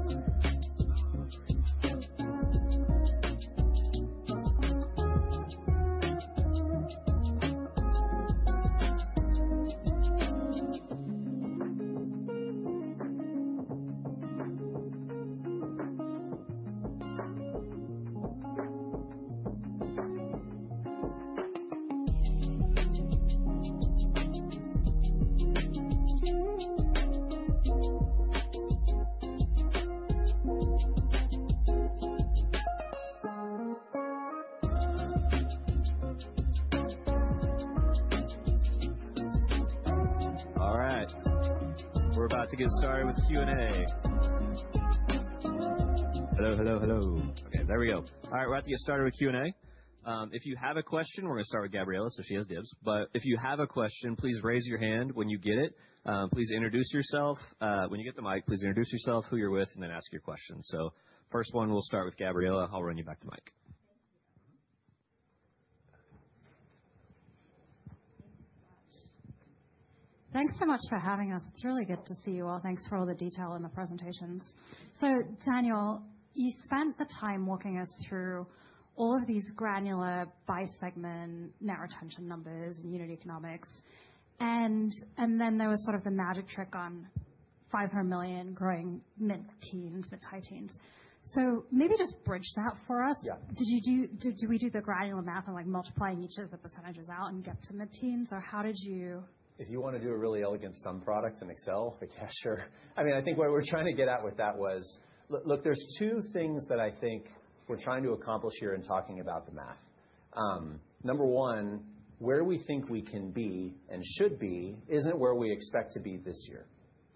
get started with Q&A. Hello, hello, hello. Okay, there we go. All right, we're about to get started with Q&A. If you have a question, we're going to start with Gabriella, so she has dibs. If you have a question, please raise your hand when you get it. Please introduce yourself. When you get the mic, please introduce yourself, who you're with, and then ask your question. First one, we'll start with Gabriella. I'll run you back to Mike. Thank you. Thanks so much. Thanks so much for having us. It's really good to see you all. Thanks for all the detail in the presentations. Daniel, you spent the time walking us through all of these granular bi-segment net retention numbers and unit economics. There was sort of the magic trick on $500 million growing mid-teens, mid-high teens. Maybe just bridge that for us. Did you do—do we do the granular math of multiplying each of the percentages out and get to mid-teens? How did you— If you want to do a really elegant sum product in Excel, the cashier—I mean, I think what we're trying to get at with that was, look, there's two things that I think we're trying to accomplish here in talking about the math. Number one, where we think we can be and should be isn't where we expect to be this year.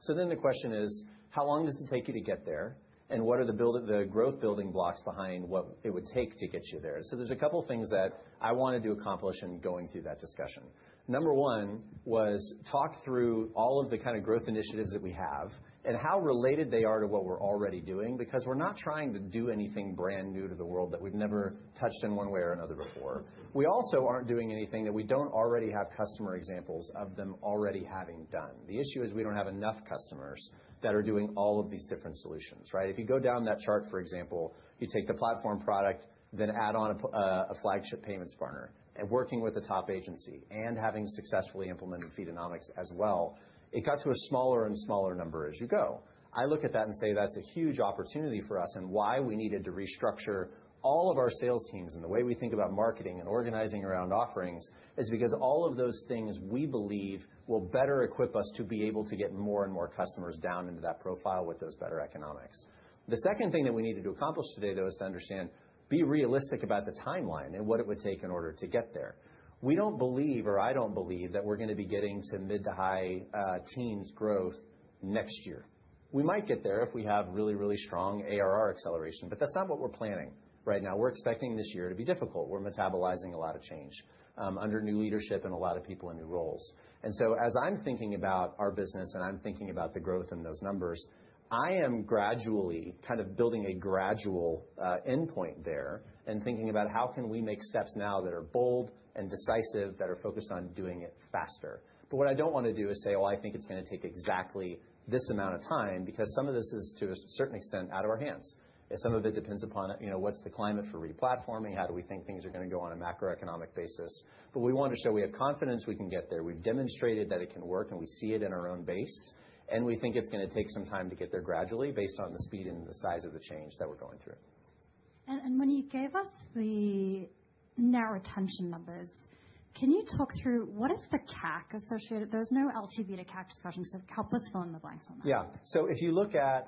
The question is, how long does it take you to get there? What are the growth building blocks behind what it would take to get you there? There's a couple of things that I wanted to accomplish in going through that discussion. Number one was talk through all of the kind of growth initiatives that we have and how related they are to what we're already doing, because we're not trying to do anything brand new to the world that we've never touched in one way or another before. We also aren't doing anything that we don't already have customer examples of them already having done. The issue is we don't have enough customers that are doing all of these different solutions. Right? If you go down that chart, for example, you take the platform product, then add on a flagship payments partner, and working with a top agency and having successfully implemented Feedonomics as well, it got to a smaller and smaller number as you go. I look at that and say that's a huge opportunity for us. Why we needed to restructure all of our sales teams and the way we think about marketing and organizing around offerings is because all of those things we believe will better equip us to be able to get more and more customers down into that profile with those better economics. The second thing that we needed to accomplish today, though, is to understand, be realistic about the timeline and what it would take in order to get there. We do not believe, or I do not believe, that we are going to be getting to mid-to-high teens growth next year. We might get there if we have really, really strong ARR acceleration, but that is not what we are planning right now. We are expecting this year to be difficult. We are metabolizing a lot of change under new leadership and a lot of people in new roles. As I am thinking about our business and I am thinking about the growth in those numbers, I am gradually kind of building a gradual endpoint there and thinking about how can we make steps now that are bold and decisive, that are focused on doing it faster. What I do not want to do is say, "Oh, I think it is going to take exactly this amount of time," because some of this is, to a certain extent, out of our hands. Some of it depends upon what is the climate for replatforming, how do we think things are going to go on a macroeconomic basis. We want to show we have confidence we can get there. We have demonstrated that it can work, and we see it in our own base. We think it's going to take some time to get there gradually based on the speed and the size of the change that we're going through. When you gave us the net retention numbers, can you talk through what is the CAC associated? There's no LTV to CAC discussion, so help us fill in the blanks on that. Yeah. If you look at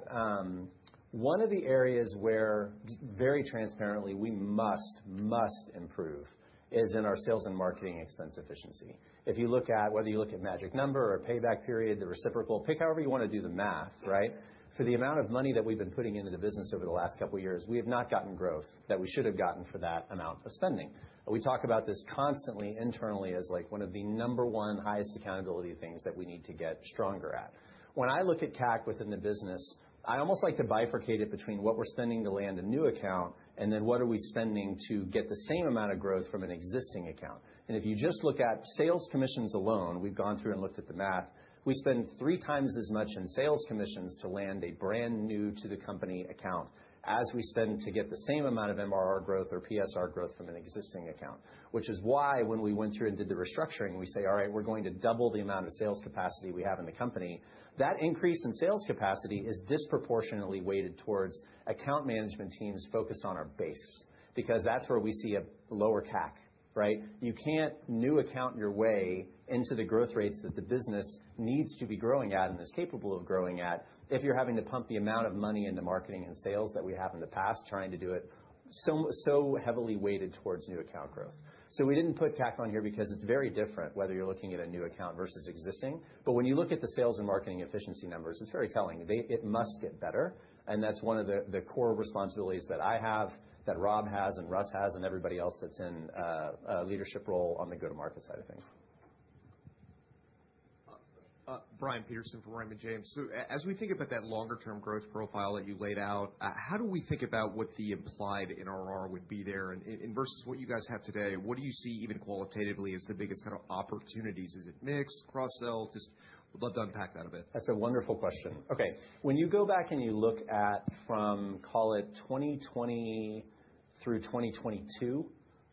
one of the areas where very transparently we must, must improve is in our sales and marketing expense efficiency. If you look at whether you look at magic number or payback period, the reciprocal, pick however you want to do the math, right? For the amount of money that we've been putting into the business over the last couple of years, we have not gotten growth that we should have gotten for that amount of spending. We talk about this constantly internally as one of the number one highest accountability things that we need to get stronger at. When I look at CAC within the business, I almost like to bifurcate it between what we're spending to land a new account and then what are we spending to get the same amount of growth from an existing account. If you just look at sales commissions alone, we've gone through and looked at the math. We spend three times as much in sales commissions to land a brand new to the company account as we spend to get the same amount of MRR growth or PSR growth from an existing account, which is why when we went through and did the restructuring, we say, "All right, we're going to double the amount of sales capacity we have in the company." That increase in sales capacity is disproportionately weighted towards account management teams focused on our base because that's where we see a lower CAC, right? You can't new account your way into the growth rates that the business needs to be growing at and is capable of growing at if you're having to pump the amount of money into marketing and sales that we have in the past trying to do it so heavily weighted towards new account growth. We didn't put CAC on here because it's very different whether you're looking at a new account versus existing. When you look at the sales and marketing efficiency numbers, it's very telling. It must get better. That's one of the core responsibilities that I have, that Rob has, and Russ has, and everybody else that's in a leadership role on the go-to-market side of things. Brian Peterson from Raymond James. As we think about that longer-term growth profile that you laid out, how do we think about what the implied NRR would be there versus what you guys have today? What do you see even qualitatively as the biggest kind of opportunities? Is it mixed, cross-sell? Just would love to unpack that a bit. That's a wonderful question. Okay. When you go back and you look at from, call it 2020 through 2022,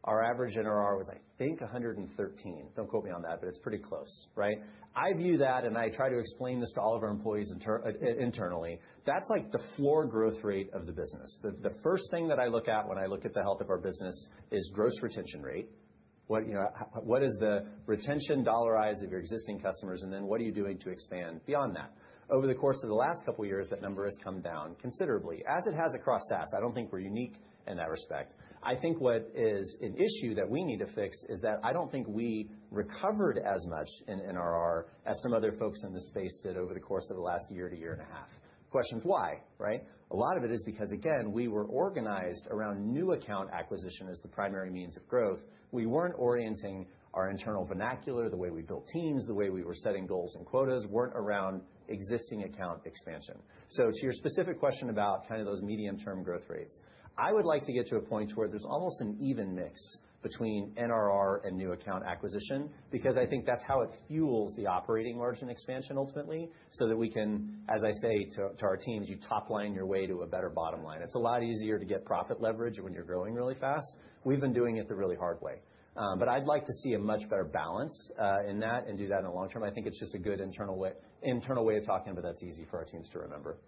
our average NRR was, I think, 113%. Do not quote me on that, but it is pretty close, right? I view that, and I try to explain this to all of our employees internally. That is like the floor growth rate of the business. The first thing that I look at when I look at the health of our business is gross retention rate. What is the retention dollarized of your existing customers? And then what are you doing to expand beyond that? Over the course of the last couple of years, that number has come down considerably. As it has across SaaS, I do not think we are unique in that respect. I think what is an issue that we need to fix is that I do not think we recovered as much in NRR as some other folks in this space did over the course of the last year to year and a half. Questions, why? Right? A lot of it is because, again, we were organized around new account acquisition as the primary means of growth. We were not orienting our internal vernacular, the way we built teams, the way we were setting goals and quotas, were not around existing account expansion. To your specific question about kind of those medium-term growth rates, I would like to get to a point where there's almost an even mix between NRR and new account acquisition because I think that's how it fuels the operating margin expansion ultimately so that we can, as I say to our teams, you topline your way to a better bottom line. It's a lot easier to get profit leverage when you're growing really fast. We've been doing it the really hard way. I would like to see a much better balance in that and do that in the long term. I think it's just a good internal way of talking, but that's easy for our teams to remember.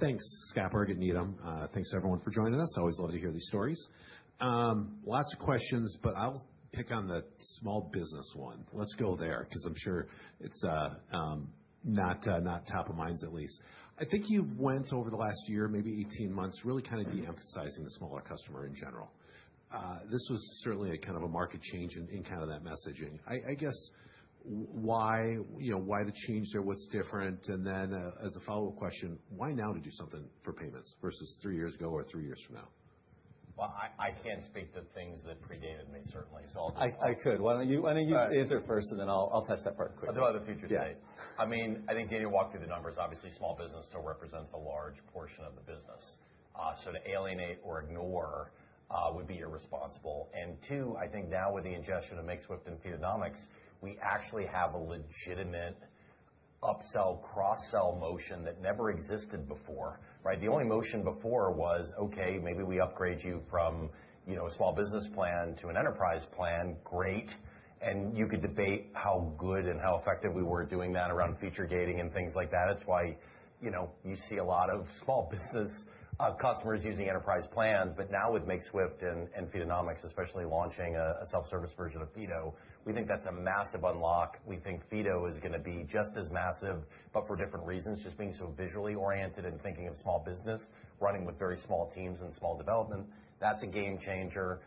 Thanks, [Scapper] Needham. Thanks to everyone for joining us. I always love to hear these stories. Lots of questions, but I'll pick on the small business one. Let's go there because I'm sure it's not top of mind, at least. I think you've went over the last year, maybe 18 months, really kind of de-emphasizing the smaller customer in general. This was certainly a kind of a market change in kind of that messaging. I guess why the change there, what's different? As a follow-up question, why now to do something for payments versus three years ago or three years from now? I can't speak to things that predated me, certainly, so I'll just. I could. Why don't you answer first, and then I'll touch that part quickly. I'll do it on the future side. I mean, I think Daniel walked through the numbers. Obviously, small business still represents a large portion of the business. To alienate or ignore would be irresponsible. Two, I think now with the ingestion of Makeswift and Feedonomics, we actually have a legitimate upsell, cross-sell motion that never existed before. Right? The only motion before was, "Okay, maybe we upgrade you from a small business plan to an enterprise plan." Great. You could debate how good and how effective we were doing that around feature gating and things like that. That is why you see a lot of small business customers using enterprise plans. Now with Makeswift and Feedonomics, especially launching a self-service version of Feedonomics, we think that is a massive unlock. We think Feedonomics is going to be just as massive, but for different reasons. Just being so visually oriented and thinking of small business running with very small teams and small development, that is a game changer.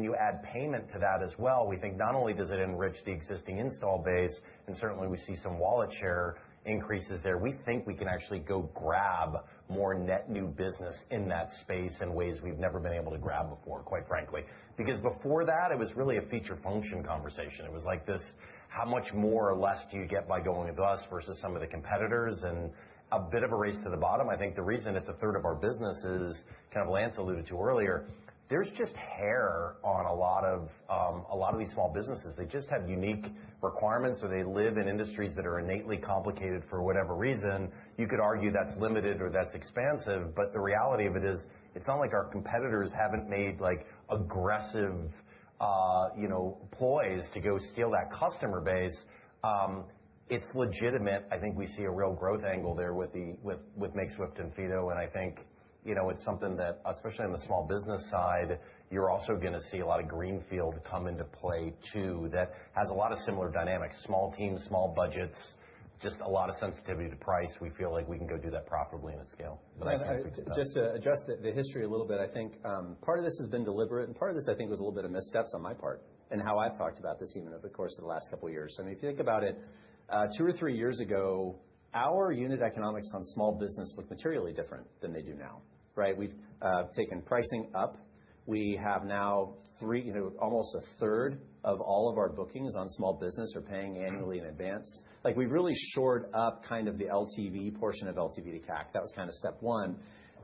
You add payment to that as well. We think not only does it enrich the existing install base, and certainly we see some wallet share increases there, we think we can actually go grab more net new business in that space in ways we've never been able to grab before, quite frankly. Because before that, it was really a feature function conversation. It was like this, how much more or less do you get by going with us versus some of the competitors? A bit of a race to the bottom. I think the reason it's a third of our business is, kind of like Lance alluded to earlier, there's just hair on a lot of these small businesses. They just have unique requirements, or they live in industries that are innately complicated for whatever reason. You could argue that's limited or that's expansive. The reality of it is it's not like our competitors haven't made aggressive ploys to go steal that customer base. It's legitimate. I think we see a real growth angle there with Makeswift and Feedo. I think it's something that, especially on the small business side, you're also going to see a lot of greenfield come into play too that has a lot of similar dynamics. Small teams, small budgets, just a lot of sensitivity to price. We feel like we can go do that profitably and at scale. I think, just to adjust the history a little bit, I think part of this has been deliberate, and part of this I think was a little bit of missteps on my part in how I've talked about this even over the course of the last couple of years. I mean, if you think about it, two or three years ago, our unit economics on small business looked materially different than they do now. Right? We've taken pricing up. We have now almost a third of all of our bookings on small business are paying annually in advance. We really shored up kind of the LTV portion of LTV to CAC. That was kind of step one.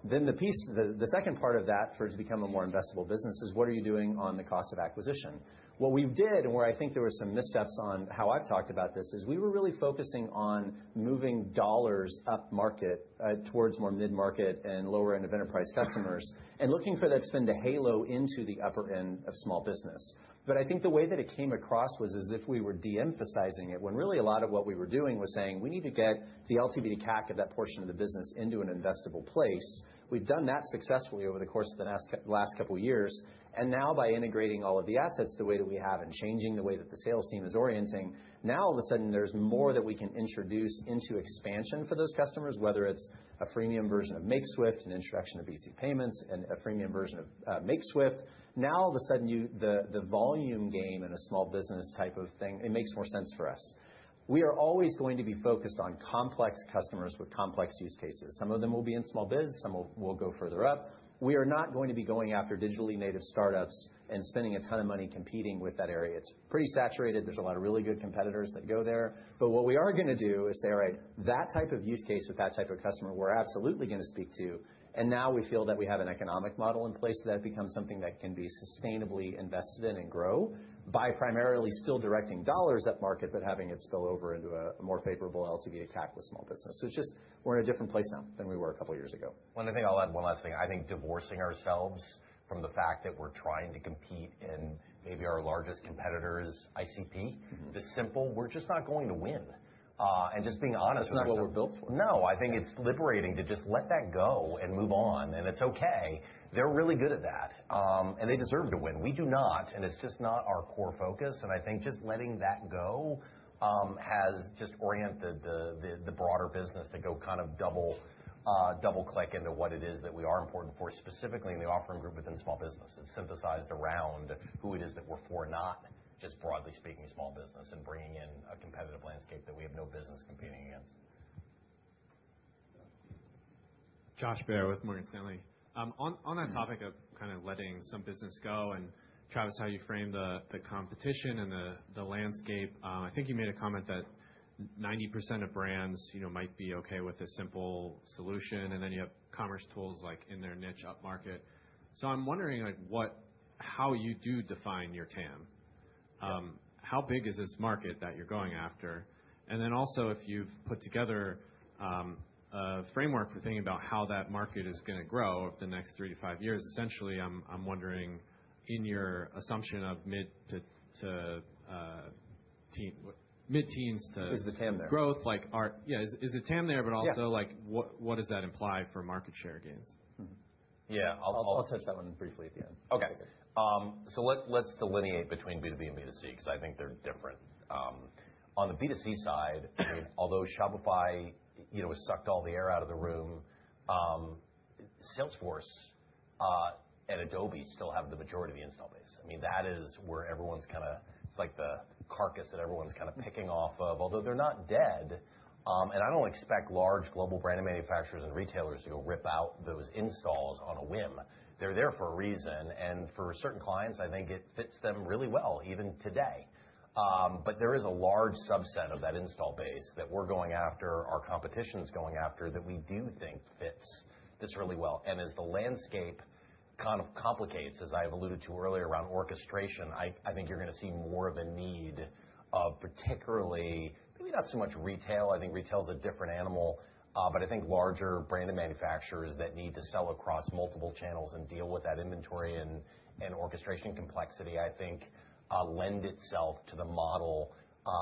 The second part of that for it to become a more investable business is what are you doing on the cost of acquisition? What we did, and where I think there were some missteps on how I've talked about this, is we were really focusing on moving dollars up market towards more mid-market and lower-end of enterprise customers and looking for that spend to halo into the upper end of small business. I think the way that it came across was as if we were de-emphasizing it when really a lot of what we were doing was saying, "We need to get the LTV to CAC of that portion of the business into an investable place." We've done that successfully over the course of the last couple of years. Now by integrating all of the assets the way that we have and changing the way that the sales team is orienting, now all of a sudden there's more that we can introduce into expansion for those customers, whether it's a freemium version of Makeswift and introduction of BC payments and a freemium version of Makeswift. Now all of a sudden the volume game and a small business type of thing, it makes more sense for us. We are always going to be focused on complex customers with complex use cases. Some of them will be in small biz. Some will go further up. We are not going to be going after digitally native startups and spending a ton of money competing with that area. It is pretty saturated. There are a lot of really good competitors that go there. What we are going to do is say, "All right, that type of use case with that type of customer we're absolutely going to speak to." Now we feel that we have an economic model in place that becomes something that can be sustainably invested in and grow by primarily still directing dollars up market, but having it spill over into a more favorable LTV to CAC with small business. It is just we are in a different place now than we were a couple of years ago. One thing I'll add, one last thing. I think divorcing ourselves from the fact that we're trying to compete in maybe our largest competitor's ICP, the simple, we're just not going to win. And just being honest. That's not what we're built for. No, I think it's liberating to just let that go and move on. It's okay. They're really good at that, and they deserve to win. We do not. It's just not our core focus. I think just letting that go has just oriented the broader business to go kind of double-click into what it is that we are important for specifically in the offering group within small business. It's synthesized around who it is that we're for, not just broadly speaking small business and bringing in a competitive landscape that we have no business competing against. Josh Baer with Morgan Stanley. On that topic of kind of letting some business go and Travis, how you frame the competition and the landscape, I think you made a comment that 90% of brands might be okay with a simple solution, and then you have Commerce Tools like in their niche up market. I am wondering how you do define your TAM. How big is this market that you are going after? Also, if you have put together a framework for thinking about how that market is going to grow over the next three to five years, essentially I am wondering in your assumption of mid-teens to. Is the TAM there? Growth, yeah, is the TAM there, but also what does that imply for market share gains? Yeah. I will touch that one briefly at the end. Okay. Let us delineate between B2B and B2C because I think they are different. On the B2C side, I mean, although Shopify has sucked all the air out of the room, Salesforce and Adobe still have the majority of the install base. I mean, that is where everyone's kind of, it's like the carcass that everyone's kind of picking off of, although they're not dead. I don't expect large global brand manufacturers and retailers to go rip out those installs on a whim. They're there for a reason. For certain clients, I think it fits them really well even today. There is a large subset of that install base that we're going after, our competition's going after that we do think fits this really well. As the landscape kind of complicates, as I've alluded to earlier around orchestration, I think you're going to see more of a need of particularly, maybe not so much retail. I think retail's a different animal. I think larger branded manufacturers that need to sell across multiple channels and deal with that inventory and orchestration complexity, I think lend itself to the model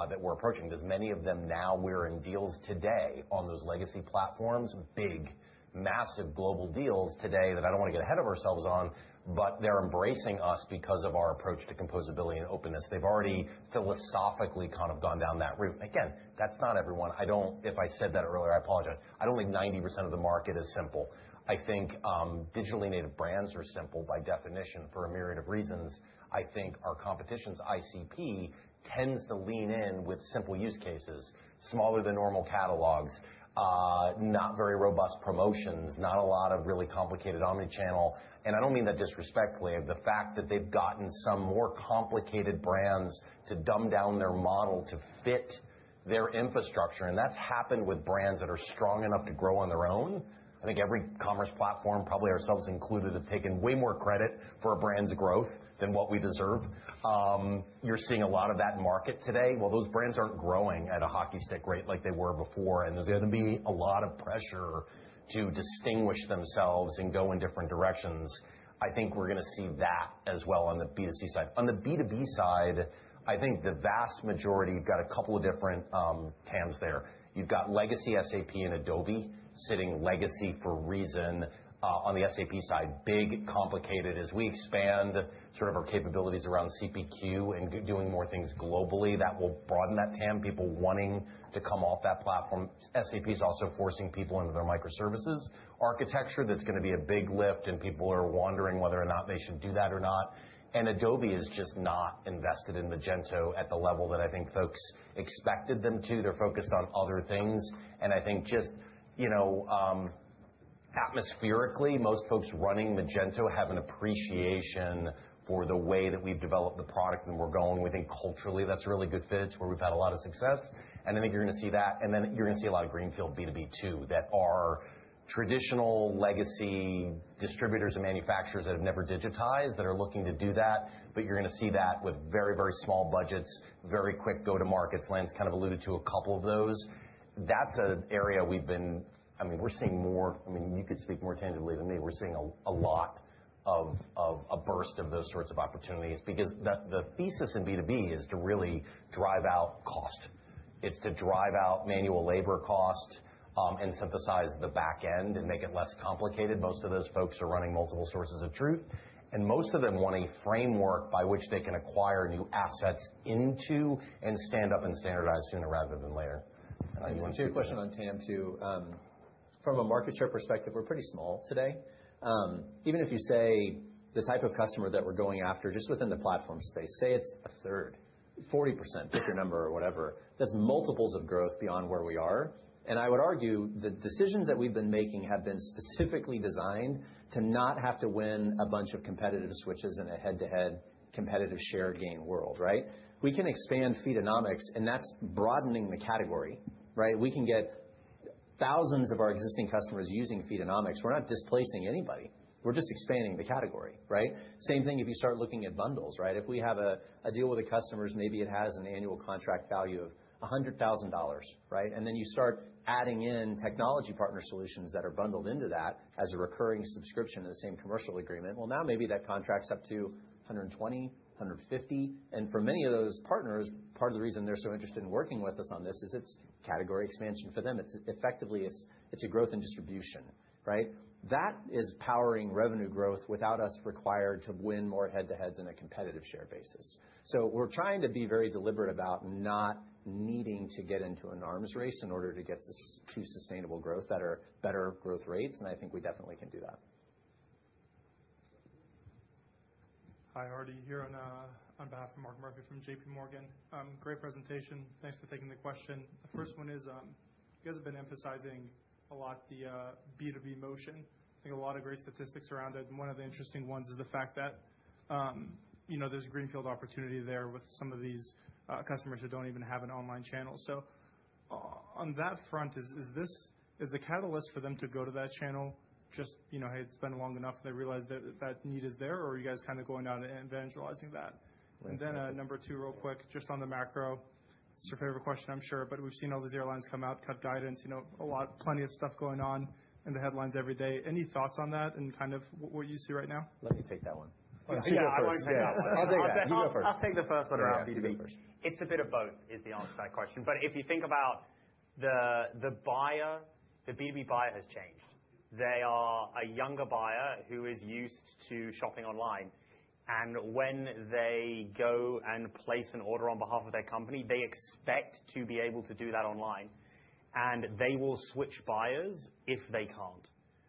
that we're approaching. There are many of them now. We're in deals today on those legacy platforms, big, massive global deals today that I do not want to get ahead of ourselves on, but they're embracing us because of our approach to composability and openness. They've already philosophically kind of gone down that route. Again, that's not everyone. If I said that earlier, I apologize. I do not think 90% of the market is simple. I think digitally native brands are simple by definition for a myriad of reasons. I think our competition's ICP tends to lean in with simple use cases, smaller than normal catalogs, not very robust promotions, not a lot of really complicated omnichannel. I do not mean that disrespectfully of the fact that they have gotten some more complicated brands to dumb down their model to fit their infrastructure. That has happened with brands that are strong enough to grow on their own. I think every commerce platform, probably ourselves included, have taken way more credit for a brand's growth than what we deserve. You are seeing a lot of that in market today. Those brands are not growing at a hockey stick rate like they were before. There is going to be a lot of pressure to distinguish themselves and go in different directions. I think we are going to see that as well on the B2C side. On the B2B side, I think the vast majority, you have got a couple of different TAMs there. You have got legacy SAP and Adobe sitting legacy for a reason on the SAP side. Big, complicated. As we expand sort of our capabilities around CPQ and doing more things globally, that will broaden that TAM, people wanting to come off that platform. SAP's also forcing people into their microservices architecture. That is going to be a big lift, and people are wondering whether or not they should do that or not. Adobe is just not invested in Magento at the level that I think folks expected them to. They are focused on other things. I think just atmospherically, most folks running Magento have an appreciation for the way that we have developed the product and we are going. We think culturally that is a really good fit where we have had a lot of success. I think you are going to see that. You're going to see a lot of greenfield B2B too that are traditional legacy distributors and manufacturers that have never digitized that are looking to do that. You're going to see that with very, very small budgets, very quick go-to-markets. Lance kind of alluded to a couple of those. That's an area we've been, I mean, we're seeing more. I mean, you could speak more tangibly than me. We're seeing a lot of a burst of those sorts of opportunities because the thesis in B2B is to really drive out cost. It's to drive out manual labor cost and synthesize the back end and make it less complicated. Most of those folks are running multiple sources of truth, and most of them want a framework by which they can acquire new assets into and stand up and standardize sooner rather than later. I just have a question on TAM too. From a market share perspective, we're pretty small today. Even if you say the type of customer that we're going after, just within the platform space, say it's a third, 40%, pick your number or whatever, that's multiples of growth beyond where we are. I would argue the decisions that we've been making have been specifically designed to not have to win a bunch of competitive switches in a head-to-head competitive share gain world. Right? We can expand Feedonomics, and that's broadening the category. Right? We can get thousands of our existing customers using Feedonomics. We're not displacing anybody. We're just expanding the category. Right? Same thing if you start looking at bundles. Right? If we have a deal with a customer, maybe it has an annual contract value of $100,000. Right? Then you start adding in technology partner solutions that are bundled into that as a recurring subscription in the same commercial agreement. Now maybe that contract's up to $120, $150. For many of those partners, part of the reason they're so interested in working with us on this is it's category expansion for them. It's effectively a growth in distribution. Right? That is powering revenue growth without us required to win more head-to-heads in a competitive share basis. We are trying to be very deliberate about not needing to get into an arms race in order to get to sustainable growth, better growth rates. I think we definitely can do that. Hi, Hardy here on behalf of Mark Murphy from JPMorgan. Great presentation. Thanks for taking the question. The first one is you guys have been emphasizing a lot the B2B motion. I think a lot of great statistics around it. One of the interesting ones is the fact that there's a greenfield opportunity there with some of these customers who don't even have an online channel. On that front, is this a catalyst for them to go to that channel just, "Hey, it's been long enough," and they realize that that need is there? Are you guys kind of going out and evangelizing that? Number two, real quick, just on the macro, it's your favorite question, I'm sure, but we've seen all these airlines come out, cut guidance, plenty of stuff going on in the headlines every day. Any thoughts on that and kind of what you see right now? Let me take that one. I want to take that one. I'll take the first one. I'll take the first one around B2B first. It's a bit of both is the answer to that question. If you think about the buyer, the B2B buyer has changed. They are a younger buyer who is used to shopping online. When they go and place an order on behalf of their company, they expect to be able to do that online. They will switch buyers if they can't.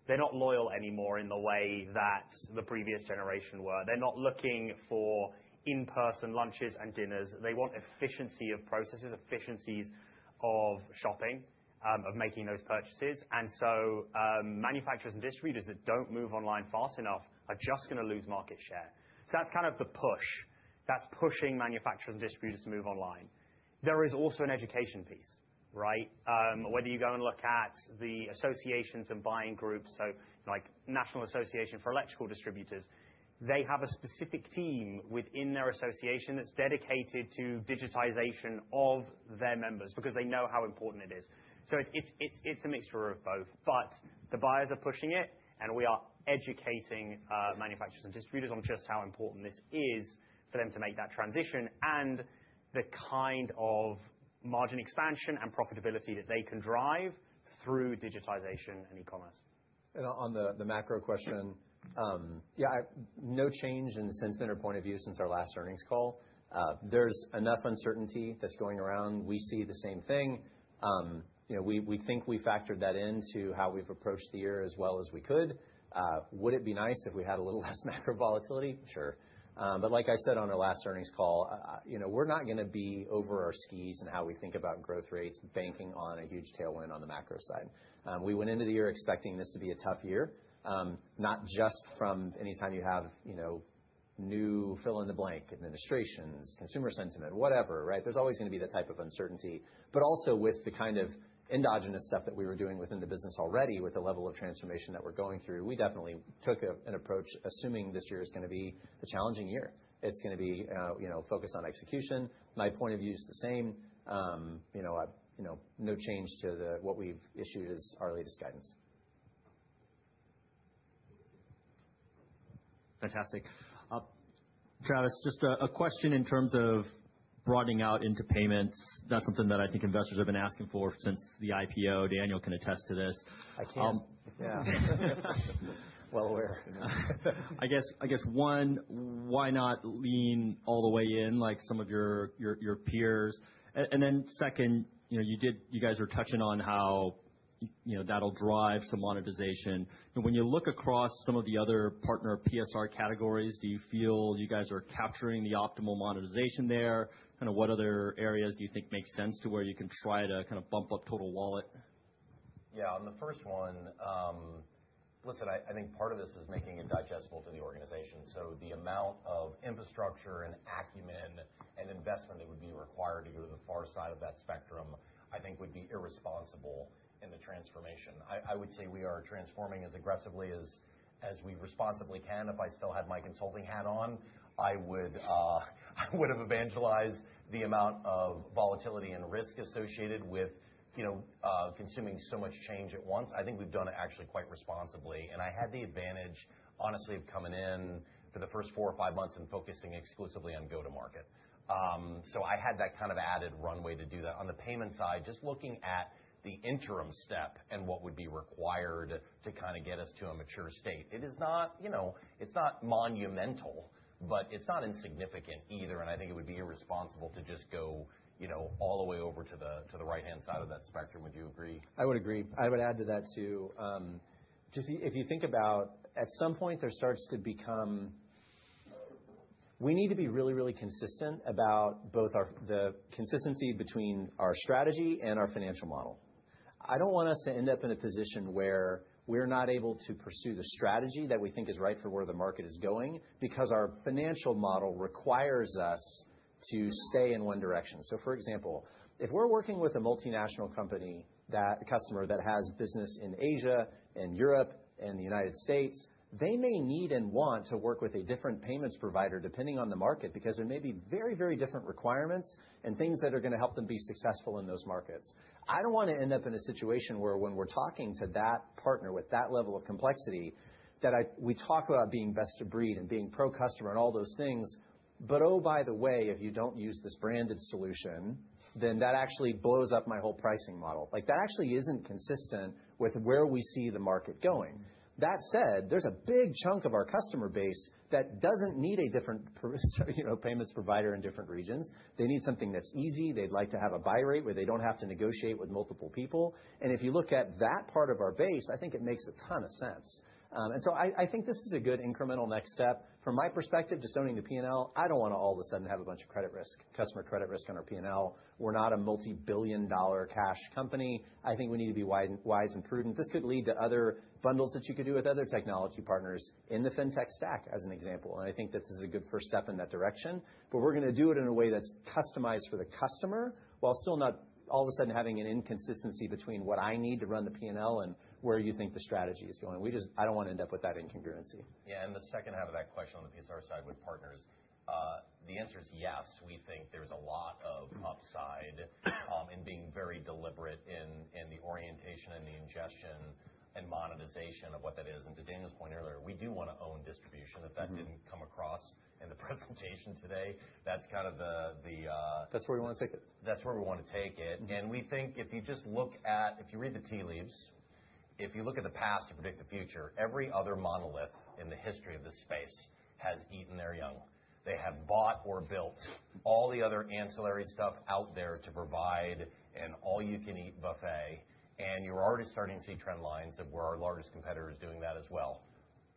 They're not loyal anymore in the way that the previous generation were. They're not looking for in-person lunches and dinners. They want efficiency of processes, efficiencies of shopping, of making those purchases. Manufacturers and distributors that don't move online fast enough are just going to lose market share. That's kind of the push. That's pushing manufacturers and distributors to move online. There is also an education piece. Right? Whether you go and look at the associations and buying groups, National Association for Electrical Distributors has a specific team within their association that's dedicated to digitization of their members because they know how important it is. It's a mixture of both. The buyers are pushing it, and we are educating manufacturers and distributors on just how important this is for them to make that transition and the kind of margin expansion and profitability that they can drive through digitization and e-commerce. On the macro question, no change in the sentiment or point of view since our last earnings call. There's enough uncertainty that's going around. We see the same thing. We think we factored that into how we've approached the year as well as we could. Would it be nice if we had a little less macro volatility? Sure. Like I said on our last earnings call, we're not going to be over our skis in how we think about growth rates banking on a huge tailwind on the macro side. We went into the year expecting this to be a tough year, not just from anytime you have new fill-in-the-blank administrations, consumer sentiment, whatever. Right? There's always going to be that type of uncertainty. Also with the kind of endogenous stuff that we were doing within the business already with the level of transformation that we're going through, we definitely took an approach assuming this year is going to be a challenging year. It's going to be focused on execution. My point of view is the same. No change to what we've issued as our latest guidance. Fantastic. Travis, just a question in terms of broadening out into payments. That's something that I think investors have been asking for since the IPO. Daniel can attest to this. I can't. Yeah. Well aware. I guess one, why not lean all the way in like some of your peers? And then second, you guys were touching on how that'll drive some monetization. When you look across some of the other partner PSR categories, do you feel you guys are capturing the optimal monetization there? Kind of what other areas do you think make sense to where you can try to kind of bump up total wallet? Yeah. On the first one, listen, I think part of this is making it digestible to the organization. So the amount of infrastructure and acumen and investment that would be required to go to the far side of that spectrum, I think would be irresponsible in the transformation. I would say we are transforming as aggressively as we responsibly can. If I still had my consulting hat on, I would have evangelized the amount of volatility and risk associated with consuming so much change at once. I think we've done it actually quite responsibly. I had the advantage, honestly, of coming in for the first four or five months and focusing exclusively on go-to-market. I had that kind of added runway to do that. On the payment side, just looking at the interim step and what would be required to kind of get us to a mature state, it is not monumental, but it's not insignificant either. I think it would be irresponsible to just go all the way over to the right-hand side of that spectrum. Would you agree? I would agree. I would add to that too. If you think about at some point there starts to become we need to be really, really consistent about both the consistency between our strategy and our financial model. I do not want us to end up in a position where we are not able to pursue the strategy that we think is right for where the market is going because our financial model requires us to stay in one direction. For example, if we are working with a multinational customer that has business in Asia and Europe and the United States, they may need and want to work with a different payments provider depending on the market because there may be very, very different requirements and things that are going to help them be successful in those markets. I don't want to end up in a situation where when we're talking to that partner with that level of complexity, that we talk about being best of breed and being pro-customer and all those things, but oh, by the way, if you don't use this branded solution, then that actually blows up my whole pricing model. That actually isn't consistent with where we see the market going. That said, there's a big chunk of our customer base that doesn't need a different payments provider in different regions. They need something that's easy. They'd like to have a buy rate where they don't have to negotiate with multiple people. If you look at that part of our base, I think it makes a ton of sense. I think this is a good incremental next step. From my perspective, disowning the P&L, I don't want to all of a sudden have a bunch of credit risk, customer credit risk on our P&L. We're not a multi-billion dollar cash company. I think we need to be wise and prudent. This could lead to other bundles that you could do with other technology partners in the fintech stack, as an example. I think this is a good first step in that direction. We're going to do it in a way that's customized for the customer while still not all of a sudden having an inconsistency between what I need to run the P&L and where you think the strategy is going. I don't want to end up with that incongruency. Yeah. The second half of that question on the PSR side with partners, the answer is yes. We think there's a lot of upside in being very deliberate in the orientation and the ingestion and monetization of what that is. And to Daniel's point earlier, we do want to own distribution. If that didn't come across in the presentation today, that's kind of the— That's where we want to take it. That's where we want to take it. We think if you just look at—if you read the tea leaves, if you look at the past to predict the future, every other monolith in the history of this space has eaten their young. They have bought or built all the other ancillary stuff out there to provide an all-you-can-eat buffet. You're already starting to see trend lines of where our largest competitor is doing that as well.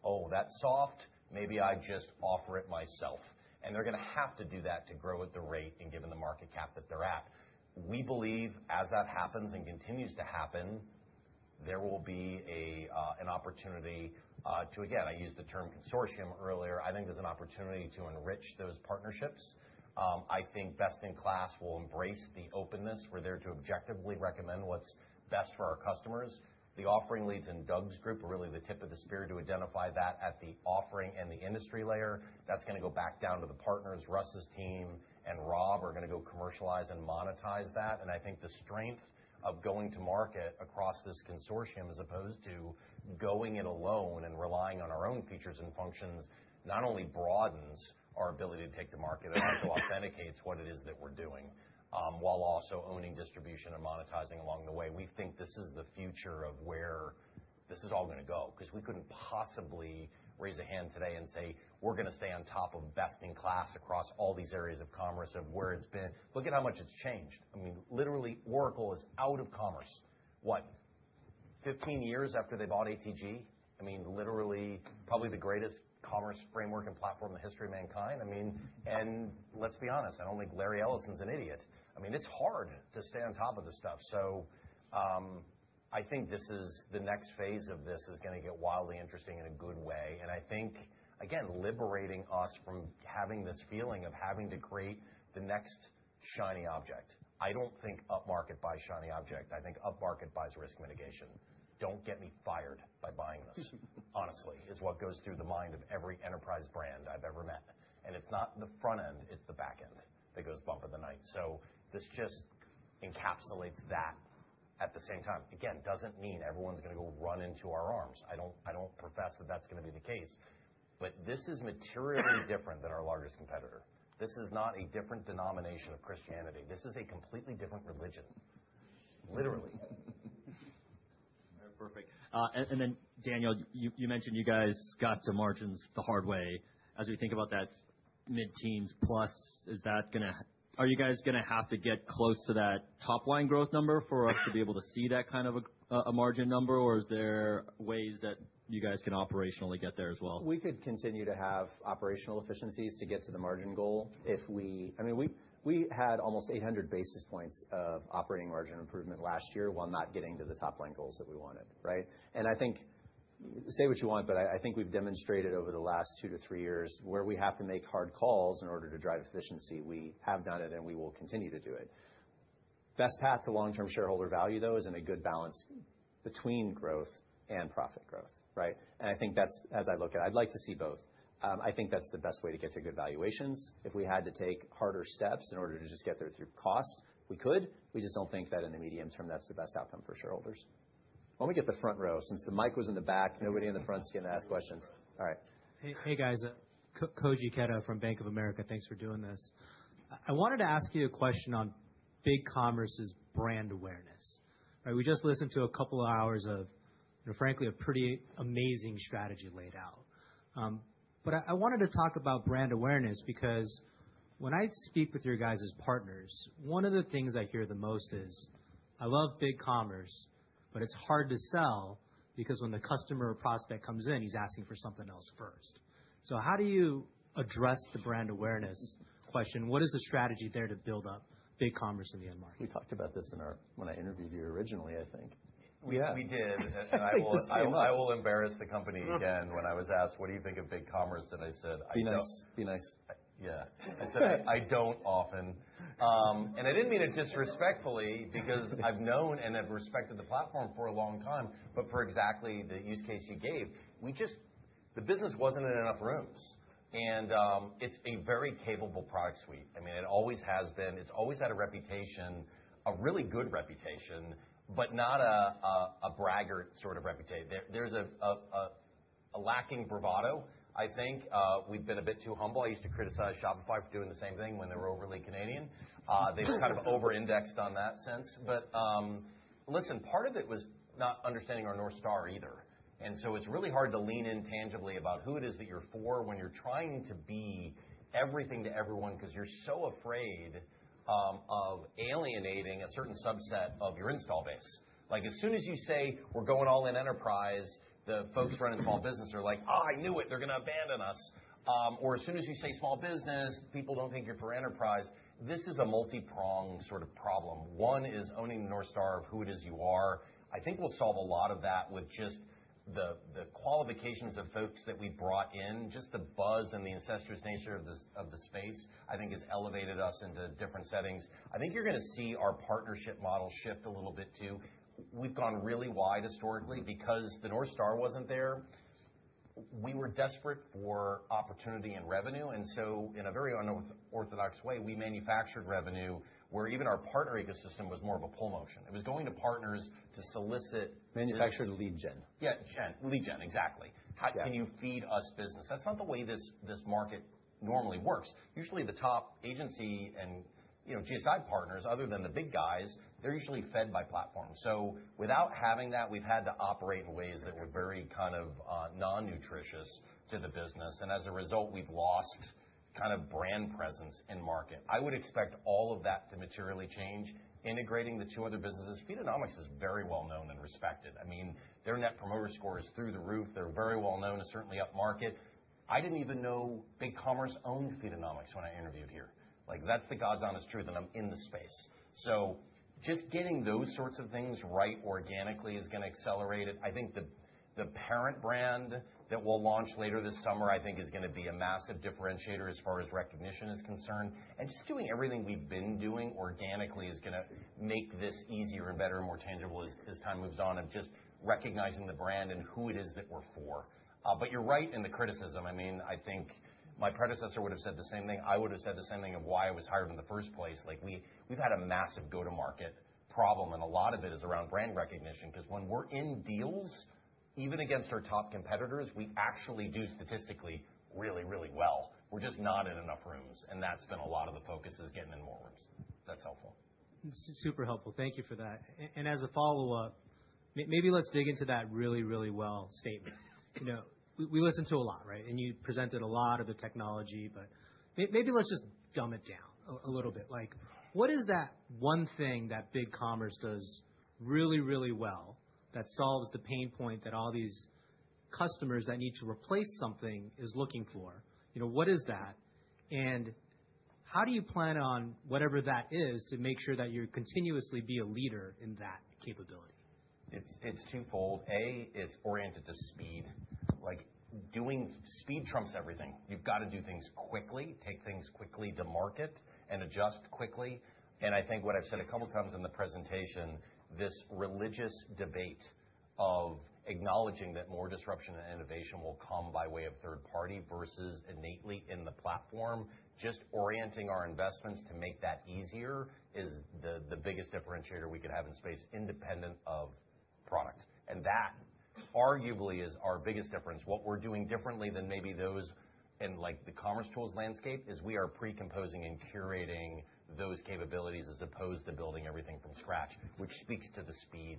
Oh, that's soft. Maybe I just offer it myself. They are going to have to do that to grow at the rate and given the market cap that they are at. We believe as that happens and continues to happen, there will be an opportunity to, again, I used the term consortium earlier. I think there is an opportunity to enrich those partnerships. I think best in class will embrace the openness. We are there to objectively recommend what is best for our customers. The offering leads in Doug's group are really the tip of the spear to identify that at the offering and the industry layer. That is going to go back down to the partners. Russ's team and Rob are going to go commercialize and monetize that. I think the strength of going to market across this consortium as opposed to going it alone and relying on our own features and functions not only broadens our ability to take to market and also authenticates what it is that we're doing while also owning distribution and monetizing along the way. We think this is the future of where this is all going to go because we couldn't possibly raise a hand today and say, "We're going to stay on top of best in class across all these areas of commerce of where it's been." Look at how much it's changed. I mean, literally, Oracle is out of commerce. What, 15 years after they bought ATG? I mean, literally, probably the greatest commerce framework and platform in the history of mankind. I mean, and let's be honest, I don't think Larry Ellison's an idiot. I mean, it's hard to stay on top of this stuff. I think this is the next phase of this, is going to get wildly interesting in a good way. I think, again, liberating us from having this feeling of having to create the next shiny object. I don't think up market buys shiny object. I think up market buys risk mitigation. Don't get me fired by buying this, honestly, is what goes through the mind of every enterprise brand I've ever met. It's not the front end, it's the back end that goes bump of the night. This just encapsulates that at the same time. Again, doesn't mean everyone's going to go run into our arms. I don't profess that that's going to be the case. This is materially different than our largest competitor. This is not a different denomination of Christianity. This is a completely different religion, literally. All right. Perfect. Daniel, you mentioned you guys got to margins the hard way. As we think about that mid-teens plus, is that going to—are you guys going to have to get close to that top-line growth number for us to be able to see that kind of a margin number? Is there ways that you guys can operationally get there as well? We could continue to have operational efficiencies to get to the margin goal if we—I mean, we had almost 800 basis points of operating margin improvement last year while not getting to the top-line goals that we wanted. Right? I think say what you want, but I think we've demonstrated over the last two to three years where we have to make hard calls in order to drive efficiency. We have done it, and we will continue to do it. Best path to long-term shareholder value, though, is in a good balance between growth and profit growth. Right? I think that's, as I look at it, I'd like to see both. I think that's the best way to get to good valuations. If we had to take harder steps in order to just get there through cost, we could. We just don't think that in the medium term, that's the best outcome for shareholders. Why don't we get the front row? Since the mic was in the back, nobody in the front's going to ask questions. All right. Hey, guys. Koji Ikeda from Bank of America. Thanks for doing this. I wanted to ask you a question on Commerce.com's brand awareness. We just listened to a couple of hours of, frankly, a pretty amazing strategy laid out. I wanted to talk about brand awareness because when I speak with your guys as partners, one of the things I hear the most is, "I love Commerce.com, but it's hard to sell because when the customer or prospect comes in, he's asking for something else first." How do you address the brand awareness question? What is the strategy there to build up Commerce.com in the end market? We talked about this when I interviewed you originally, I think. We did. I will embarrass the company again when I was asked, "What do you think of Commerce.com?" I said, "I don't." Be nice. Be nice. Yeah. I said, "I don't often." I did not mean it disrespectfully because I have known and have respected the platform for a long time. For exactly the use case you gave, the business was not in enough rooms. It is a very capable product suite. I mean, it always has been. It has always had a reputation, a really good reputation, but not a braggart sort of reputation. There is a lacking bravado, I think. We have been a bit too humble. I used to criticize Shopify for doing the same thing when they were overly Canadian. They have kind of over-indexed on that since. Part of it was not understanding our North Star either. It is really hard to lean in tangibly about who it is that you are for when you are trying to be everything to everyone because you are so afraid of alienating a certain subset of your install base. As soon as you say, "We are going all in enterprise," the folks running small business are like, "Oh, I knew it. They're going to abandon us." Or as soon as you say small business, people don't think you're for enterprise. This is a multi-pronged sort of problem. One is owning the North Star of who it is you are. I think we'll solve a lot of that with just the qualifications of folks that we brought in. Just the buzz and the incestuous nature of the space, I think, has elevated us into different settings. I think you're going to see our partnership model shift a little bit too. We've gone really wide historically because the North Star wasn't there. We were desperate for opportunity and revenue. In a very unorthodox way, we manufactured revenue where even our partner ecosystem was more of a pull motion. It was going to partners to solicit. Manufactured lead gen. Yeah. Lead gen, exactly. How can you feed us business? That's not the way this market normally works. Usually, the top agency and GSI partners, other than the big guys, they're usually fed by platforms. Without having that, we've had to operate in ways that were very kind of non-nutritious to the business. As a result, we've lost kind of brand presence in market. I would expect all of that to materially change. Integrating the two other businesses, Feedonomics is very well known and respected. I mean, their net promoter score is through the roof. They're very well known and certainly up market. I didn't even know BigCommerce owned Feedonomics when I interviewed here. That's the god's honest truth, and I'm in the space. Just getting those sorts of things right organically is going to accelerate it. I think the parent brand that will launch later this summer, I think, is going to be a massive differentiator as far as recognition is concerned. Just doing everything we've been doing organically is going to make this easier and better and more tangible as time moves on of just recognizing the brand and who it is that we're for. You're right in the criticism. I mean, I think my predecessor would have said the same thing. I would have said the same thing of why I was hired in the first place. We've had a massive go-to-market problem, and a lot of it is around brand recognition because when we're in deals, even against our top competitors, we actually do statistically really, really well. We're just not in enough rooms. That has been a lot of the focus, getting in more rooms. That's helpful. Super helpful. Thank you for that. As a follow-up, maybe let's dig into that really, really well statement. We listen to a lot, right? You presented a lot of the technology, but maybe let's just dumb it down a little bit. What is that one thing that Commerce.com does really, really well that solves the pain point that all these customers that need to replace something is looking for? What is that? How do you plan on whatever that is to make sure that you continuously be a leader in that capability? It's twofold. A, it's oriented to speed. Doing speed trumps everything. You've got to do things quickly, take things quickly to market, and adjust quickly. I think what I've said a couple of times in the presentation, this religious debate of acknowledging that more disruption and innovation will come by way of third party versus innately in the platform, just orienting our investments to make that easier is the biggest differentiator we could have in space independent of product. That arguably is our biggest difference. What we're doing differently than maybe those in the Commerce Tools landscape is we are precomposing and curating those capabilities as opposed to building everything from scratch, which speaks to the speed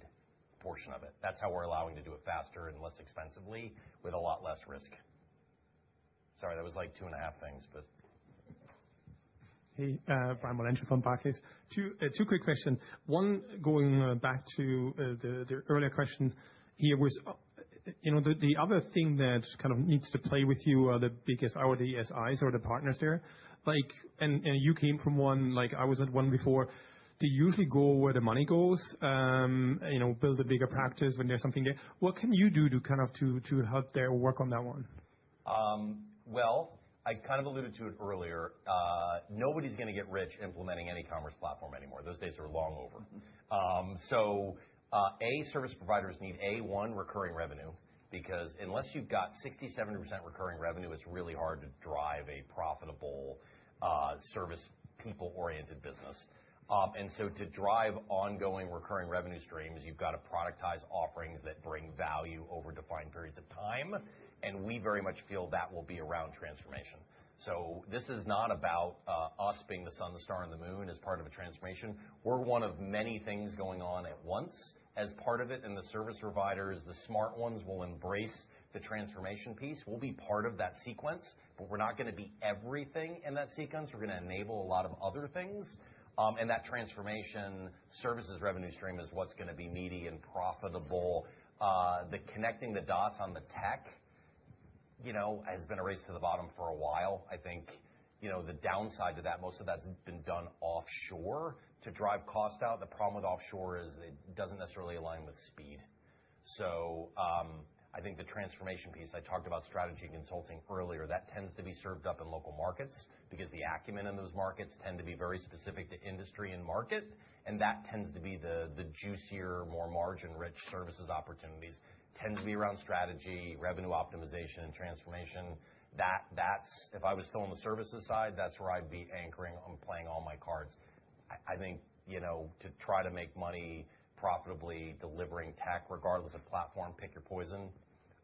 portion of it. That's how we're allowing to do it faster and less expensively with a lot less risk. Sorry, that was like two and a half things, but. Hey, Brian malench from Barclays. Two quick questions. One going back to the earlier question here was the other thing that kind of needs to play with you are the biggest RDSIs or the partners there. You came from one; I was at one before. They usually go where the money goes, build a bigger practice when there's something there. What can you do to kind of help there or work on that one? I kind of alluded to it earlier. Nobody's going to get rich implementing any commerce platform anymore. Those days are long over. A, service providers need, one, recurring revenue because unless you've got 60-70% recurring revenue, it's really hard to drive a profitable service people-oriented business. To drive ongoing recurring revenue streams, you've got to productize offerings that bring value over defined periods of time. We very much feel that will be around transformation. This is not about us being the sun, the star, and the moon as part of a transformation. We're one of many things going on at once as part of it. The service providers, the smart ones, will embrace the transformation piece. We'll be part of that sequence, but we're not going to be everything in that sequence. We're going to enable a lot of other things. That transformation services revenue stream is what's going to be meaty and profitable. The connecting the dots on the tech has been a race to the bottom for a while. I think the downside to that, most of that's been done offshore to drive cost out. The problem with offshore is it doesn't necessarily align with speed. I think the transformation piece, I talked about strategy and consulting earlier, that tends to be served up in local markets because the acumen in those markets tend to be very specific to industry and market. That tends to be the juicier, more margin-rich services opportunities tend to be around strategy, revenue optimization, and transformation. If I was still on the services side, that's where I'd be anchoring on playing all my cards. I think to try to make money profitably delivering tech, regardless of platform, pick your poison,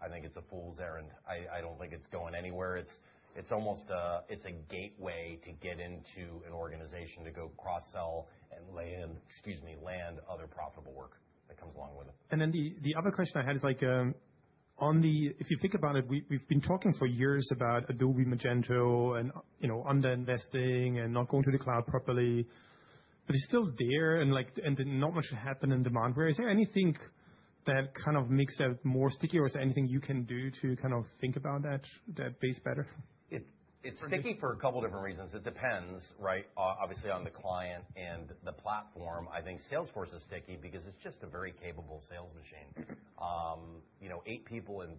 I think it's a fool's errand. I don't think it's going anywhere. It's almost a gateway to get into an organization to go cross-sell and land other profitable work that comes along with it. The other question I had is, if you think about it, we've been talking for years about Adobe Magento and underinvesting and not going to the cloud properly. It is still there and not much happened in demand. Is there anything that kind of makes that more sticky or is there anything you can do to kind of think about that base better? It is sticky for a couple of different reasons. It depends, right? Obviously, on the client and the platform. I think Salesforce is sticky because it is just a very capable sales machine. Eight people in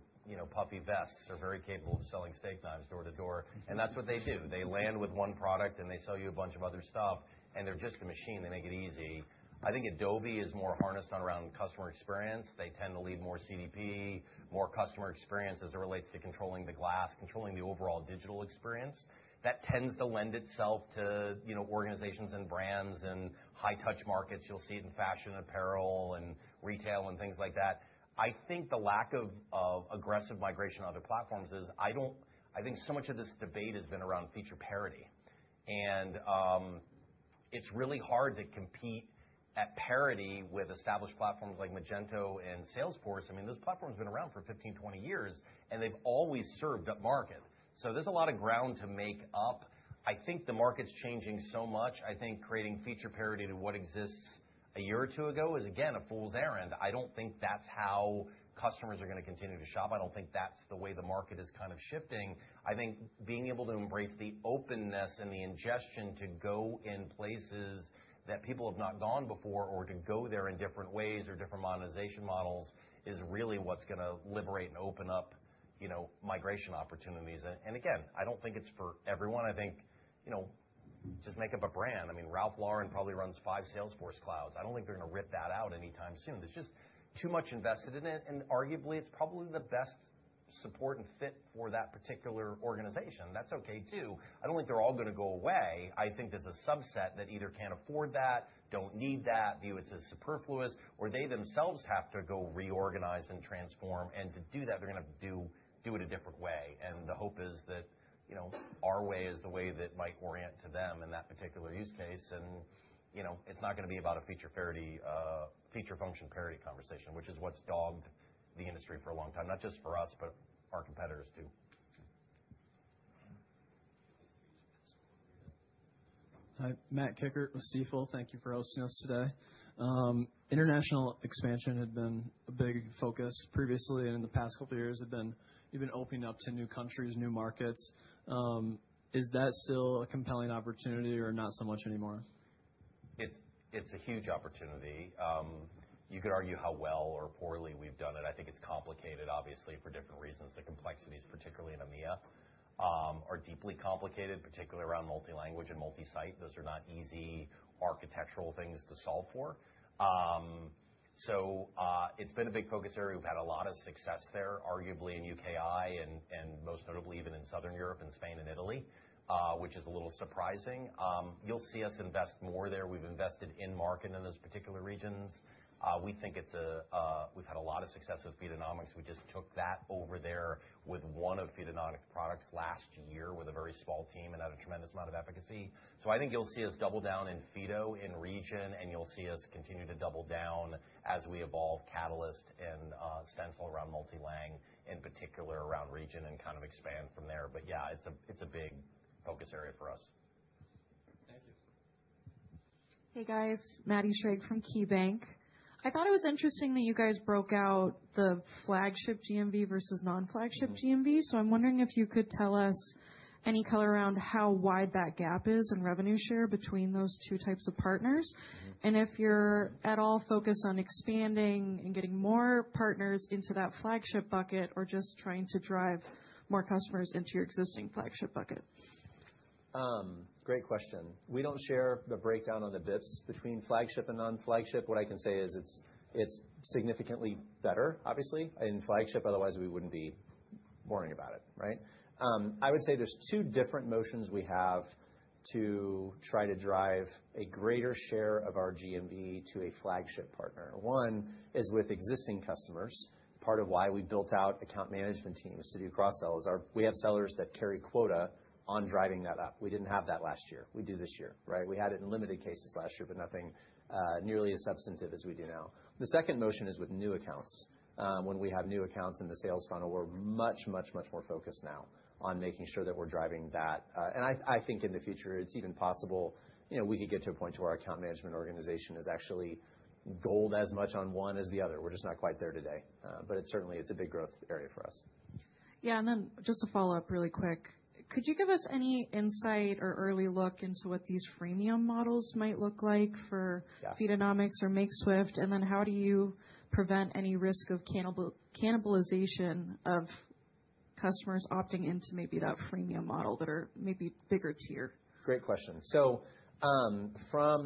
puffy vests are very capable of selling steak knives door to door. That is what they do. They land with one product, and they sell you a bunch of other stuff. They are just a machine. They make it easy. I think Adobe is more harnessed around customer experience. They tend to lead more CDP, more customer experience as it relates to controlling the glass, controlling the overall digital experience. That tends to lend itself to organizations and brands and high-touch markets. You'll see it in fashion, apparel, and retail and things like that. I think the lack of aggressive migration on other platforms is I think so much of this debate has been around feature parity. It's really hard to compete at parity with established platforms like Magento and Salesforce. I mean, those platforms have been around for 15, 20 years, and they've always served up market. There's a lot of ground to make up. I think the market's changing so much. I think creating feature parity to what exists a year or two ago is, again, a fool's errand. I don't think that's how customers are going to continue to shop. I don't think that's the way the market is kind of shifting. I think being able to embrace the openness and the ingestion to go in places that people have not gone before or to go there in different ways or different monetization models is really what's going to liberate and open up migration opportunities. Again, I don't think it's for everyone. I think just make up a brand. I mean, Ralph Lauren probably runs five Salesforce clouds. I don't think they're going to rip that out anytime soon. There's just too much invested in it. Arguably, it's probably the best support and fit for that particular organization. That's okay too. I don't think they're all going to go away. I think there's a subset that either can't afford that, don't need that, view it's superfluous, or they themselves have to go reorganize and transform. To do that, they're going to have to do it a different way. The hope is that our way is the way that might orient to them in that particular use case. It's not going to be about a feature function parity conversation, which is what's dogged the industry for a long time, not just for us, but our competitors too. Hi, Matt Kikkert with Stifel. Thank you for hosting us today. International expansion had been a big focus previously, and in the past couple of years, you've been opening up to new countries, new markets. Is that still a compelling opportunity or not so much anymore? It's a huge opportunity. You could argue how well or poorly we've done it. I think it's complicated, obviously, for different reasons. The complexities, particularly in EMEA, are deeply complicated, particularly around multi-language and multi-site. Those are not easy architectural things to solve for. It's been a big focus area. We've had a lot of success there, arguably in the U.K. and most notably even in Southern Europe, in Spain and Italy, which is a little surprising. You'll see us invest more there. We've invested in market in those particular regions. We think we've had a lot of success with Feedonomics. We just took that over there with one of Feedonomics' products last year with a very small team and had a tremendous amount of efficacy. I think you'll see us double down in Feedonomics in region, and you'll see us continue to double down as we evolve Catalyst and Stencil around multi-lang, in particular around region, and kind of expand from there. It's a big focus area for us. Thank you. Hey, guys. Maddie Schrage from KeyBanc. I thought it was interesting that you guys broke out the flagship GMV versus non-flagship GMV. I'm wondering if you could tell us any color around how wide that gap is in revenue share between those two types of partners. If you're at all focused on expanding and getting more partners into that flagship bucket or just trying to drive more customers into your existing flagship bucket. Great question. We don't share the breakdown on the basis points between flagship and non-flagship. What I can say is it's significantly better, obviously, in flagship. Otherwise, we wouldn't be worrying about it, right? I would say there's two different motions we have to try to drive a greater share of our GMV to a flagship partner. One is with existing customers. Part of why we built out account management teams to do cross-sell is we have sellers that carry quota on driving that up. We did not have that last year. We do this year, right? We had it in limited cases last year, but nothing nearly as substantive as we do now. The second motion is with new accounts. When we have new accounts in the sales funnel, we are much, much, much more focused now on making sure that we are driving that. I think in the future, it is even possible we could get to a point where our account management organization is actually gold as much on one as the other. We are just not quite there today. Certainly, it is a big growth area for us. Yeah. Just to follow up really quick, could you give us any insight or early look into what these freemium models might look like for Feedonomics or Makeswift? How do you prevent any risk of cannibalization of customers opting into maybe that freemium model that are maybe bigger tier? Great question. First, let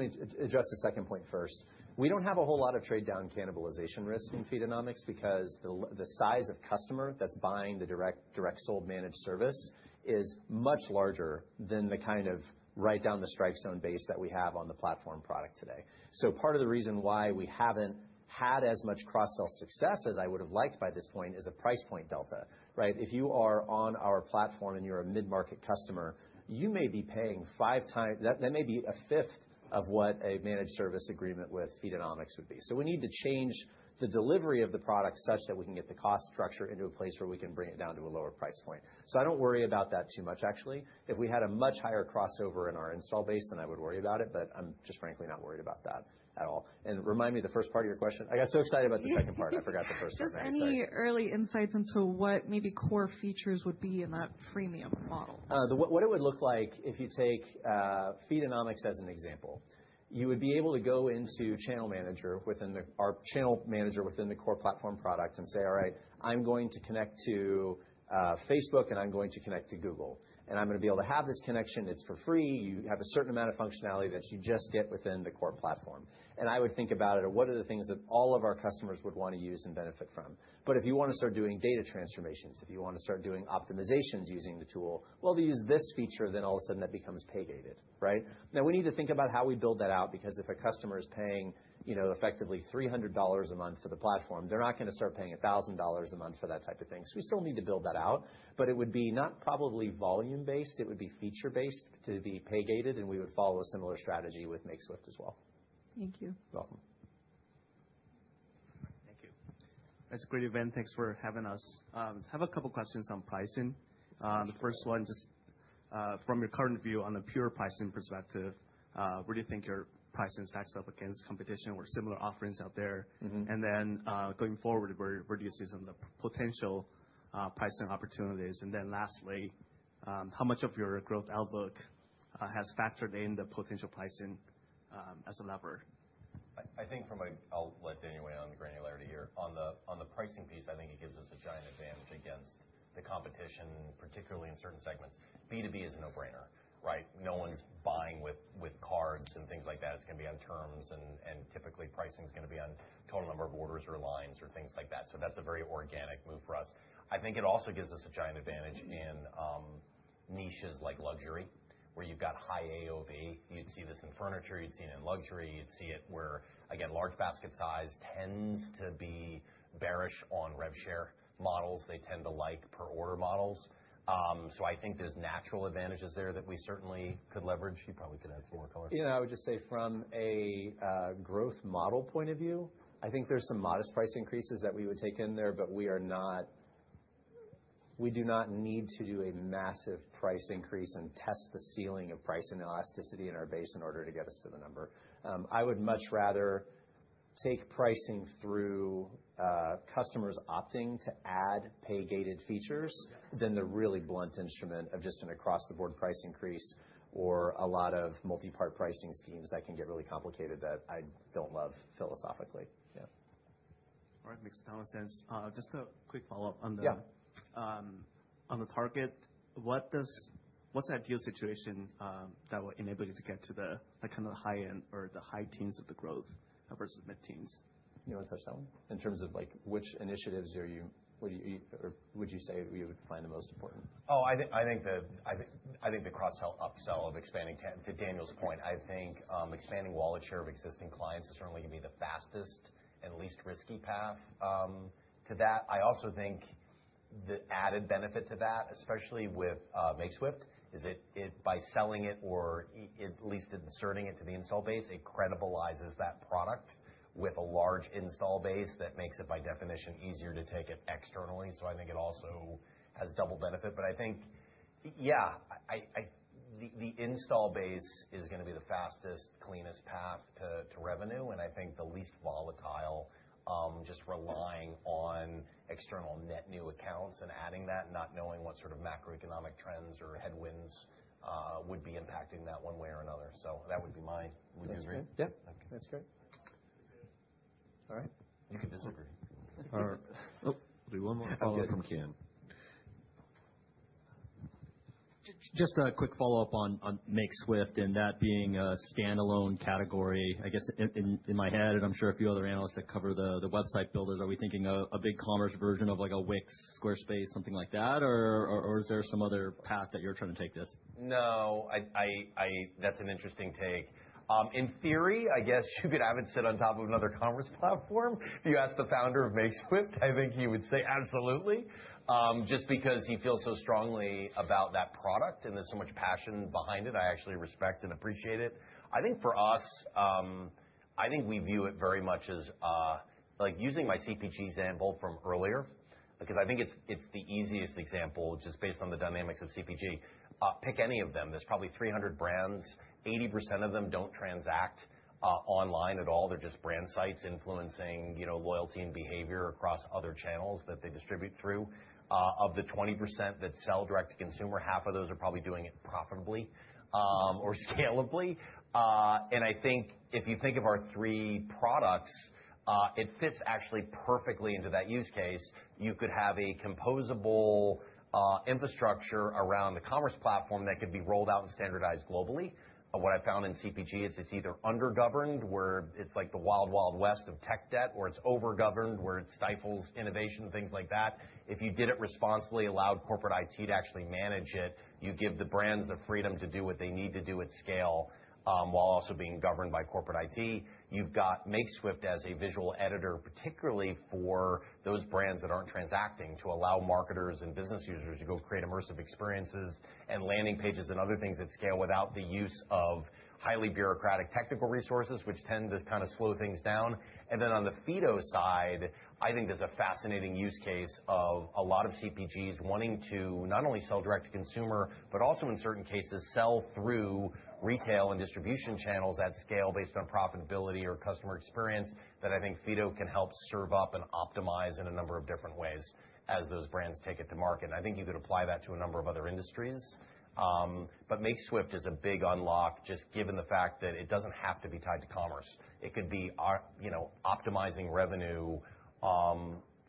me address the second point first. We do not have a whole lot of trade-down cannibalization risk in Feedonomics because the size of customer that is buying the direct sold managed service is much larger than the kind of right-down-the-strike-zone base that we have on the platform product today. Part of the reason why we have not had as much cross-sell success as I would have liked by this point is a price point delta, right? If you are on our platform and you're a mid-market customer, you may be paying five times; that may be a fifth of what a managed service agreement with Feedonomics would be. We need to change the delivery of the product such that we can get the cost structure into a place where we can bring it down to a lower price point. I do not worry about that too much, actually. If we had a much higher crossover in our install base, then I would worry about it, but I'm just frankly not worried about that at all. Remind me the first part of your question. I got so excited about the second part. I forgot the first part. Just any early insights into what maybe core features would be in that Freemium model? What it would look like if you take Feedonomics as an example, you would be able to go into channel manager within our channel manager within the core platform product and say, "All right, I'm going to connect to Facebook, and I'm going to connect to Google. I'm going to be able to have this connection. It's for free. You have a certain amount of functionality that you just get within the core platform." I would think about it, what are the things that all of our customers would want to use and benefit from? If you want to start doing data transformations, if you want to start doing optimizations using the tool, they use this feature, then all of a sudden that becomes pay-gated, right? Now, we need to think about how we build that out because if a customer is paying effectively $300 a month for the platform, they're not going to start paying $1,000 a month for that type of thing. We still need to build that out, but it would be not probably volume-based. It would be feature-based to be pay-gated, and we would follow a similar strategy with Makeswift as well. Thank you. Welcome. Thank you. That's a great event. Thanks for having us. I have a couple of questions on pricing. The first one, just from your current view on a pure pricing perspective, where do you think your pricing stacks up against competition or similar offerings out there? Going forward, where do you see some of the potential pricing opportunities? Lastly, how much of your growth outlook has factored in the potential pricing as a lever? I think from a—I will let Daniel in on the granularity here. On the pricing piece, I think it gives us a giant advantage against the competition, particularly in certain segments. B2B is a no-brainer, right? No one's buying with cards and things like that. It is going to be on terms, and typically pricing is going to be on total number of orders or lines or things like that. That is a very organic move for us. I think it also gives us a giant advantage in niches like luxury, where you have got high AOV. You would see this in furniture. You would see it in luxury. You would see it where, again, large basket size tends to be bearish on rev share models. They tend to like per-order models. I think there's natural advantages there that we certainly could leverage. You probably could add some more color. Yeah. I would just say from a growth model point of view, I think there's some modest price increases that we would take in there, but we do not need to do a massive price increase and test the ceiling of price and elasticity in our base in order to get us to the number. I would much rather take pricing through customers opting to add pay-gated features than the really blunt instrument of just an across-the-board price increase or a lot of multi-part pricing schemes that can get really complicated that I don't love philosophically. Yeah. All right. Makes a ton of sense. Just a quick follow-up on the target. What's the ideal situation that will enable you to get to the kind of high-end or the high teens of the growth versus mid-teens? You want to touch that one? In terms of which initiatives would you say we would find the most important? Oh, I think the cross-sell upsell of expanding—to Daniel's point, I think expanding wallet share of existing clients is certainly going to be the fastest and least risky path to that. I also think the added benefit to that, especially with Makeswift, is that by selling it or at least inserting it to the install base, it credibilizes that product with a large install base that makes it, by definition, easier to take it externally. I think it also has double benefit. I think, yeah, the install base is going to be the fastest, cleanest path to revenue, and I think the least volatile, just relying on external net new accounts and adding that and not knowing what sort of macroeconomic trends or headwinds would be impacting that one way or another. That would be my reasoning. Yep. That's great. All right. You can disagree. All right. We'll do one more follow-up from Ken. Just a quick follow-up on Makeswift and that being a standalone category. I guess in my head, and I'm sure a few other analysts that cover the website builders, are we thinking a Commerce.com version of a Wix, Squarespace, something like that, or is there some other path that you're trying to take this? No, that's an interesting take. In theory, I guess you could have it sit on top of another commerce platform. If you ask the founder of Makeswift, I think he would say absolutely, just because he feels so strongly about that product and there's so much passion behind it. I actually respect and appreciate it. I think for us, I think we view it very much as using my CPG example from earlier because I think it's the easiest example just based on the dynamics of CPG. Pick any of them. There's probably 300 brands. 80% of them don't transact online at all. They're just brand sites influencing loyalty and behavior across other channels that they distribute through. Of the 20% that sell direct to consumer, half of those are probably doing it profitably or scalably. I think if you think of our three products, it fits actually perfectly into that use case. You could have a composable infrastructure around the commerce platform that could be rolled out and standardized globally. What I found in CPG, it's either undergoverned, where it's like the wild, wild west of tech debt, or it's overgoverned, where it stifles innovation, things like that. If you did it responsibly, allowed corporate IT to actually manage it, you give the brands the freedom to do what they need to do at scale while also being governed by corporate IT. You've got Makeswift as a visual editor, particularly for those brands that aren't transacting, to allow marketers and business users to go create immersive experiences and landing pages and other things at scale without the use of highly bureaucratic technical resources, which tend to kind of slow things down. On the Fido side, I think there's a fascinating use case of a lot of CPGs wanting to not only sell direct to consumer, but also in certain cases, sell through retail and distribution channels at scale based on profitability or customer experience that I think Fido can help serve up and optimize in a number of different ways as those brands take it to market. I think you could apply that to a number of other industries. Makeswift is a big unlock just given the fact that it doesn't have to be tied to commerce. It could be optimizing revenue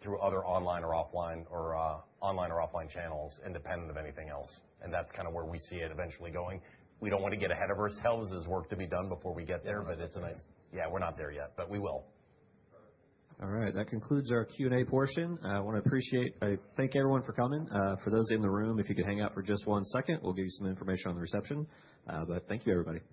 through other online or offline channels independent of anything else. That's kind of where we see it eventually going. We don't want to get ahead of ourselves. There's work to be done before we get there, but it's a nice—yeah, we're not there yet, but we will. All right. That concludes our Q&A portion. I want to appreciate—I thank everyone for coming. For those in the room, if you could hang out for just one second, we'll give you some information on the reception. Thank you, everybody.